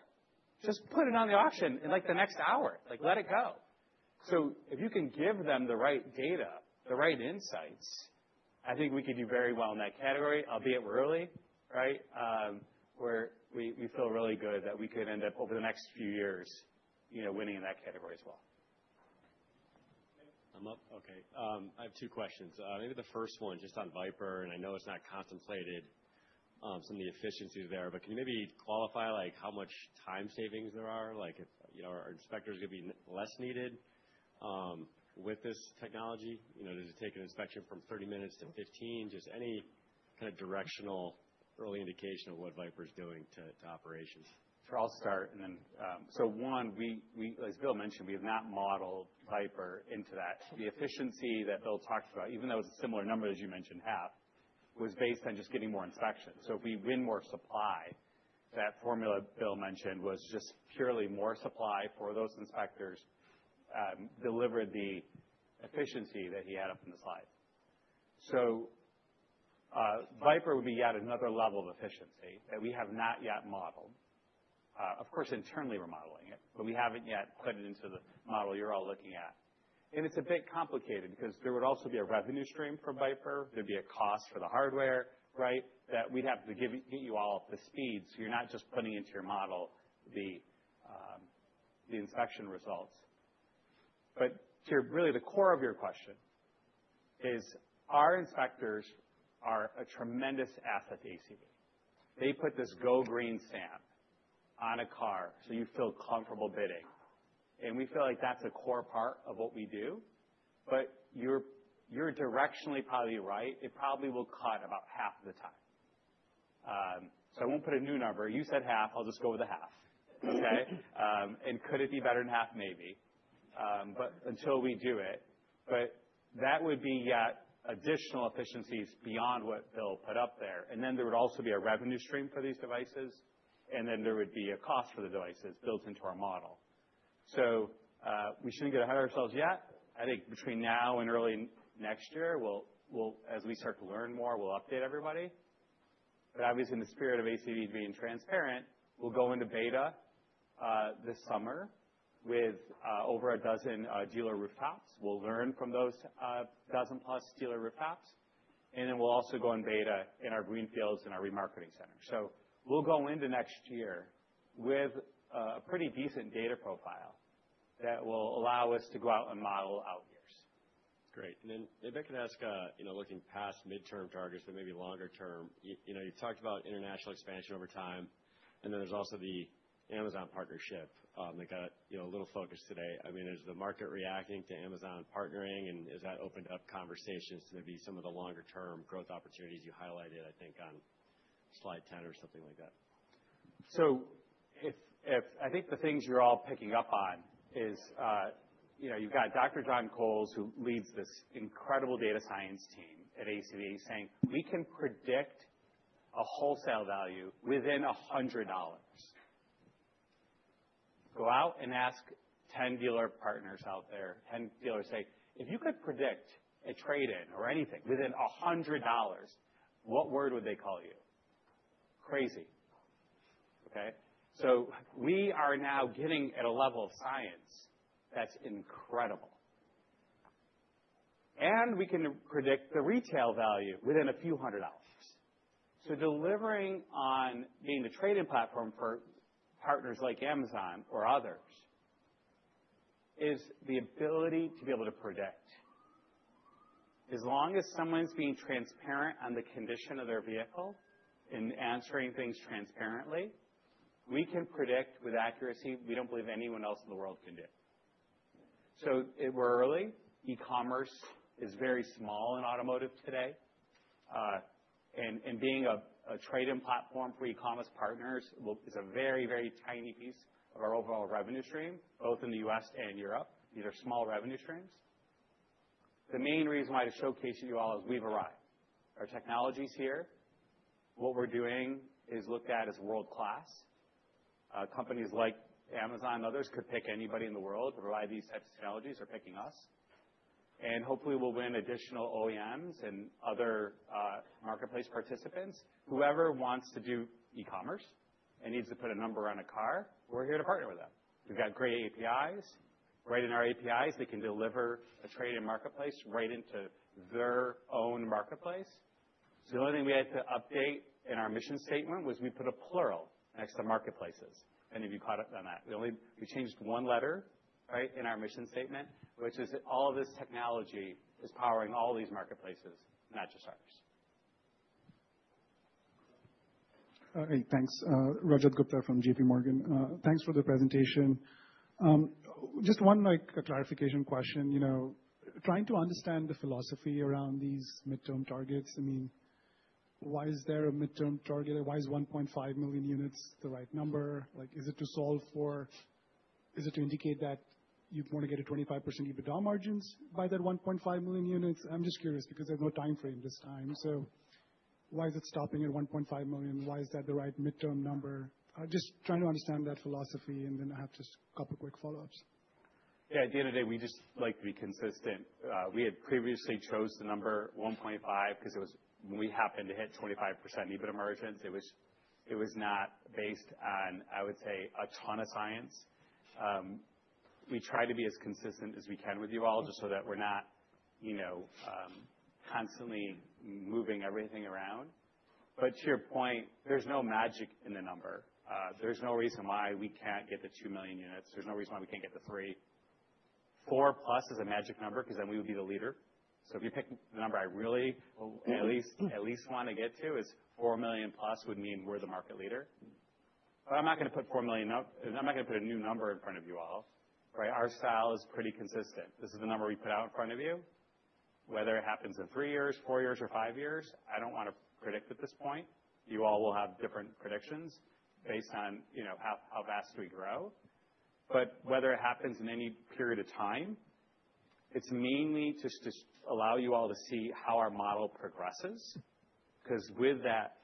Just put it on the auction in the next hour. Let it go. If you can give them the right data, the right insights, I think we could do very well in that category, albeit we're early, where we feel really good that we could end up over the next few years winning in that category as well. I'm up. Okay. I have two questions. Maybe the first one just on Viper, and I know it's not contemplated, some of the efficiencies there. Can you maybe qualify how much time savings there are? Are inspectors going to be less needed with this technology? Does it take an inspection from 30 minutes to 15 minutes? Just any kind of directional early indication of what Viper is doing to operations? I'll start. One, as Bill mentioned, we have not modeled Viper into that. The efficiency that Bill talked about, even though it's a similar number, as you mentioned, half was based on just getting more inspections. If we win more supply, that formula Bill mentioned was just purely more supply for those inspectors delivered the efficiency that he had up in the slides. Viper would be yet another level of efficiency that we have not yet modeled. Of course, internally we're modeling it, but we haven't yet put it into the model you're all looking at. It's a bit complicated because there would also be a revenue stream for Viper. There would be a cost for the hardware that we'd have to get you all up to speed so you're not just putting into your model the inspection results. Really, the core of your question is our inspectors are a tremendous asset to ACV. They put this go green stamp on a car so you feel comfortable bidding. We feel like that's a core part of what we do. You're directionally probably right. It probably will cut about half of the time. I won't put a new number. You said half. I'll just go with the half. Could it be better than half? Maybe. Until we do it. That would be yet additional efficiencies beyond what Bill put up there. There would also be a revenue stream for these devices. There would be a cost for the devices built into our model. We shouldn't get ahead of ourselves yet. I think between now and early next year, as we start to learn more, we'll update everybody. Obviously, in the spirit of ACV being transparent, we'll go into beta this summer with over a dozen dealer rooftops. We'll learn from those dozen-plus dealer rooftops. We'll also go in beta in our greenfields and our remarketing center. We'll go into next year with a pretty decent data profile that will allow us to go out and model out years. Great. Maybe I could ask, looking past midterm targets, but maybe longer term, you talked about international expansion over time. There is also the Amazon partnership that got a little focus today. I mean, is the market reacting to Amazon partnering? Has that opened up conversations to maybe some of the longer-term growth opportunities you highlighted, I think, on slide 10 or something like that? I think the things you're all picking up on is you've got Dr. John Coles, who leads this incredible data science team at ACV, saying, "We can predict a wholesale value within $100." Go out and ask 10 dealer partners out there. Ten dealers say, "If you could predict a trade-in or anything within $100, what word would they call you?" Crazy. Okay. We are now getting at a level of science that's incredible. We can predict the retail value within a few hundred dollars. Delivering on being the trade-in platform for partners like Amazon or others is the ability to be able to predict. As long as someone's being transparent on the condition of their vehicle and answering things transparently, we can predict with accuracy we don't believe anyone else in the world can do. We're early. E-commerce is very small in automotive today. Being a trade-in platform for e-commerce partners is a very, very tiny piece of our overall revenue stream, both in the U.S. and Europe. These are small revenue streams. The main reason why to showcase it to you all is we've arrived. Our technology's here. What we're doing is looked at as world-class. Companies like Amazon and others could pick anybody in the world to provide these types of technologies or picking us. Hopefully, we'll win additional OEMs and other marketplace participants. Whoever wants to do e-commerce and needs to put a number on a car, we're here to partner with them. We've got great APIs. Right in our APIs, they can deliver a trade-in marketplace right into their own marketplace. The only thing we had to update in our mission statement was we put a plural next to marketplaces, if you caught up on that. We changed one letter in our mission statement, which is all of this technology is powering all these marketplaces, not just ours. All right. Thanks. Rajat Gupta from JPMorgan. Thanks for the presentation. Just one clarification question. Trying to understand the philosophy around these midterm targets. I mean, why is there a midterm target? Why is 1.5 million units the right number? Is it to solve for? Is it to indicate that you want to get a 25% EBITDA margins by that 1.5 million units? I'm just curious because there's no time frame this time. Why is it stopping at 1.5 million? Why is that the right midterm number? Just trying to understand that philosophy. I have just a couple of quick follow-ups. Yeah. At the end of the day, we just like to be consistent. We had previously chose the number 1.5 because when we happened to hit 25% EBITDA margins, it was not based on, I would say, a ton of science. We try to be as consistent as we can with you all just so that we're not constantly moving everything around. To your point, there's no magic in the number. There's no reason why we can't get the 2 million units. There's no reason why we can't get the 3. 4 plus is a magic number because then we would be the leader. If you pick the number I really at least want to get to, 4 million plus would mean we're the market leader. I'm not going to put 4 million up. I'm not going to put a new number in front of you all. Our style is pretty consistent. This is the number we put out in front of you. Whether it happens in three years, four years, or five years, I don't want to predict at this point. You all will have different predictions based on how fast we grow. Whether it happens in any period of time, it's mainly to allow you all to see how our model progresses. Because with that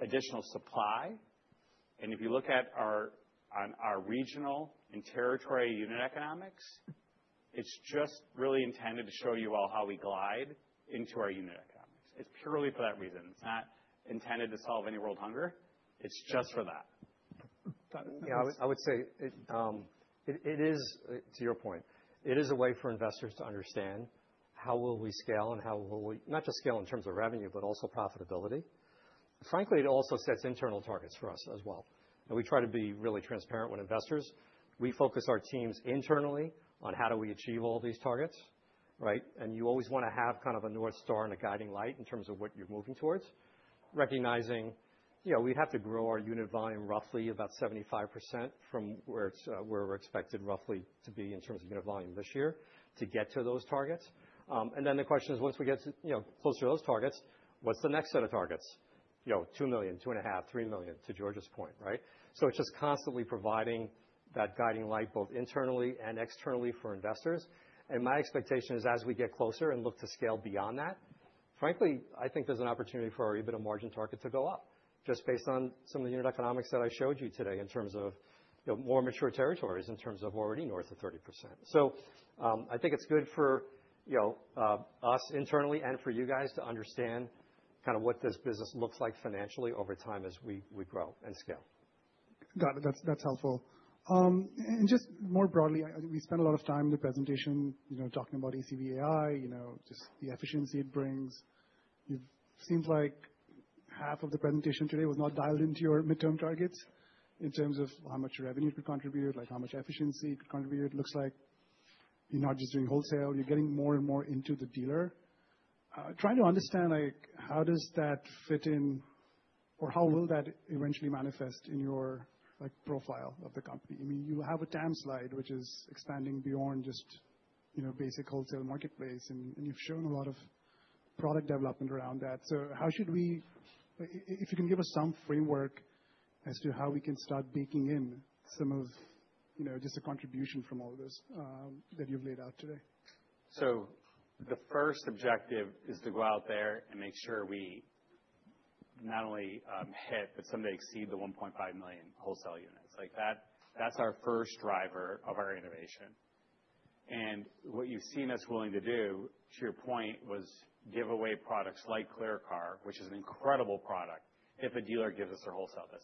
additional supply, and if you look at our regional and territory unit economics, it's just really intended to show you all how we glide into our unit economics. It's purely for that reason. It's not intended to solve any world hunger. It's just for that. Yeah. I would say it is, to your point, it is a way for investors to understand how will we scale and how will we not just scale in terms of revenue, but also profitability. Frankly, it also sets internal targets for us as well. We try to be really transparent with investors. We focus our teams internally on how do we achieve all these targets. You always want to have kind of a North Star and a guiding light in terms of what you're moving towards, recognizing we have to grow our unit volume roughly about 75% from where we're expected roughly to be in terms of unit volume this year to get to those targets. The question is, once we get closer to those targets, what's the next set of targets? 2 million, 2.5, 3 million, to George's point. It is just constantly providing that guiding light both internally and externally for investors. My expectation is as we get closer and look to scale beyond that, frankly, I think there is an opportunity for our EBITDA margin target to go up just based on some of the unit economics that I showed you today in terms of more mature territories in terms of already north of 30%. I think it is good for us internally and for you guys to understand kind of what this business looks like financially over time as we grow and scale. Got it. That is helpful. Just more broadly, we spent a lot of time in the presentation talking about ACV AI, just the efficiency it brings. It seems like half of the presentation today was not dialed into your midterm targets in terms of how much revenue it could contribute, how much efficiency it could contribute. It looks like you're not just doing wholesale. You're getting more and more into the dealer. Trying to understand how does that fit in or how will that eventually manifest in your profile of the company? I mean, you have a TAM slide, which is expanding beyond just basic wholesale marketplace. And you've shown a lot of product development around that. So how should we, if you can give us some framework as to how we can start baking in some of just a contribution from all this that you've laid out today? The first objective is to go out there and make sure we not only hit, but someday exceed the 1.5 million wholesale units. That's our first driver of our innovation. What you've seen us willing to do, to your point, was give away products like ClearCar, which is an incredible product if a dealer gives us their wholesale business.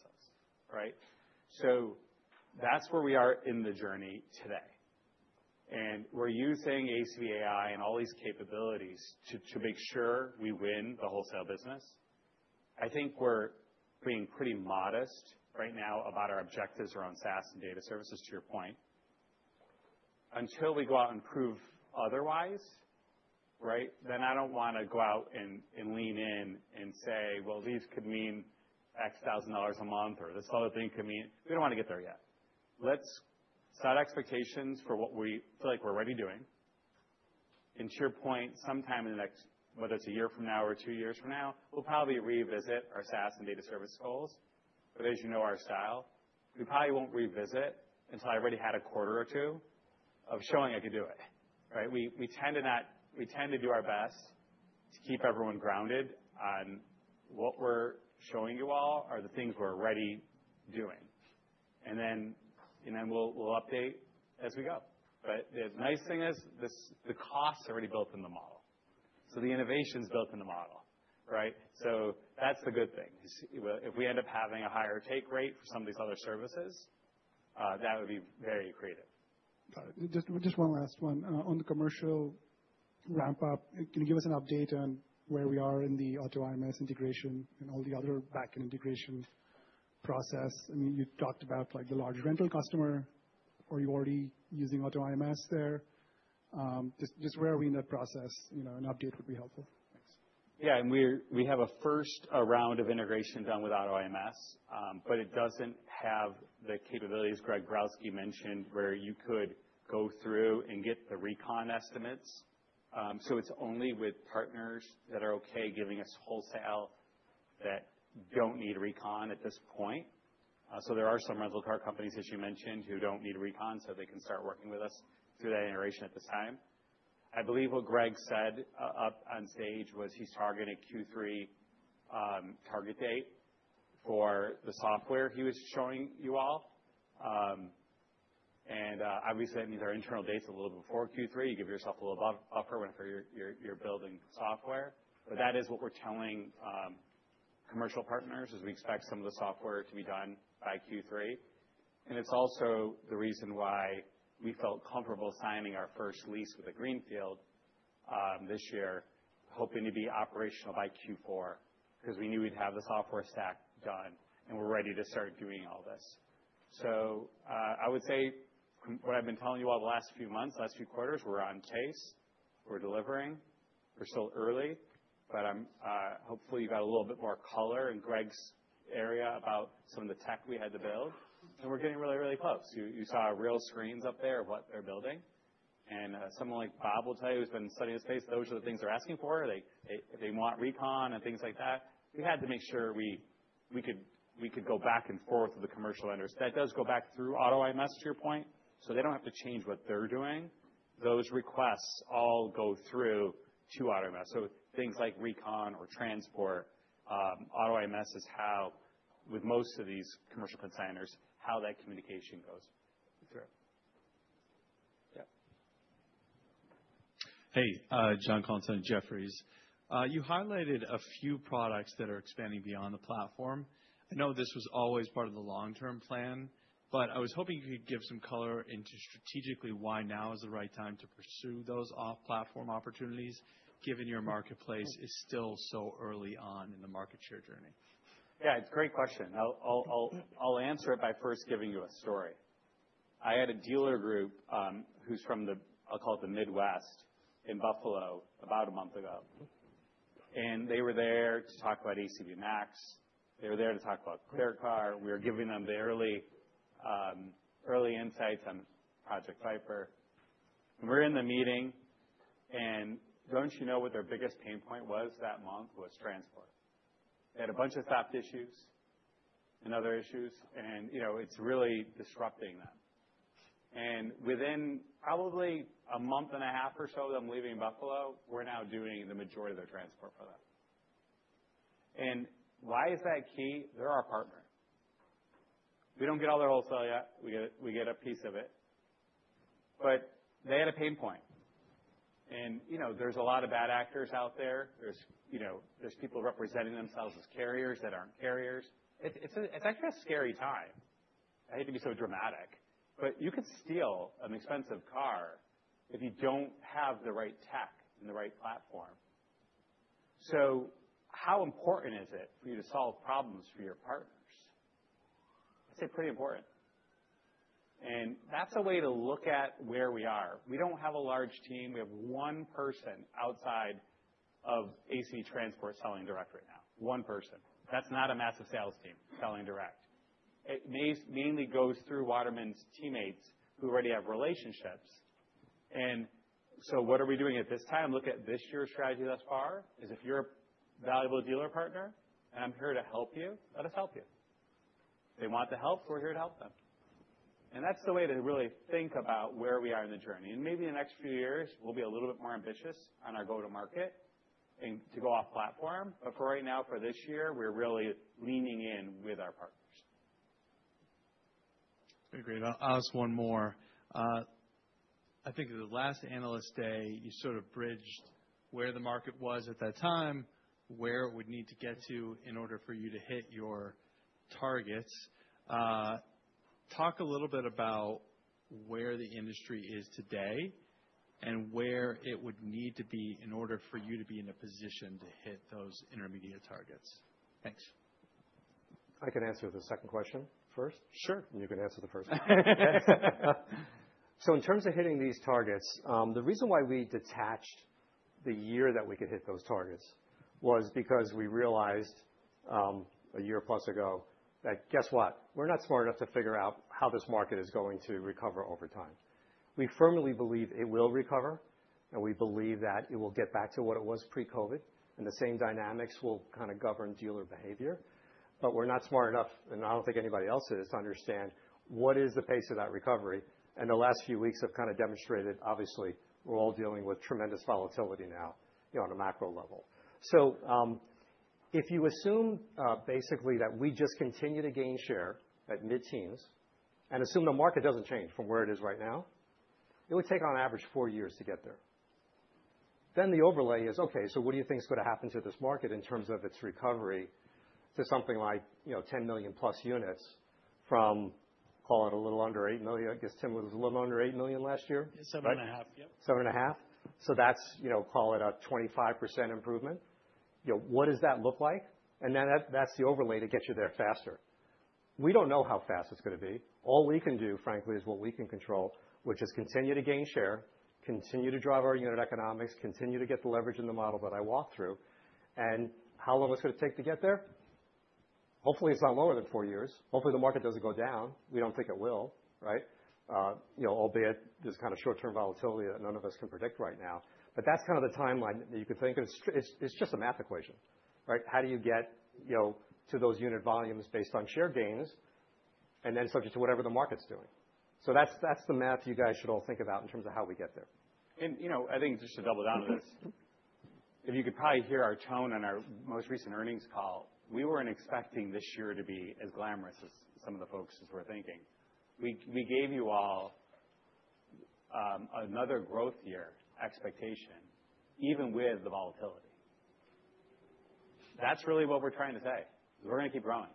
That's where we are in the journey today. We're using ACV AI and all these capabilities to make sure we win the wholesale business. I think we're being pretty modest right now about our objectives around SaaS and data services, to your point. Until we go out and prove otherwise, I don't want to go out and lean in and say, "Well, these could mean X thousand dollars a month," or, "This other thing could mean " we don't want to get there yet. Let's set expectations for what we feel like we're already doing. And to your point, sometime in the next, whether it's a year from now or two years from now, we'll probably revisit our SaaS and data service goals. But as you know our style, we probably won't revisit until I've already had a quarter or two of showing I could do it. We tend to do our best to keep everyone grounded on what we're showing you all are the things we're already doing. And then we'll update as we go. But the nice thing is the costs are already built in the model. So the innovation's built in the model. So that's the good thing. If we end up having a higher take rate for some of these other services, that would be very creative. Got it. Just one last one. On the commercial ramp-up, can you give us an update on where we are in the AutoIMS integration and all the other backend integration process? I mean, you talked about the large rental customer, or you're already using AutoIMS there. Just where are we in that process? An update would be helpful. Thanks. Yeah. We have a first round of integration done with AutoIMS, but it does not have the capabilities Greg Borowski mentioned, where you could go through and get the recon estimates. It is only with partners that are okay giving us wholesale that do not need recon at this point. There are some rental car companies, as you mentioned, who do not need recon so they can start working with us through that iteration at this time. I believe what Greg said up on stage was he is targeting a Q3 target date for the software he was showing you all. Obviously, that means our internal dates are a little before Q3. You give yourself a little buffer whenever you are building software. That is what we are telling commercial partners, that we expect some of the software to be done by Q3. It's also the reason why we felt comfortable signing our first lease with a greenfield this year, hoping to be operational by Q4 because we knew we'd have the software stack done and we're ready to start doing all this. I would say what I've been telling you all the last few months, last few quarters, we're on pace. We're delivering. We're still early. Hopefully, you got a little bit more color in Greg's area about some of the tech we had to build. We're getting really, really close. You saw real screens up there of what they're building. Someone like Bob will tell you who's been studying the space, those are the things they're asking for. They want recon and things like that. We had to make sure we could go back and forth with the commercial vendors. That does go back through AutoIMS, to your point. They don't have to change what they're doing. Those requests all go through to AutoIMS. Things like recon or transport, AutoIMS is how, with most of these commercial consignors, that communication goes through. Yeah. Hey, John Coles in Jefferies. You highlighted a few products that are expanding beyond the platform. I know this was always part of the long-term plan, but I was hoping you could give some color into strategically why now is the right time to pursue those off-platform opportunities, given your marketplace is still so early on in the market share journey. Yeah. It's a great question. I'll answer it by first giving you a story. I had a dealer group who's from the, I'll call it the Midwest, in Buffalo about a month ago. They were there to talk about ACV MAX. They were there to talk about ClearCar. We were giving them the early insights on Project Viper. We're in the meeting. Don't you know what their biggest pain point was that month? It was transport. They had a bunch of soft issues and other issues. It's really disrupting them. Within probably a month and a half or so of them leaving Buffalo, we're now doing the majority of their transport for them. Why is that key? They're our partner. We don't get all their wholesale yet. We get a piece of it. They had a pain point. There are a lot of bad actors out there. There are people representing themselves as carriers that are not carriers. It is actually a scary time. I hate to be so dramatic. You can steal an expensive car if you do not have the right tech and the right platform. How important is it for you to solve problems for your partners? I would say pretty important. That is a way to look at where we are. We do not have a large team. We have one person outside of ACV Transport selling direct right now. One person. That is not a massive sales team selling direct. It mainly goes through Waterman's teammates who already have relationships. What are we doing at this time? Look at this year's strategy thus far. If you are a valuable dealer partner and I am here to help you, let us help you. If they want the help, we're here to help them. That's the way to really think about where we are in the journey. Maybe in the next few years, we'll be a little bit more ambitious on our go-to-market and to go off-platform. For right now, for this year, we're really leaning in with our partners. Very great. I'll ask one more. I think at the last analyst day, you sort of bridged where the market was at that time, where it would need to get to in order for you to hit your targets. Talk a little bit about where the industry is today and where it would need to be in order for you to be in a position to hit those intermediate targets. Thanks. I can answer the second question first. Sure. You can answer the first one. In terms of hitting these targets, the reason why we detached the year that we could hit those targets was because we realized a year plus ago that, guess what? We're not smart enough to figure out how this market is going to recover over time. We firmly believe it will recover. We believe that it will get back to what it was pre-COVID. The same dynamics will kind of govern dealer behavior. We're not smart enough, and I don't think anybody else is, to understand what is the pace of that recovery. The last few weeks have kind of demonstrated, obviously, we're all dealing with tremendous volatility now on a macro level. If you assume basically that we just continue to gain share at mid-teens and assume the market doesn't change from where it is right now, it would take on average four years to get there. The overlay is, okay, so what do you think is going to happen to this market in terms of its recovery to something like 10+ million units from, call it a little under 8 million. I guess 10 was a little under 8 million last year. Yeah. Seven and a half. Yep. Seven and a half. That is, call it a 25% improvement. What does that look like? That is the overlay to get you there faster. We do not know how fast it is going to be. All we can do, frankly, is what we can control, which is continue to gain share, continue to drive our unit economics, continue to get the leverage in the model that I walked through. How long is it going to take to get there? Hopefully, it is not lower than four years. Hopefully, the market does not go down. We do not think it will, albeit there is kind of short-term volatility that none of us can predict right now. That is the timeline that you could think of. It is just a math equation. How do you get to those unit volumes based on share gains and then subject to whatever the market is doing? That's the math you guys should all think about in terms of how we get there. I think just to double down on this, if you could probably hear our tone on our most recent earnings call, we were not expecting this year to be as glamorous as some of the folks were thinking. We gave you all another growth year expectation, even with the volatility. That's really what we're trying to say, is we're going to keep growing.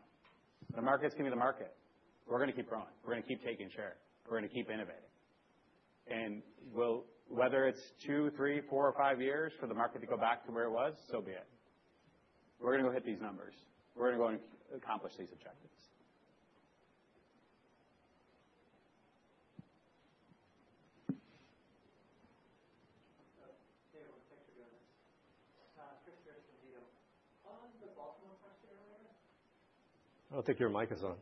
The market's going to be the market. We're going to keep growing. We're going to keep taking share. We're going to keep innovating. Whether it's two, three, four, or five years for the market to go back to where it was, so be it. We're going to go hit these numbers. We're going to go and accomplish these objectives. Taylor, what's next for Jonas? Chris Jeffries from Jefferies. On the Baltimore questionnaire layer. I don't think your mic is on.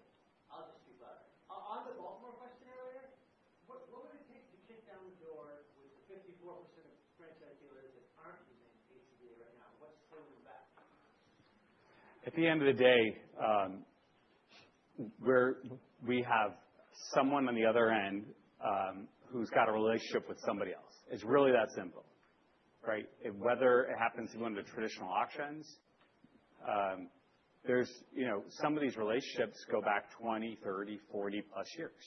I'll just keep up. On the Baltimore questionnaire layer, what would it take to kick down the door with the 54% of franchise dealers that aren't using ACV right now? What's holding them back? At the end of the day, we have someone on the other end who's got a relationship with somebody else. It's really that simple. Whether it happens to be one of the traditional auctions, some of these relationships go back 20, 30, 40 plus years.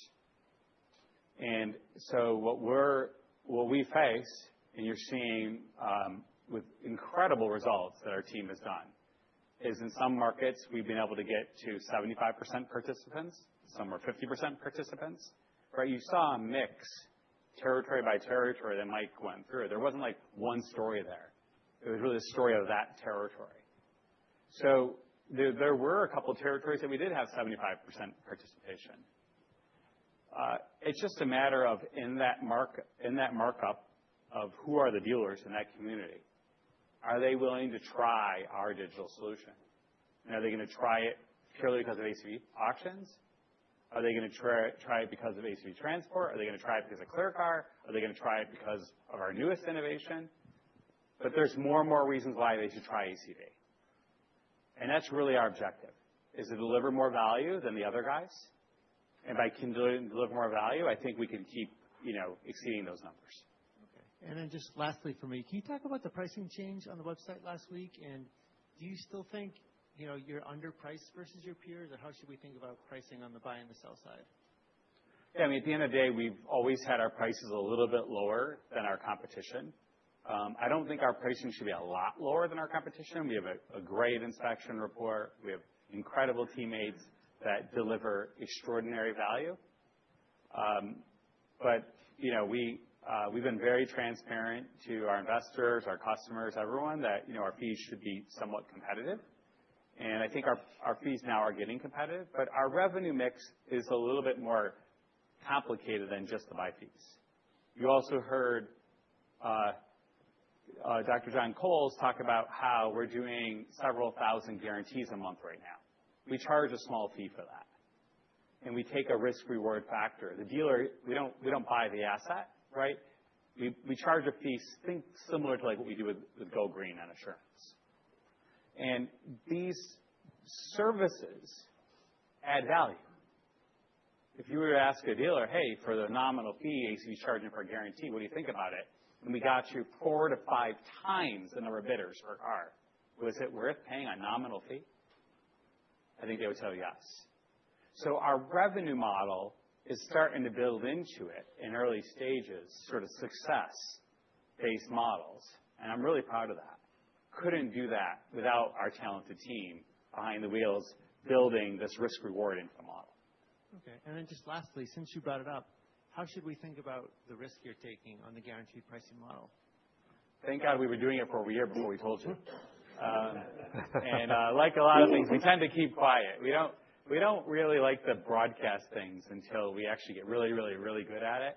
What we face, and you're seeing with incredible results that our team has done, is in some markets, we've been able to get to 75% participants. Some were 50% participants. You saw a mix territory by territory that Mike went through. There wasn't one story there. It was really a story of that territory. There were a couple of territories that we did have 75% participation. It's just a matter of in that markup of who are the dealers in that community? Are they willing to try our digital solution? And are they going to try it purely because of ACV Auctions? Are they going to try it because of ACV Transport? Are they going to try it because of Clear Car? Are they going to try it because of our newest innovation? There are more and more reasons why they should try ACV. That is really our objective, to deliver more value than the other guys. By delivering more value, I think we can keep exceeding those numbers. Okay. Lastly for me, can you talk about the pricing change on the website last week? Do you still think you're underpriced versus your peers? How should we think about pricing on the buy and the sell side? Yeah. I mean, at the end of the day, we've always had our prices a little bit lower than our competition. I don't think our pricing should be a lot lower than our competition. We have a great inspection report. We have incredible teammates that deliver extraordinary value. We have been very transparent to our investors, our customers, everyone, that our fees should be somewhat competitive. I think our fees now are getting competitive. Our revenue mix is a little bit more complicated than just the buy fees. You also heard Dr. John Coles talk about how we're doing several thousand guarantees a month right now. We charge a small fee for that. We take a risk-reward factor. The dealer, we don't buy the asset. We charge a fee similar to what we do with GoGreen and Assurance. These services add value. If you were to ask a dealer, "Hey, for the nominal fee, ACV's charging for a guarantee. What do you think about it?" We got you four to five times the number of bidders per car. Was it worth paying a nominal fee? I think they would tell you yes. Our revenue model is starting to build into it in early stages sort of success-based models. I'm really proud of that. Couldn't do that without our talented team behind the wheels building this risk-reward info model. Okay. And then just lastly, since you brought it up, how should we think about the risk you're taking on the guaranteed pricing model? Thank God we were doing it for a year before we told you. Like a lot of things, we tend to keep quiet. We don't really like to broadcast things until we actually get really, really, really good at it.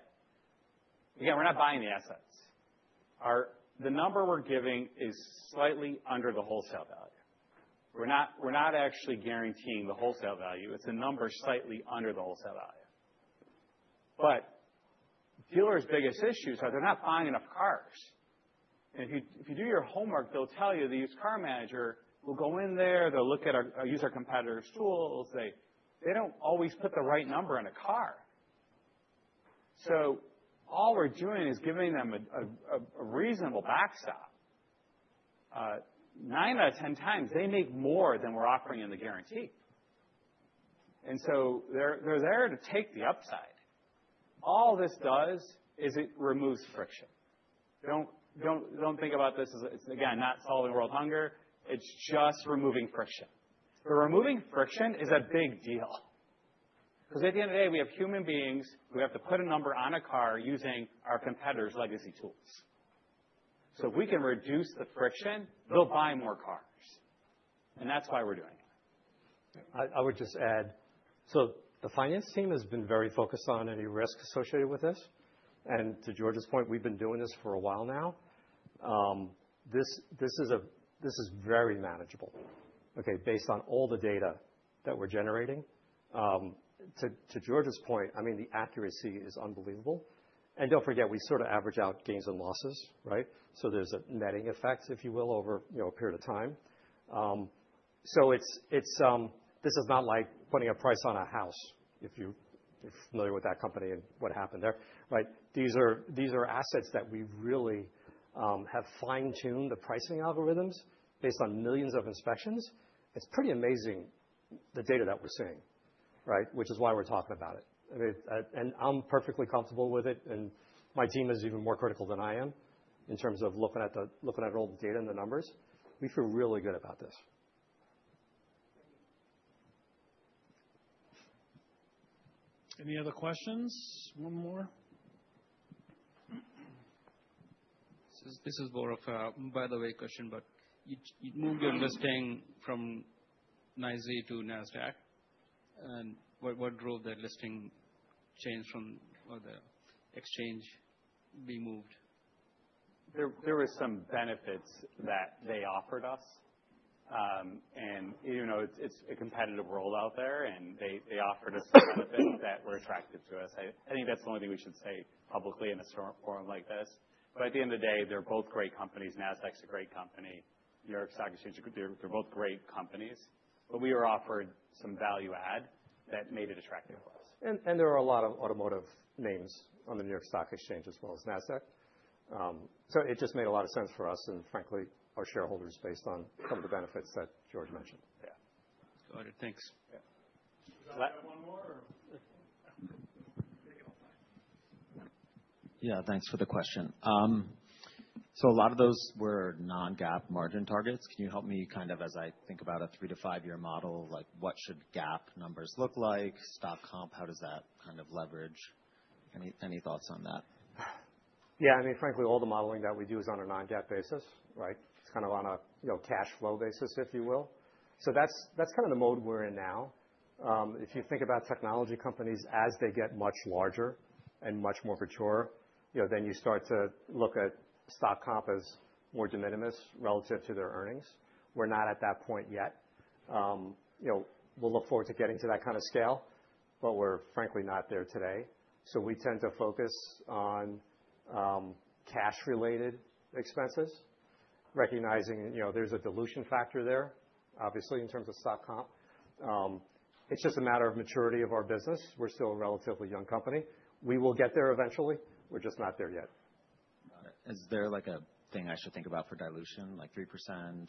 Again, we're not buying the assets. The number we're giving is slightly under the wholesale value. We're not actually guaranteeing the wholesale value. It's a number slightly under the wholesale value. Dealers' biggest issues are they're not buying enough cars. If you do your homework, they'll tell you the used car manager will go in there. They'll use our competitor's tools. They don't always put the right number on a car. All we're doing is giving them a reasonable backstop. Nine out of ten times, they make more than we're offering in the guarantee. They're there to take the upside. All this does is it removes friction. Do not think about this as, again, not solving world hunger. It is just removing friction. Removing friction is a big deal. Because at the end of the day, we have human beings who have to put a number on a car using our competitor's legacy tools. If we can reduce the friction, they will buy more cars. That is why we are doing it. I would just add, the finance team has been very focused on any risk associated with this. To George's point, we've been doing this for a while now. This is very manageable, based on all the data that we're generating. To George's point, I mean, the accuracy is unbelievable. Don't forget, we sort of average out gains and losses. There's a netting effect, if you will, over a period of time. This is not like putting a price on a house, if you're familiar with that company and what happened there. These are assets that we really have fine-tuned the pricing algorithms based on millions of inspections. It's pretty amazing, the data that we're seeing, which is why we're talking about it. I'm perfectly comfortable with it. My team is even more critical than I am in terms of looking at all the data and the numbers. We feel really good about this. Any other questions? One more? This is Bora. By the way, question, but you moved your listing from NYSE to NASDAQ. What drove that listing change from the exchange being moved? There were some benefits that they offered us. It's a competitive world out there. They offered us some benefits that were attractive to us. I think that's the only thing we should say publicly in a forum like this. At the end of the day, they're both great companies. NASDAQ's a great company. New York Stock Exchange, they're both great companies. We were offered some value add that made it attractive for us. There are a lot of automotive names on the New York Stock Exchange as well as NASDAQ. It just made a lot of sense for us and, frankly, our shareholders based on some of the benefits that George mentioned. Yeah. Got it. Thanks. Yeah. Does that one more or? Yeah. Thanks for the question. A lot of those were non-GAAP margin targets. Can you help me, as I think about a three to five-year model, what should GAAP numbers look like, stock comp, how does that kind of leverage? Any thoughts on that? Yeah. I mean, frankly, all the modeling that we do is on a non-GAAP basis. It's kind of on a cash flow basis, if you will. That's kind of the mode we're in now. If you think about technology companies as they get much larger and much more mature, you start to look at stock comp as more de minimis relative to their earnings. We're not at that point yet. We'll look forward to getting to that kind of scale, but we're frankly not there today. We tend to focus on cash-related expenses, recognizing there's a dilution factor there, obviously, in terms of stock comp. It's just a matter of maturity of our business. We're still a relatively young company. We will get there eventually. We're just not there yet. Got it. Is there a thing I should think about for dilution, like 3%?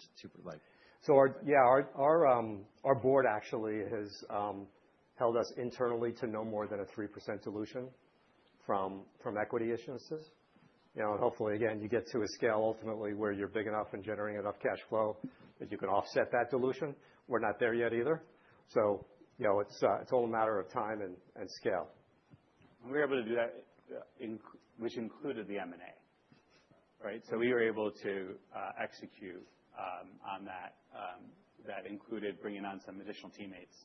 Yeah, our board actually has held us internally to no more than a 3% dilution from equity issuances. Hopefully, again, you get to a scale ultimately where you're big enough and generating enough cash flow that you can offset that dilution. We're not there yet either. It's all a matter of time and scale. We were able to do that, which included the M&A. We were able to execute on that, that included bringing on some additional teammates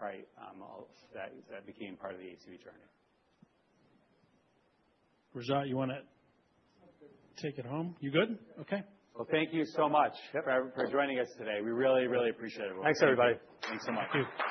that became part of the ACV journey. Rezaad, you want to take it home? You good? Okay. Thank you so much for joining us today. We really, really appreciate it. Thanks, everybody. Thanks so much.